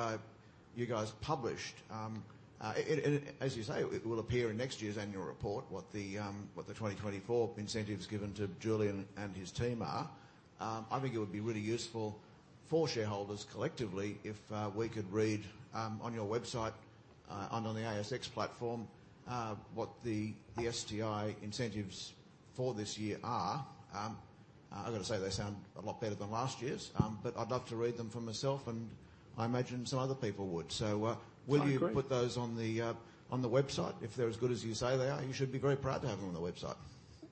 you guys published, and as you say, it will appear in next year's annual report, what the 2024 incentives given to Julian and his team are. I think it would be really useful for shareholders collectively if we could read on your website and on the ASX platform what the STI incentives for this year are. I've got to say, they sound a lot better than last year's. But I'd love to read them for myself, and I imagine some other people would. So, I agree will you put those on the, on the website? If they're as good as you say they are, you should be very proud to have them on the website.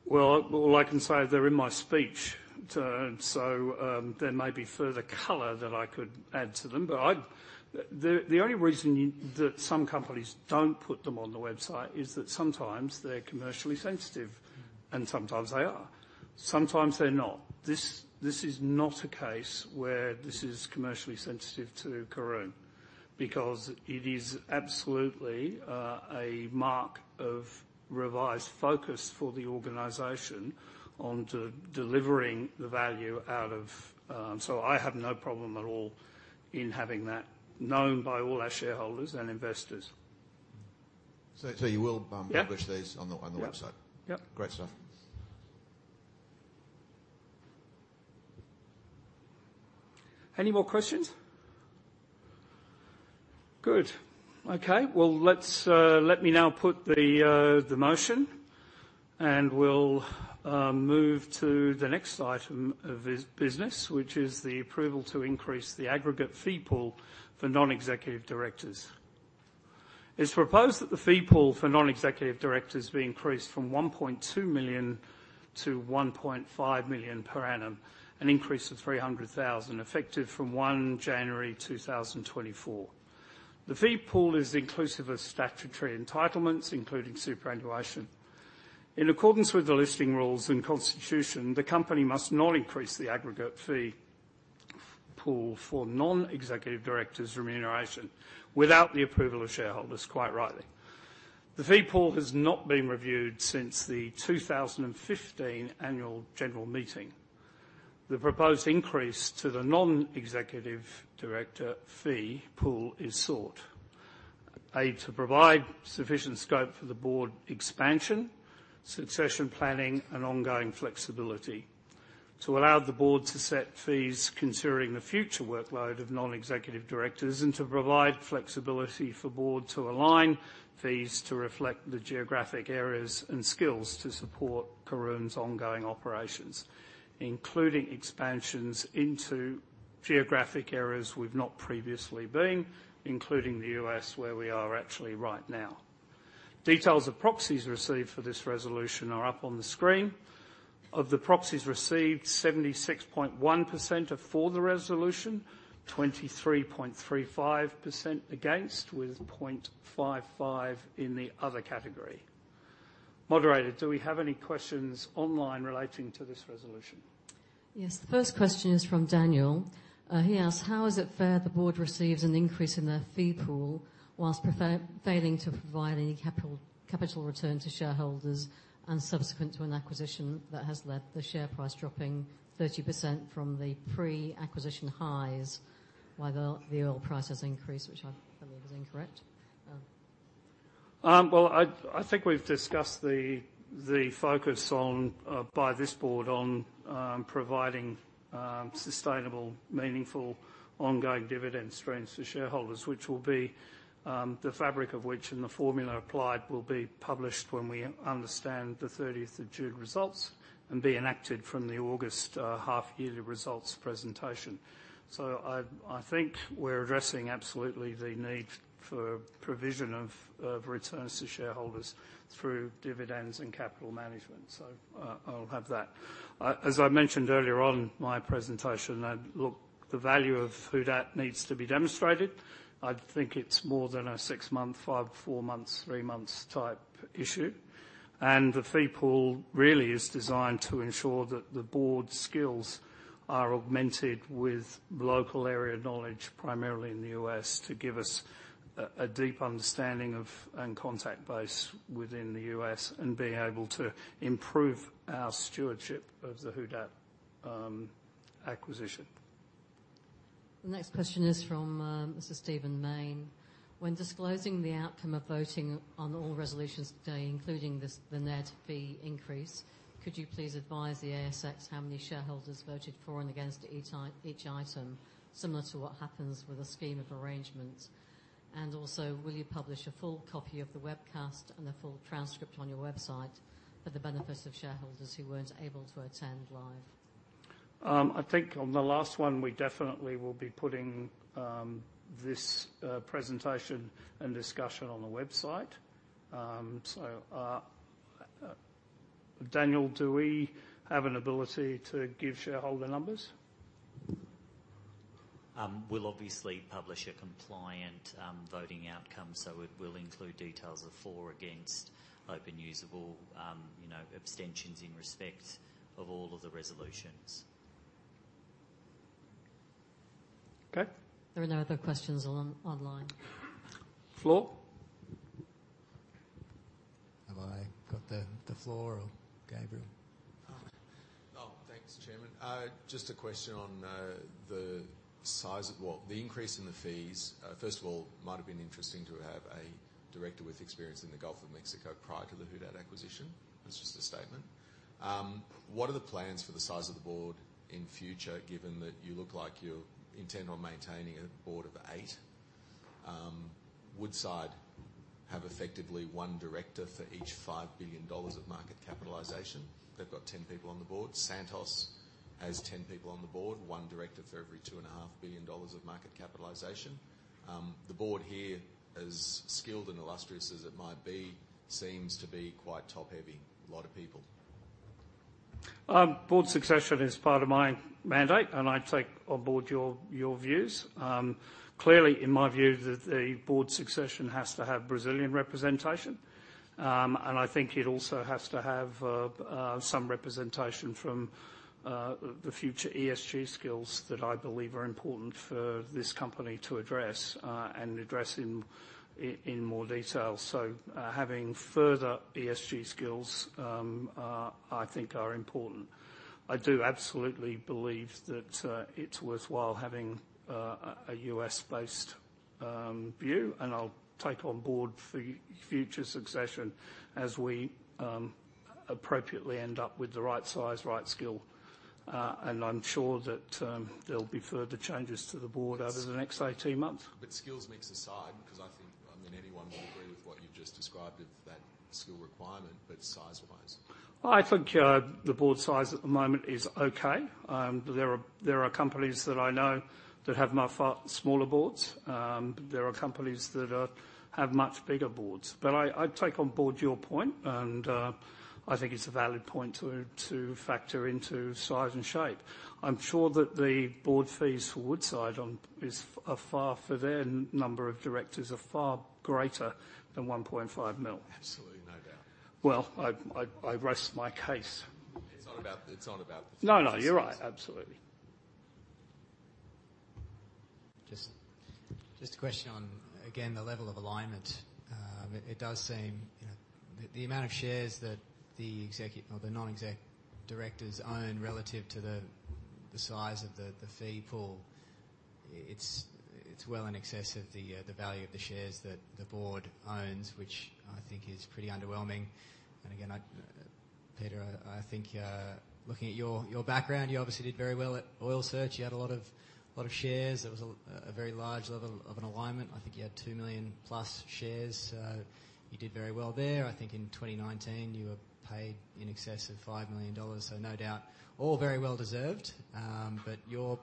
Well, all I can say is they're in my speech too, so there may be further color that I could add to them. But the only reason that some companies don't put them on the website is that sometimes they're commercially sensitive, and sometimes they are, sometimes they're not. This is not a case where this is commercially sensitive to Karoon, because it is absolutely a mark of revised focus for the organization on to delivering the value out of. So I have no problem at all in having that known by all our shareholders and investors. So you will, Yeah Publish these on the website? Yeah. Yeah. Great stuff. Any more questions? Good. Okay, well, let's let me now put the motion, and we'll move to the next item of this business, which is the approval to increase the aggregate fee pool for non-executive directors. It's proposed that the fee pool for non-executive directors be increased from 1.2 million to 1.5 million per annum, an increase of 300,000, effective from 1 January 2024. The fee pool is inclusive of statutory entitlements, including superannuation. In accordance with the Listing Rules and constitution, the company must not increase the aggregate fee pool for non-executive directors' remuneration without the approval of shareholders, quite rightly. The fee pool has not been reviewed since the 2015 Annual General Meeting. The proposed increase to the non-executive director fee pool is sought. A, to provide sufficient scope for the board expansion, succession planning, and ongoing flexibility. To allow the board to set fees considering the future workload of non-executive directors, and to provide flexibility for board to align fees to reflect the geographic areas and skills to support Karoon's ongoing operations, including expansions into geographic areas we've not previously been, including the US, where we are actually right now. Details of proxies received for this resolution are up on the screen. Of the proxies received, 76.1% are for the resolution, 23.35% against, with 0.55% in the other category. Moderator, do we have any questions online relating to this resolution? Yes, the first question is from Daniel. He asks: How is it fair the board receives an increase in their fee pool whilst failing to provide any capital, capital return to shareholders, and subsequent to an acquisition that has led the share price dropping 30% from the pre-acquisition highs, while the oil price has increased? Which I believe is incorrect. Well, I think we've discussed the focus on, by this board on, providing sustainable, meaningful, ongoing dividend strengths to shareholders, which will be the fabric of which and the formula applied will be published when we understand the 30th of June results and be enacted from the August half-yearly results presentation. So I think we're addressing absolutely the need for provision of returns to shareholders through dividends and capital management. So, I'll have that. As I mentioned earlier on in my presentation, and look, the value of Who Dat needs to be demonstrated. I think it's more than a six-month, five, four months, three months type issue. The fee pool really is designed to ensure that the board's skills are augmented with local area knowledge, primarily in the U.S., to give us a deep understanding of, and contact base within the U.S., and being able to improve our stewardship of the Who Dat acquisition. The next question is from Mr. Stephen Mayne. When disclosing the outcome of voting on all resolutions today, including this, the net fee increase, could you please advise the ASX how many shareholders voted for and against each item, similar to what happens with a scheme of arrangements? And also, will you publish a full copy of the webcast and a full transcript on your website for the benefit of shareholders who weren't able to attend live? I think on the last one, we definitely will be putting this, Daniel, do we have an ability to give shareholder numbers? We'll obviously publish a compliant voting outcome, so it will include details of for or against, open, usable, you know, abstentions in respect of all of the resolutions. Okay. There are no other questions online. Floor? Have I got the floor, or Gabriel? Oh, oh, thanks, Chairman. Just a question on the size of what the increase in the fees? First of all, it might have been interesting to have a director with experience in the Gulf of Mexico prior to the Who Dat acquisition. That's just a statement. What are the plans for the size of the board in future, given that you look like you're intent on maintaining a board of eight? Woodside have effectively one director for each $5 billion of market capitalization. They've got 10 people on the board. Santos has 10 people on the board, one director for every $2.5 billion of market capitalization. The board here, as skilled and illustrious as it might be, seems to be quite top-heavy. A lot of people. Board succession is part of my mandate, and I take on board your views. Clearly, in my view, board succession has to have Brazilian representation. And I think it also has to have some representation from the future ESG skills that I believe are important for this company to address in more detail. So, having further ESG skills are, I think, important. I do absolutely believe that it's worthwhile having a U.S.-based view, and I'll take on board for future succession as we appropriately end up with the right size, right skill. And I'm sure that there'll be further changes to the board over the next 18 months. But skills mix aside, because I think, I mean, anyone would agree with what you just described with that skill requirement, but size-wise? I think, the Board size at the moment is okay. There are, there are companies that I know that have far smaller boards. There are companies that, have much bigger boards. But I, I take on board your point, and, I think it's a valid point to, to factor into size and shape. I'm sure that the board fees for Woodside on, is, are far, for their number of directors, are far greater than 1.5 million. Absolutely, no doubt. Well, I rest my case. It's not about the- No, no, you're right. Absolutely. Just, just a question on, again, the level of alignment. It does seem, you know, the amount of shares that the exec or the non-exec directors own relative to the size of the fee pool; it's well in excess of the value of the shares that the board owns, which I think is pretty underwhelming. And again, I, Peter, I think, looking at your background, you obviously did very well at Oil Search. You had a lot of shares. There was a very large level of alignment. I think you had 2 million+ shares. You did very well there. I think in 2019, you were paid in excess of $5 million, so no doubt, all very well-deserved. But your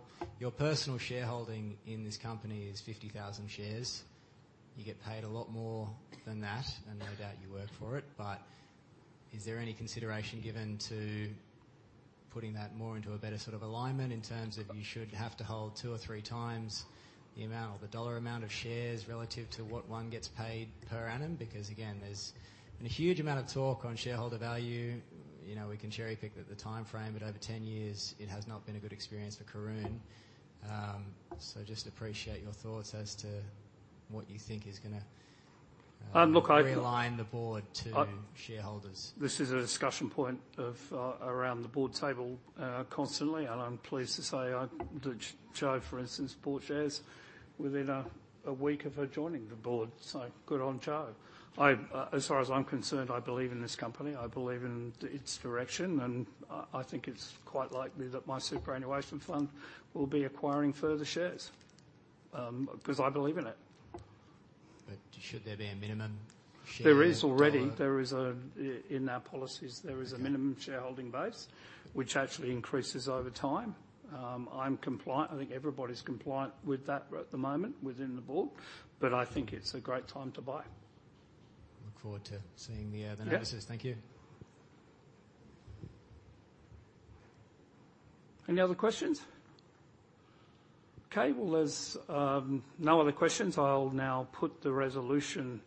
personal shareholding in this company is 50,000 shares. You get paid a lot more than that, and no doubt you work for it. But is there any consideration given to putting that more into a better sort of alignment in terms of you should have to hold two or three times the amount or the dollar amount of shares relative to what one gets paid per annum? Because, again, there's been a huge amount of talk on shareholder value. You know, we can cherry-pick at the time frame, but over 10 years, it has not been a good experience for Karoon. So just appreciate your thoughts as to what you think is gonna- Look, I- Realign the board to shareholders. This is a discussion point of around the board table constantly, and I'm pleased to say that Jo, for instance, bought shares within a week of her joining the board, so good on Jo. I, as far as I'm concerned, I believe in this company. I believe in its direction, and I think it's quite likely that my superannuation fund will be acquiring further shares because I believe in it. But should there be a minimum share- There is already. There is a, in our policies Okay there is a minimum shareholding base, which actually increases over time. I'm compliant. I think everybody's compliant with that at the moment, within the board, but I think it's a great time to buy. Look forward to seeing the analysis. Yeah. Thank you. Any other questions? Okay, well, as, no other questions, I'll now put the resolution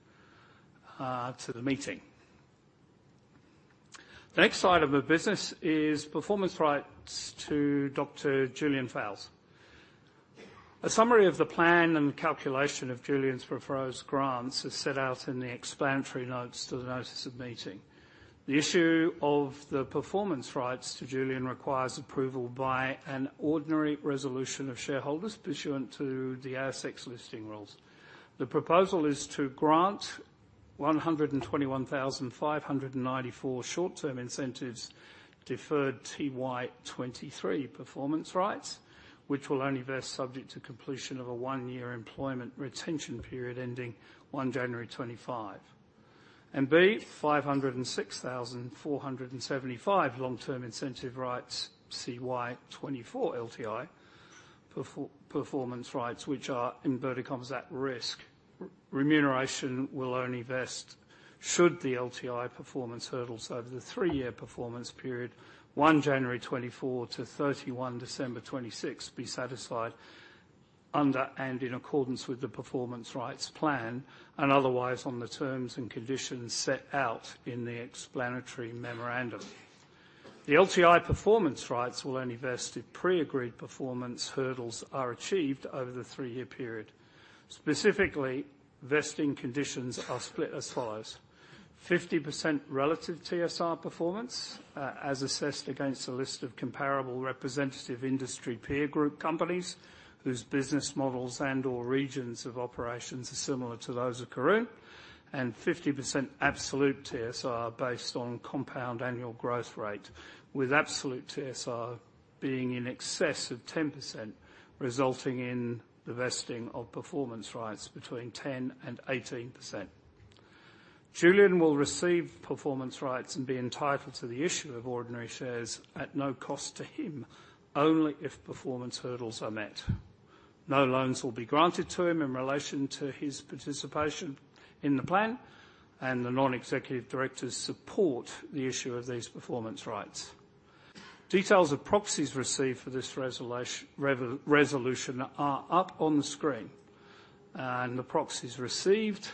to the meeting. The next item of business is performance rights to Dr. Julian Fowles. A summary of the plan and calculation of Julian's proposed grants is set out in the explanatory notes to the Notice of Meeting. The issue of the performance rights to Julian requires approval by an ordinary resolution of shareholders, pursuant to the ASX Listing Rules. The proposal is to grant 121,594 short-term incentives, deferred TY23 performance rights, which will only vest subject to completion of a one-year employment retention period ending 1 January 2025. And B, 506,475 long-term incentive rights, CY24 LTI performance rights, which are, in inverted commas, at risk. Remuneration will only vest should the LTI performance hurdles over the three-year performance period, 1 January 2024 to 31 December 2026, be satisfied under and in accordance with the Performance Rights Plan, and otherwise, on the terms and conditions set out in the Explanatory Memorandum. The LTI performance rights will only vest if pre-agreed performance hurdles are achieved over the three-year period. Specifically, vesting conditions are split as follows: 50% relative TSR performance, as assessed against a list of comparable representative industry peer group companies whose business models and/or regions of operations are similar to those of Karoon, and 50% absolute TSR based on compound annual growth rate, with absolute TSR being in excess of 10%, resulting in the vesting of performance rights between 10% and 18%. Julian will receive performance rights and be entitled to the issue of ordinary shares at no cost to him, only if performance hurdles are met. No loans will be granted to him in relation to his participation in the plan, and the non-executive directors support the issue of these performance rights. Details of proxies received for this resolution are up on the screen, and the proxies received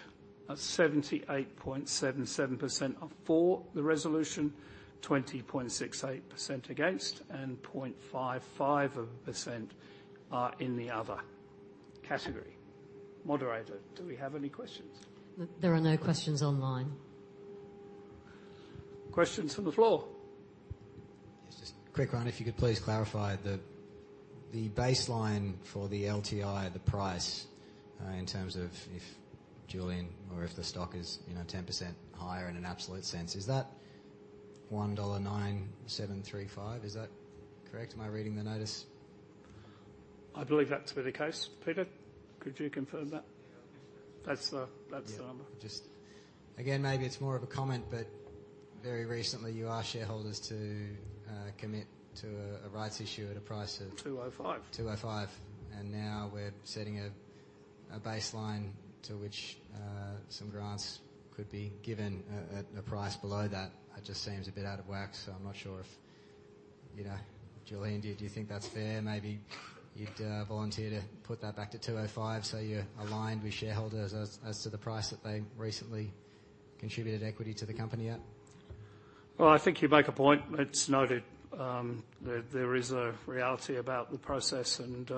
are 78.77% are for the resolution, 20.68% against, and 0.55% are in the other category. Moderator, do we have any questions? There are no questions online. Questions from the floor? Yes, just a quick one. If you could please clarify the baseline for the LTI, the price, in terms of if Julian or if the stock is, you know, 10% higher in an absolute sense, is that 1.9735 dollar? Is that correct? Am I reading the notice? I believe that to be the case. Peter, could you confirm that? Yeah. That's the, that's the number. Yeah. Just again, maybe it's more of a comment, but very recently, you asked shareholders to commit to a rights issue at a price of 2.05. 2.05, and now we're setting a baseline to which some grants could be given at a price below that. It just seems a bit out of whack, so I'm not sure if, you know, Julian, do you think that's fair? Maybe you'd volunteer to put that back to 2.05, so you're aligned with shareholders as to the price that they recently contributed equity to the company at. Well, I think you make a point. It's noted, there is a reality about the process, and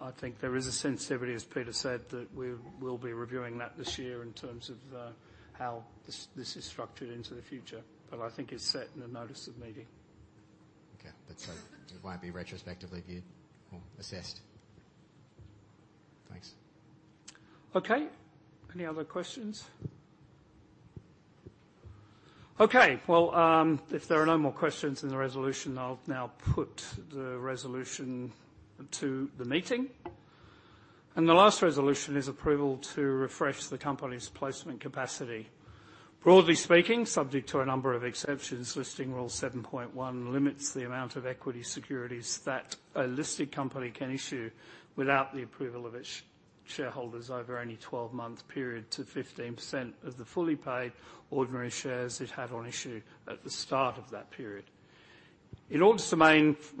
I think there is a sensitivity, as Peter said, that we will be reviewing that this year in terms of how this is structured into the future, but I think it's set in the Notice of Meeting. Okay. But so it won't be retrospectively viewed or assessed? Thanks. Okay. Any other questions? Okay. Well, if there are no more questions in the resolution, I'll now put the resolution to the meeting. The last resolution is approval to refresh the company's placement capacity. Broadly speaking, subject to a number of exceptions, Listing Rule 7.1 limits the amount of equity securities that a listed company can issue without the approval of its shareholders over any 12-month period to 15% of the fully paid ordinary shares it had on issue at the start of that period. In order to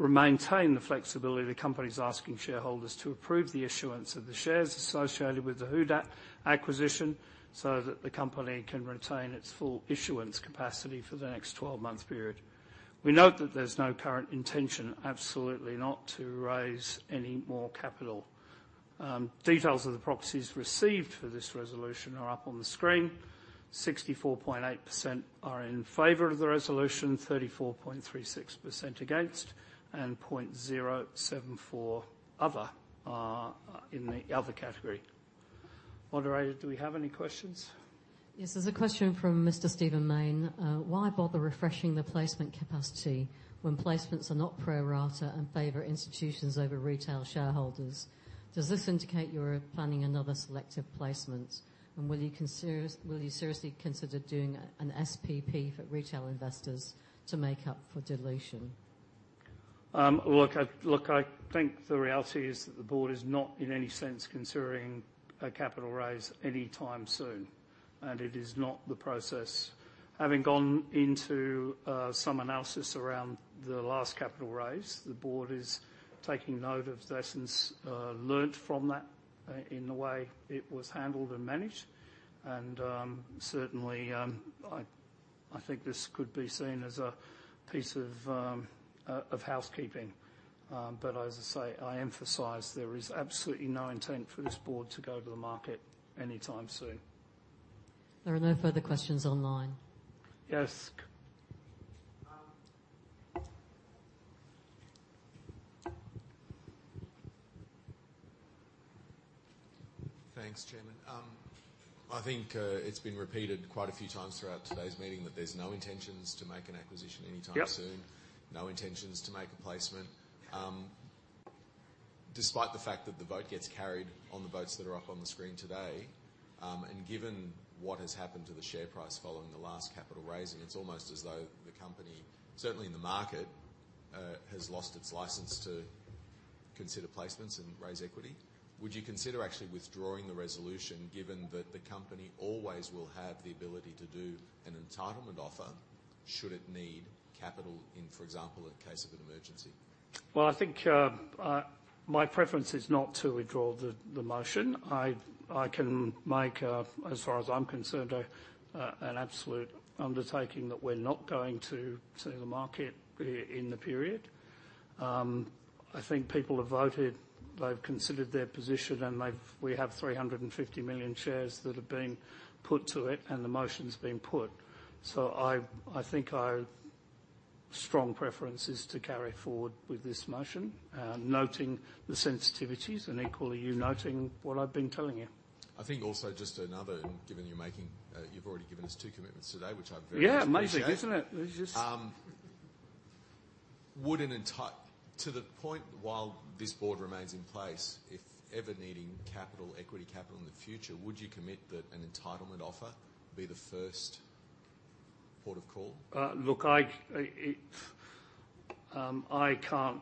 maintain the flexibility, the company is asking shareholders to approve the issuance of the shares associated with the Who Dat acquisition, so that the company can retain its full issuance capacity for the next 12-month period. We note that there's no current intention, absolutely not, to raise any more capital. Details of the proxies received for this resolution are up on the screen. 64.8% are in favor of the resolution, 34.36% against, and 0.074% are in the other category. Moderator, do we have any questions? Yes, there's a question from Mr. Stephen Mayne. "Why bother refreshing the placement capacity when placements are not pro rata and favor institutions over retail shareholders? Does this indicate you are planning another selective placement? And will you consider... will you seriously consider doing a, an SPP for retail investors to make up for dilution? Look, I think the reality is that the board is not in any sense considering a capital raise any time soon, and it is not the process. Having gone into some analysis around the last capital raise, the board is taking note of the lessons learnt from that in the way it was handled and managed, and certainly, I think this could be seen as a piece of housekeeping. But as I say, I emphasize there is absolutely no intent for this board to go to the market anytime soon. There are no further questions online. Yes. Thanks, Chairman. I think it's been repeated quite a few times throughout today's meeting that there's no intentions to make an acquisition anytime soon. Yep. No intentions to make a placement. Despite the fact that the vote gets carried on the votes that are up on the screen today, and given what has happened to the share price following the last capital raising, it's almost as though the company, certainly in the market, has lost its license to consider placements and raise equity. Would you consider actually withdrawing the resolution, given that the company always will have the ability to do an entitlement offer, should it need capital in, for example, in case of an emergency? Well, I think my preference is not to withdraw the motion. I can make, as far as I'm concerned, an absolute undertaking that we're not going to sell the market in the period. I think people have voted, they've considered their position, and they've we have 350 million shares that have been put to it, and the motion's been put. So I think our strong preference is to carry forward with this motion, noting the sensitivities and equally you noting what I've been telling you. I think also just another, given you're making, you've already given us two commitments today, which I very much appreciate. Yeah, amazing, isn't it? It's just- To the point, while this board remains in place, if ever needing capital, equity capital in the future, would you commit that an entitlement offer be the first port of call? Look, I can't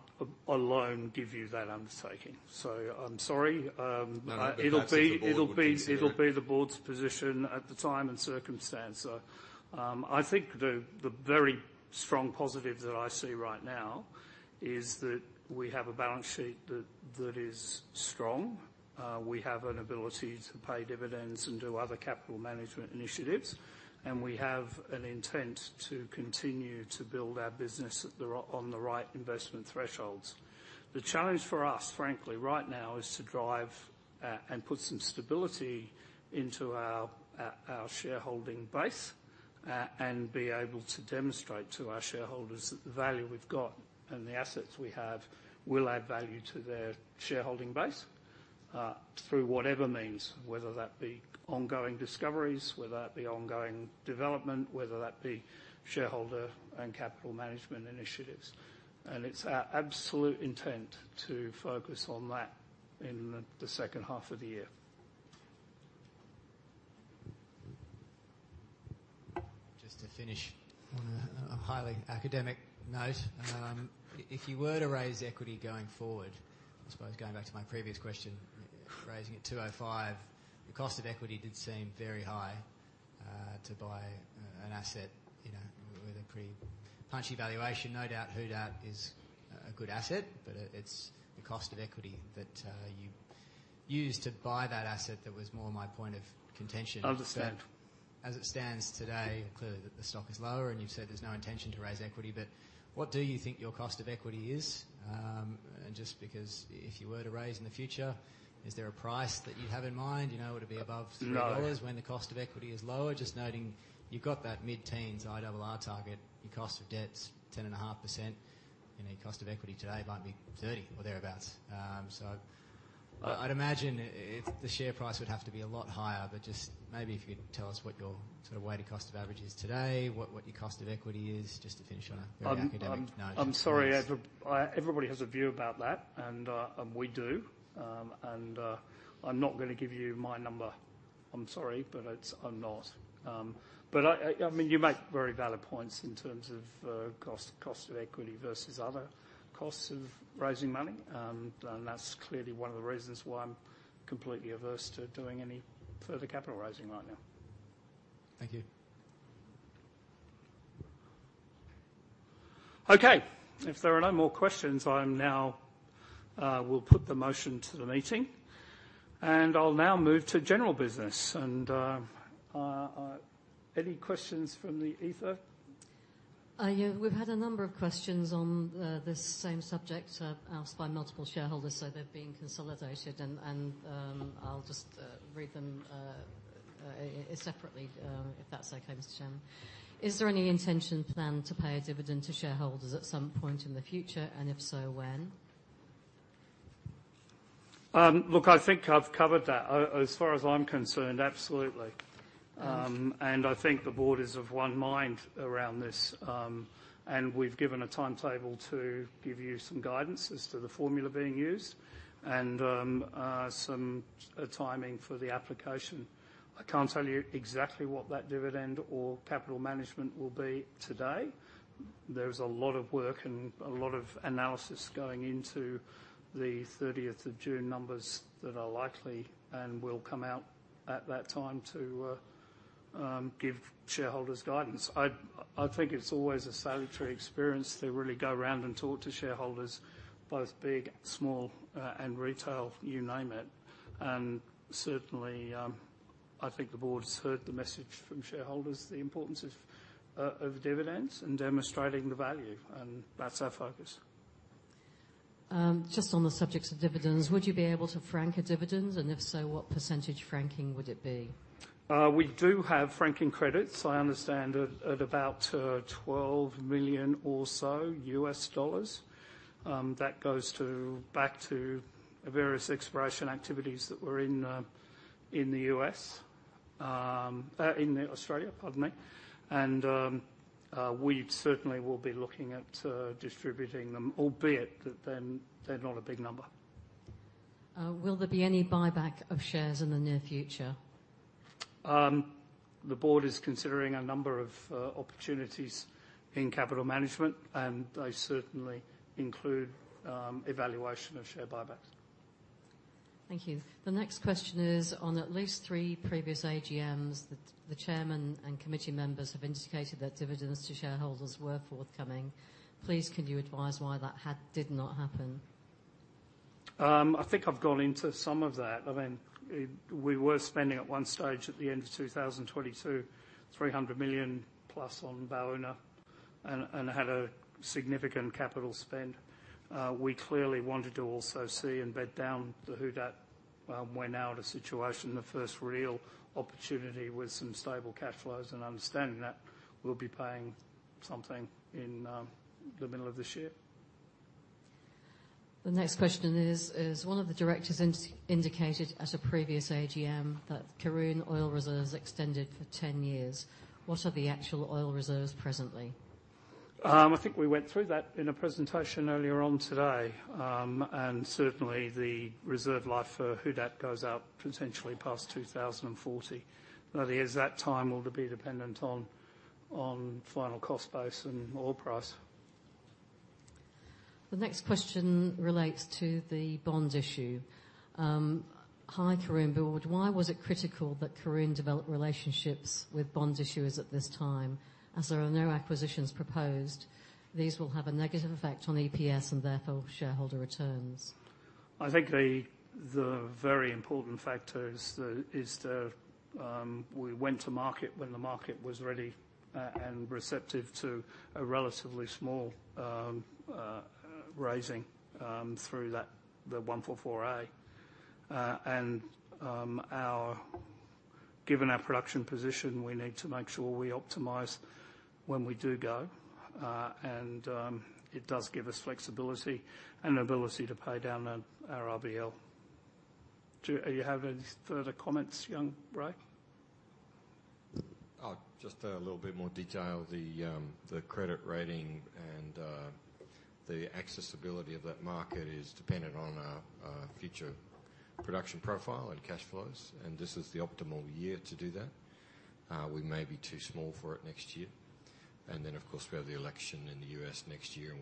alone give you that undertaking, so I'm sorry. No, but that's what the Board would consider. It'll be the Board's position at the time and circumstance. So, I think the very strong positive that I see right now is that we have a balance sheet that is strong. We have an ability to pay dividends and do other capital management initiatives, and we have an intent to continue to build our business on the right investment thresholds. The challenge for us, frankly, right now, is to drive and put some stability into our shareholding base, and be able to demonstrate to our shareholders that the value we've got and the assets we have will add value to their shareholding base, through whatever means, whether that be ongoing discoveries, whether that be ongoing development, whether that be shareholder and capital management initiatives. It's our absolute intent to focus on that in the second half of the year. Just to finish on a highly academic note. If you were to raise equity going forward, I suppose going back to my previous question, raising it 2.05, the cost of equity did seem very high to buy an asset, you know, with a pretty punchy valuation. No doubt Who Dat is a good asset, but it's the cost of equity that you used to buy that asset that was more my point of contention. Understand. As it stands today, clearly, the stock is lower, and you've said there's no intention to raise equity, but what do you think your cost of equity is? And just because if you were to raise in the future, is there a price that you have in mind? You know, would it be above No 3 dollars when the cost of equity is lower? Just noting you've got that mid-teens IRR target. Your cost of debt's 10.5%, and your cost of equity today might be 30 or thereabouts. So I'd, I'd imagine it, if the share price would have to be a lot higher. But just maybe if you could tell us what your sort of weighted average cost is today, what, what your cost of equity is, just to finish on a very academic note. I'm sorry, everybody has a view about that, and we do. I'm not gonna give you my number. I'm sorry, but it's... I'm not. But I mean, you make very valid points in terms of cost of equity versus other costs of raising money. That's clearly one of the reasons why I'm completely averse to doing any further capital raising right now. Thank you. Okay. If there are no more questions, I now will put the motion to the meeting, and I'll now move to general business. Any questions from the ether? Yeah, we've had a number of questions on this same subject asked by multiple shareholders, so they're being consolidated, and I'll just read them separately, if that's okay, Mr. Chairman. Is there any intention plan to pay a dividend to shareholders at some point in the future? And if so, when? Look, I think I've covered that. As far as I'm concerned, absolutely. Um- I think the board is of one mind around this. We've given a timetable to give you some guidance as to the formula being used and some timing for the application. I can't tell you exactly what that dividend or capital management will be today. There's a lot of work and a lot of analysis going into the thirtieth of June numbers that are likely and will come out at that time to give shareholders guidance. I think it's always a salutary experience to really go around and talk to shareholders, both big, small, and retail, you name it. Certainly, I think the board's heard the message from shareholders, the importance of dividends and demonstrating the value, and that's our focus. Just on the subject of dividends, would you be able to frank a dividend? And if so, what percentage franking would it be? We do have franking credits, I understand, at about $12 million or so. That goes back to various exploration activities that were in the U.S., in Australia, pardon me. We certainly will be looking at distributing them, albeit that they're not a big number. Will there be any buyback of shares in the near future? The board is considering a number of opportunities in capital management, and they certainly include evaluation of share buybacks. Thank you. The next question is: on at least three previous AGMs, the chairman and committee members have indicated that dividends to shareholders were forthcoming. Please, can you advise why that did not happen? I think I've gone into some of that. I mean, it we were spending at one stage, at the end of 2022, $300 million plus on Baúna and had a significant capital spend. We clearly wanted to also see and bed down the Who Dat. We're now at a situation, the first real opportunity with some stable cash flows and understanding that we'll be paying something in the middle of this year. The next question is, one of the directors indicated at a previous AGM that Karoon oil reserves extended for 10 years. What are the actual oil reserves presently? I think we went through that in a presentation earlier on today. Certainly, the reserve life for Who Dat goes out potentially past 2040. Obviously, that time will be dependent on final cost base and oil price. The next question relates to the bond issue. Hi, Karoon Board. Why was it critical that Karoon develop relationships with bond issuers at this time, as there are no acquisitions proposed, these will have a negative effect on EPS and therefore shareholder returns? I think the very important factor is we went to market when the market was ready and receptive to a relatively small raising through that the 144A. Given our production position, we need to make sure we optimize when we do go. And it does give us flexibility and ability to pay down our RBL. Do you have any further comments, Ray? Oh, just a little bit more detail. The credit rating and the accessibility of that market is dependent on future production profile and cash flows, and this is the optimal year to do that. We may be too small for it next year. And then, of course, we have the election in the U.S. next year, and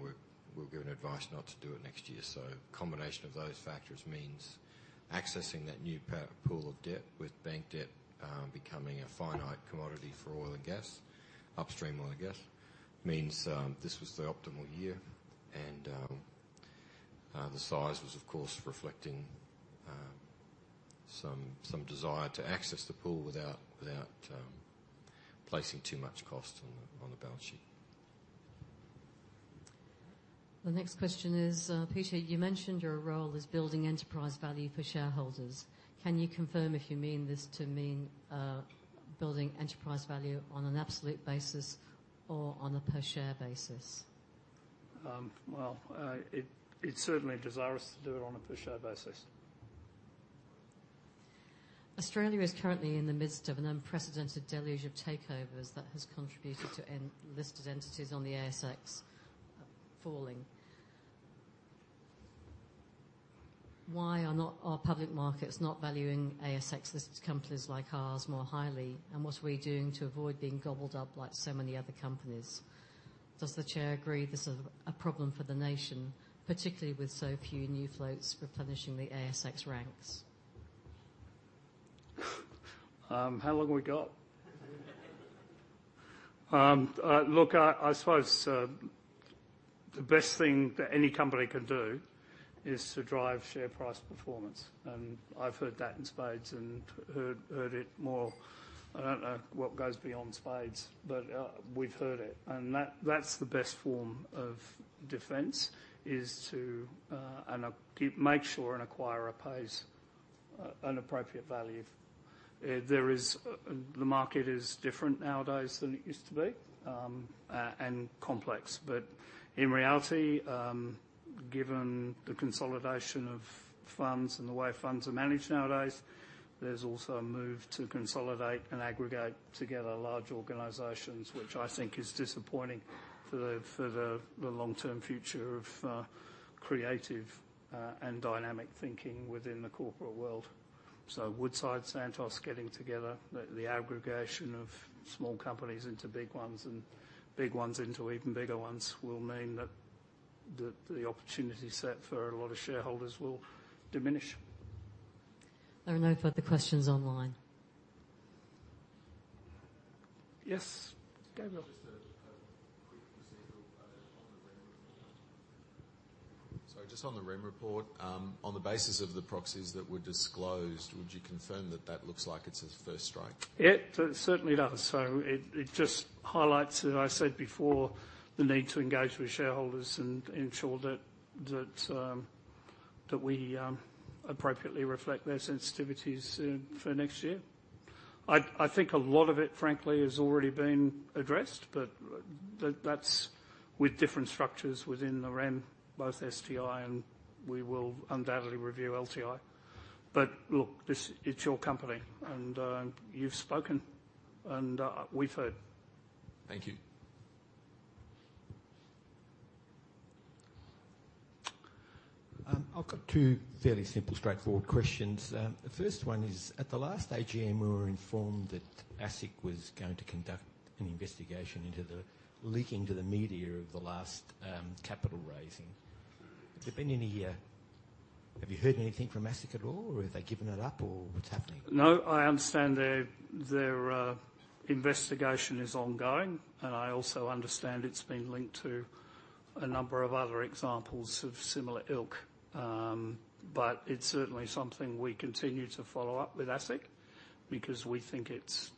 we've been advised not to do it next year. So combination of those factors means accessing that new pool of debt, with bank debt becoming a finite commodity for oil and gas, upstream oil and gas, means this was the optimal year. And the size was, of course, reflecting some desire to access the pool without placing too much cost on the balance sheet. The next question is, Peter, you mentioned your role as building enterprise value for shareholders. Can you confirm if you mean this to mean, building enterprise value on an absolute basis or on a per share basis? Well, it certainly desires to do it on a per share basis. Australia is currently in the midst of an unprecedented deluge of takeovers that has contributed to the number of listed entities on the ASX falling. Why are public markets not valuing ASX-listed companies like ours more highly? And what are we doing to avoid being gobbled up like so many other companies? Does the Chair agree this is a problem for the nation, particularly with so few new floats replenishing the ASX ranks? How long we got? Look, I suppose the best thing that any company can do is to drive share price performance, and I've heard that in spades, and heard it more... I don't know what goes beyond spades, but we've heard it. And that's the best form of defense, is to and keep make sure an acquirer pays an appropriate value. There is the market is different nowadays than it used to be, and complex. But in reality, given the consolidation of funds and the way funds are managed nowadays, there's also a move to consolidate and aggregate together large organizations, which I think is disappointing for the long-term future of creative and dynamic thinking within the corporate world. So Woodside, Santos getting together, the aggregation of small companies into big ones, and big ones into even bigger ones, will mean that the opportunity set for a lot of shareholders will diminish. There are no further questions online. Yes, Gabriel? Just a quick procedural on the Rem report. So just on the Rem report, on the basis of the proxies that were disclosed, would you confirm that that looks like it's a first strike? Yeah, it certainly does. So it, it just highlights, as I said before, the need to engage with shareholders and ensure that, that, that we, appropriately reflect their sensitivities, for next year. I, I think a lot of it, frankly, has already been addressed, but that, that's with different structures within the REM, both STI, and we will undoubtedly review LTI. But look, this, it's your company, and, you've spoken, and, we've heard. Thank you. I've got two fairly simple, straightforward questions. The first one is, at the last AGM, we were informed that ASIC was going to conduct an investigation into the leaking to the media of the last, capital raising. It's been nearly a year. Have you heard anything from ASIC at all, or have they given it up, or what's happening? No, I understand their investigation is ongoing, and I also understand it's been linked to a number of other examples of similar ilk. But it's certainly something we continue to follow up with ASIC, because we think it's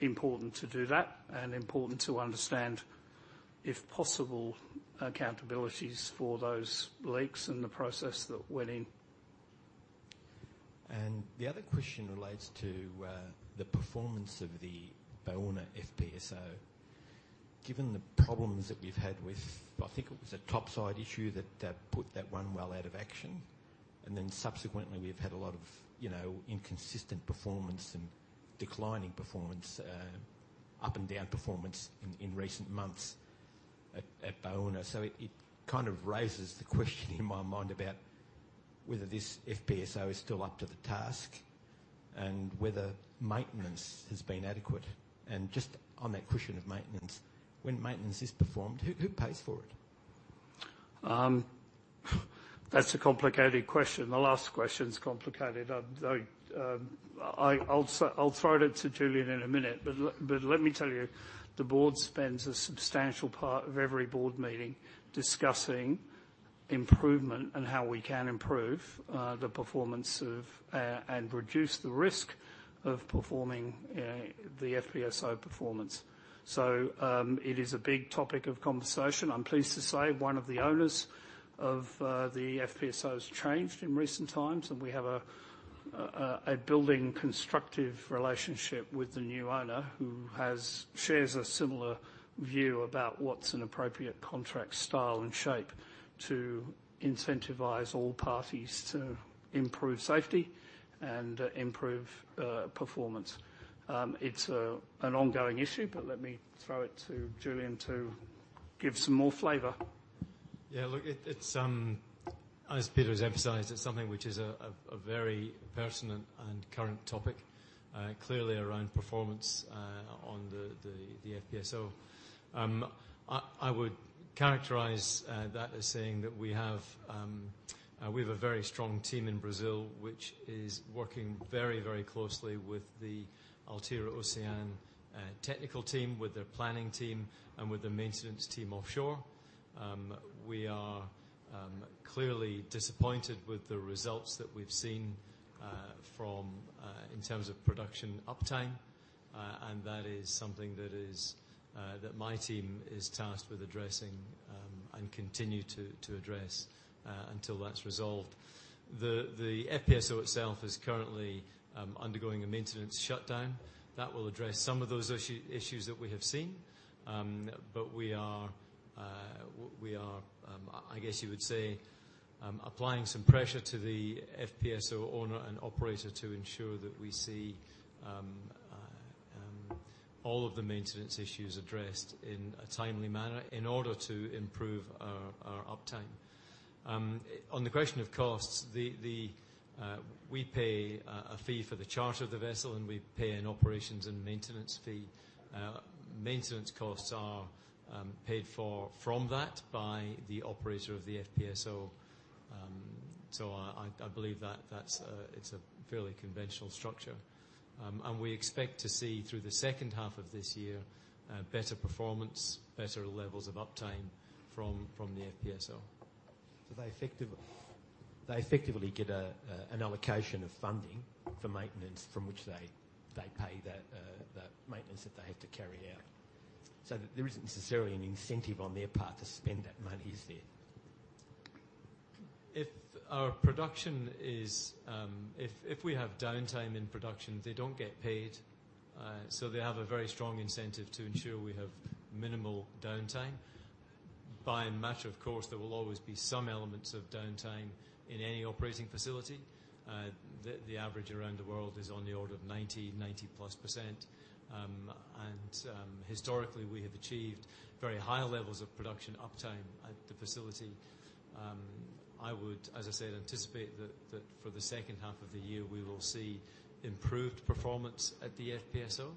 important to do that and important to understand, if possible, accountabilities for those leaks and the process that went in- And the other question relates to the performance of the Baúna FPSO. Given the problems that we've had with, I think it was a topside issue that put that one well out of action, and then subsequently, we've had a lot of, you know, inconsistent performance and declining performance, up and down performance in recent months at Baúna. So it kind of raises the question in my mind about whether this FPSO is still up to the task and whether maintenance has been adequate. And just on that question of maintenance, when maintenance is performed, who pays for it? That's a complicated question. The last question's complicated. I'll throw it to Julian in a minute. But let me tell you, the board spends a substantial part of every board meeting discussing improvement and how we can improve, the performance of, and reduce the risk of performing, the FPSO performance. So, it is a big topic of conversation. I'm pleased to say one of the owners of the FPSO has changed in recent times, and we have a, a building constructive relationship with the new owner, who shares a similar view about what's an appropriate contract style and shape to incentivize all parties to improve safety and, improve, performance. It's an ongoing issue, but let me throw it to Julian to give some more flavor. Yeah, look, it's as Peter has emphasized, it's something which is a very pertinent and current topic, clearly around performance on the FPSO. I would characterize that as saying that we have a very strong team in Brazil, which is working very, very closely with the Altera Ocyan technical team, with their planning team, and with the maintenance team offshore. We are clearly disappointed with the results that we've seen from in terms of production uptime, and that is something that my team is tasked with addressing, and continue to address until that's resolved. The FPSO itself is currently undergoing a maintenance shutdown. That will address some of those issues that we have seen. But we are applying some pressure to the FPSO owner and operator to ensure that we see all of the maintenance issues addressed in a timely manner in order to improve our uptime. On the question of costs, we pay a fee for the charter of the vessel, and we pay an operations and maintenance fee. Maintenance costs are paid for from that by the operator of the FPSO. So I believe that, that's, it's a fairly conventional structure. And we expect to see through the second half of this year better performance, better levels of uptime from the FPSO. So they effectively get an allocation of funding for maintenance, from which they pay the maintenance that they have to carry out. So there isn't necessarily an incentive on their part to spend that money, is there? If our production is, If, if we have downtime in production, they don't get paid. So they have a very strong incentive to ensure we have minimal downtime. By and large, of course, there will always be some elements of downtime in any operating facility. The average around the world is on the order of 90%-90%+. Historically, we have achieved very high levels of production uptime at the facility. I would, as I said, anticipate that for the second half of the year, we will see improved performance at the FPSO.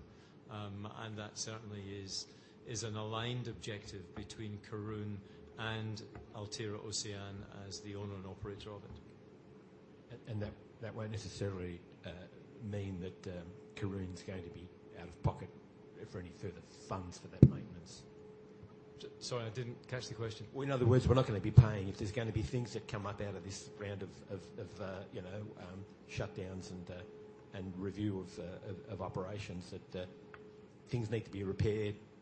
And that certainly is an aligned objective between Karoon and Altera Ocyan as the owner and operator of it. That won't necessarily mean that Karoon's going to be out of pocket for any further funds for that maintenance? Sorry, I didn't catch the question. Well, in other words, we're not gonna be paying. If there's gonna be things that come up out of this round of, you know, shutdowns and review of operations, that things need to be repaired- Look,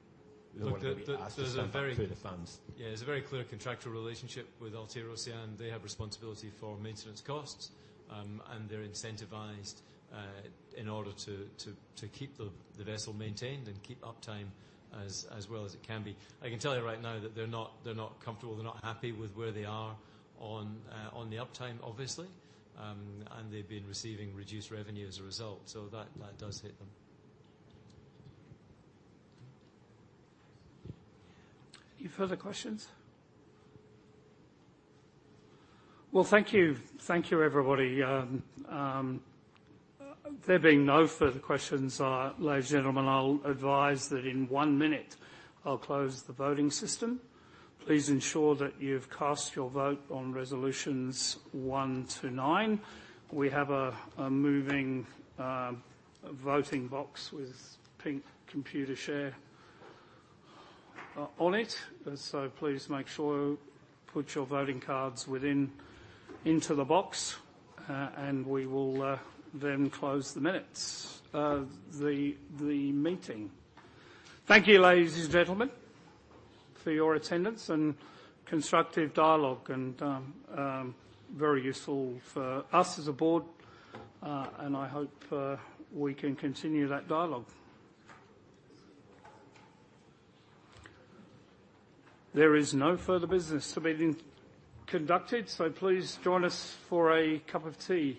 there's a very- We don't want to be asked to fund further funds. Yeah, there's a very clear contractual relationship with Altera Ocyan. They have responsibility for maintenance costs, and they're incentivized in order to keep the vessel maintained and keep uptime as well as it can be. I can tell you right now that they're not comfortable, they're not happy with where they are on the uptime, obviously. And they've been receiving reduced revenue as a result, so that does hit them. Any further questions? Well, thank you. Thank you, everybody. There being no further questions, ladies and gentlemen, I'll advise that in one minute, I'll close the voting system. Please ensure that you've cast your vote on resolutions one to nine. We have a moving voting box with pink Computershare on it. So please make sure put your voting cards within, into the box, and we will then close the minutes, the meeting. Thank you, ladies and gentlemen, for your attendance and constructive dialogue, and very useful for us as a Board, and I hope we can continue that dialogue. There is no further business to be conducted, so please join us for a cup of tea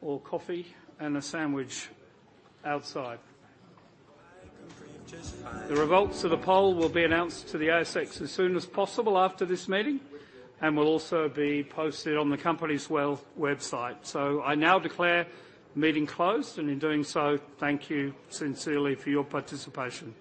or coffee and a sandwich outside. The results of the poll will be announced to the ASX as soon as possible after this meeting, and will also be posted on the company's website. So I now declare the meeting closed, and in doing so, thank you sincerely for your participation.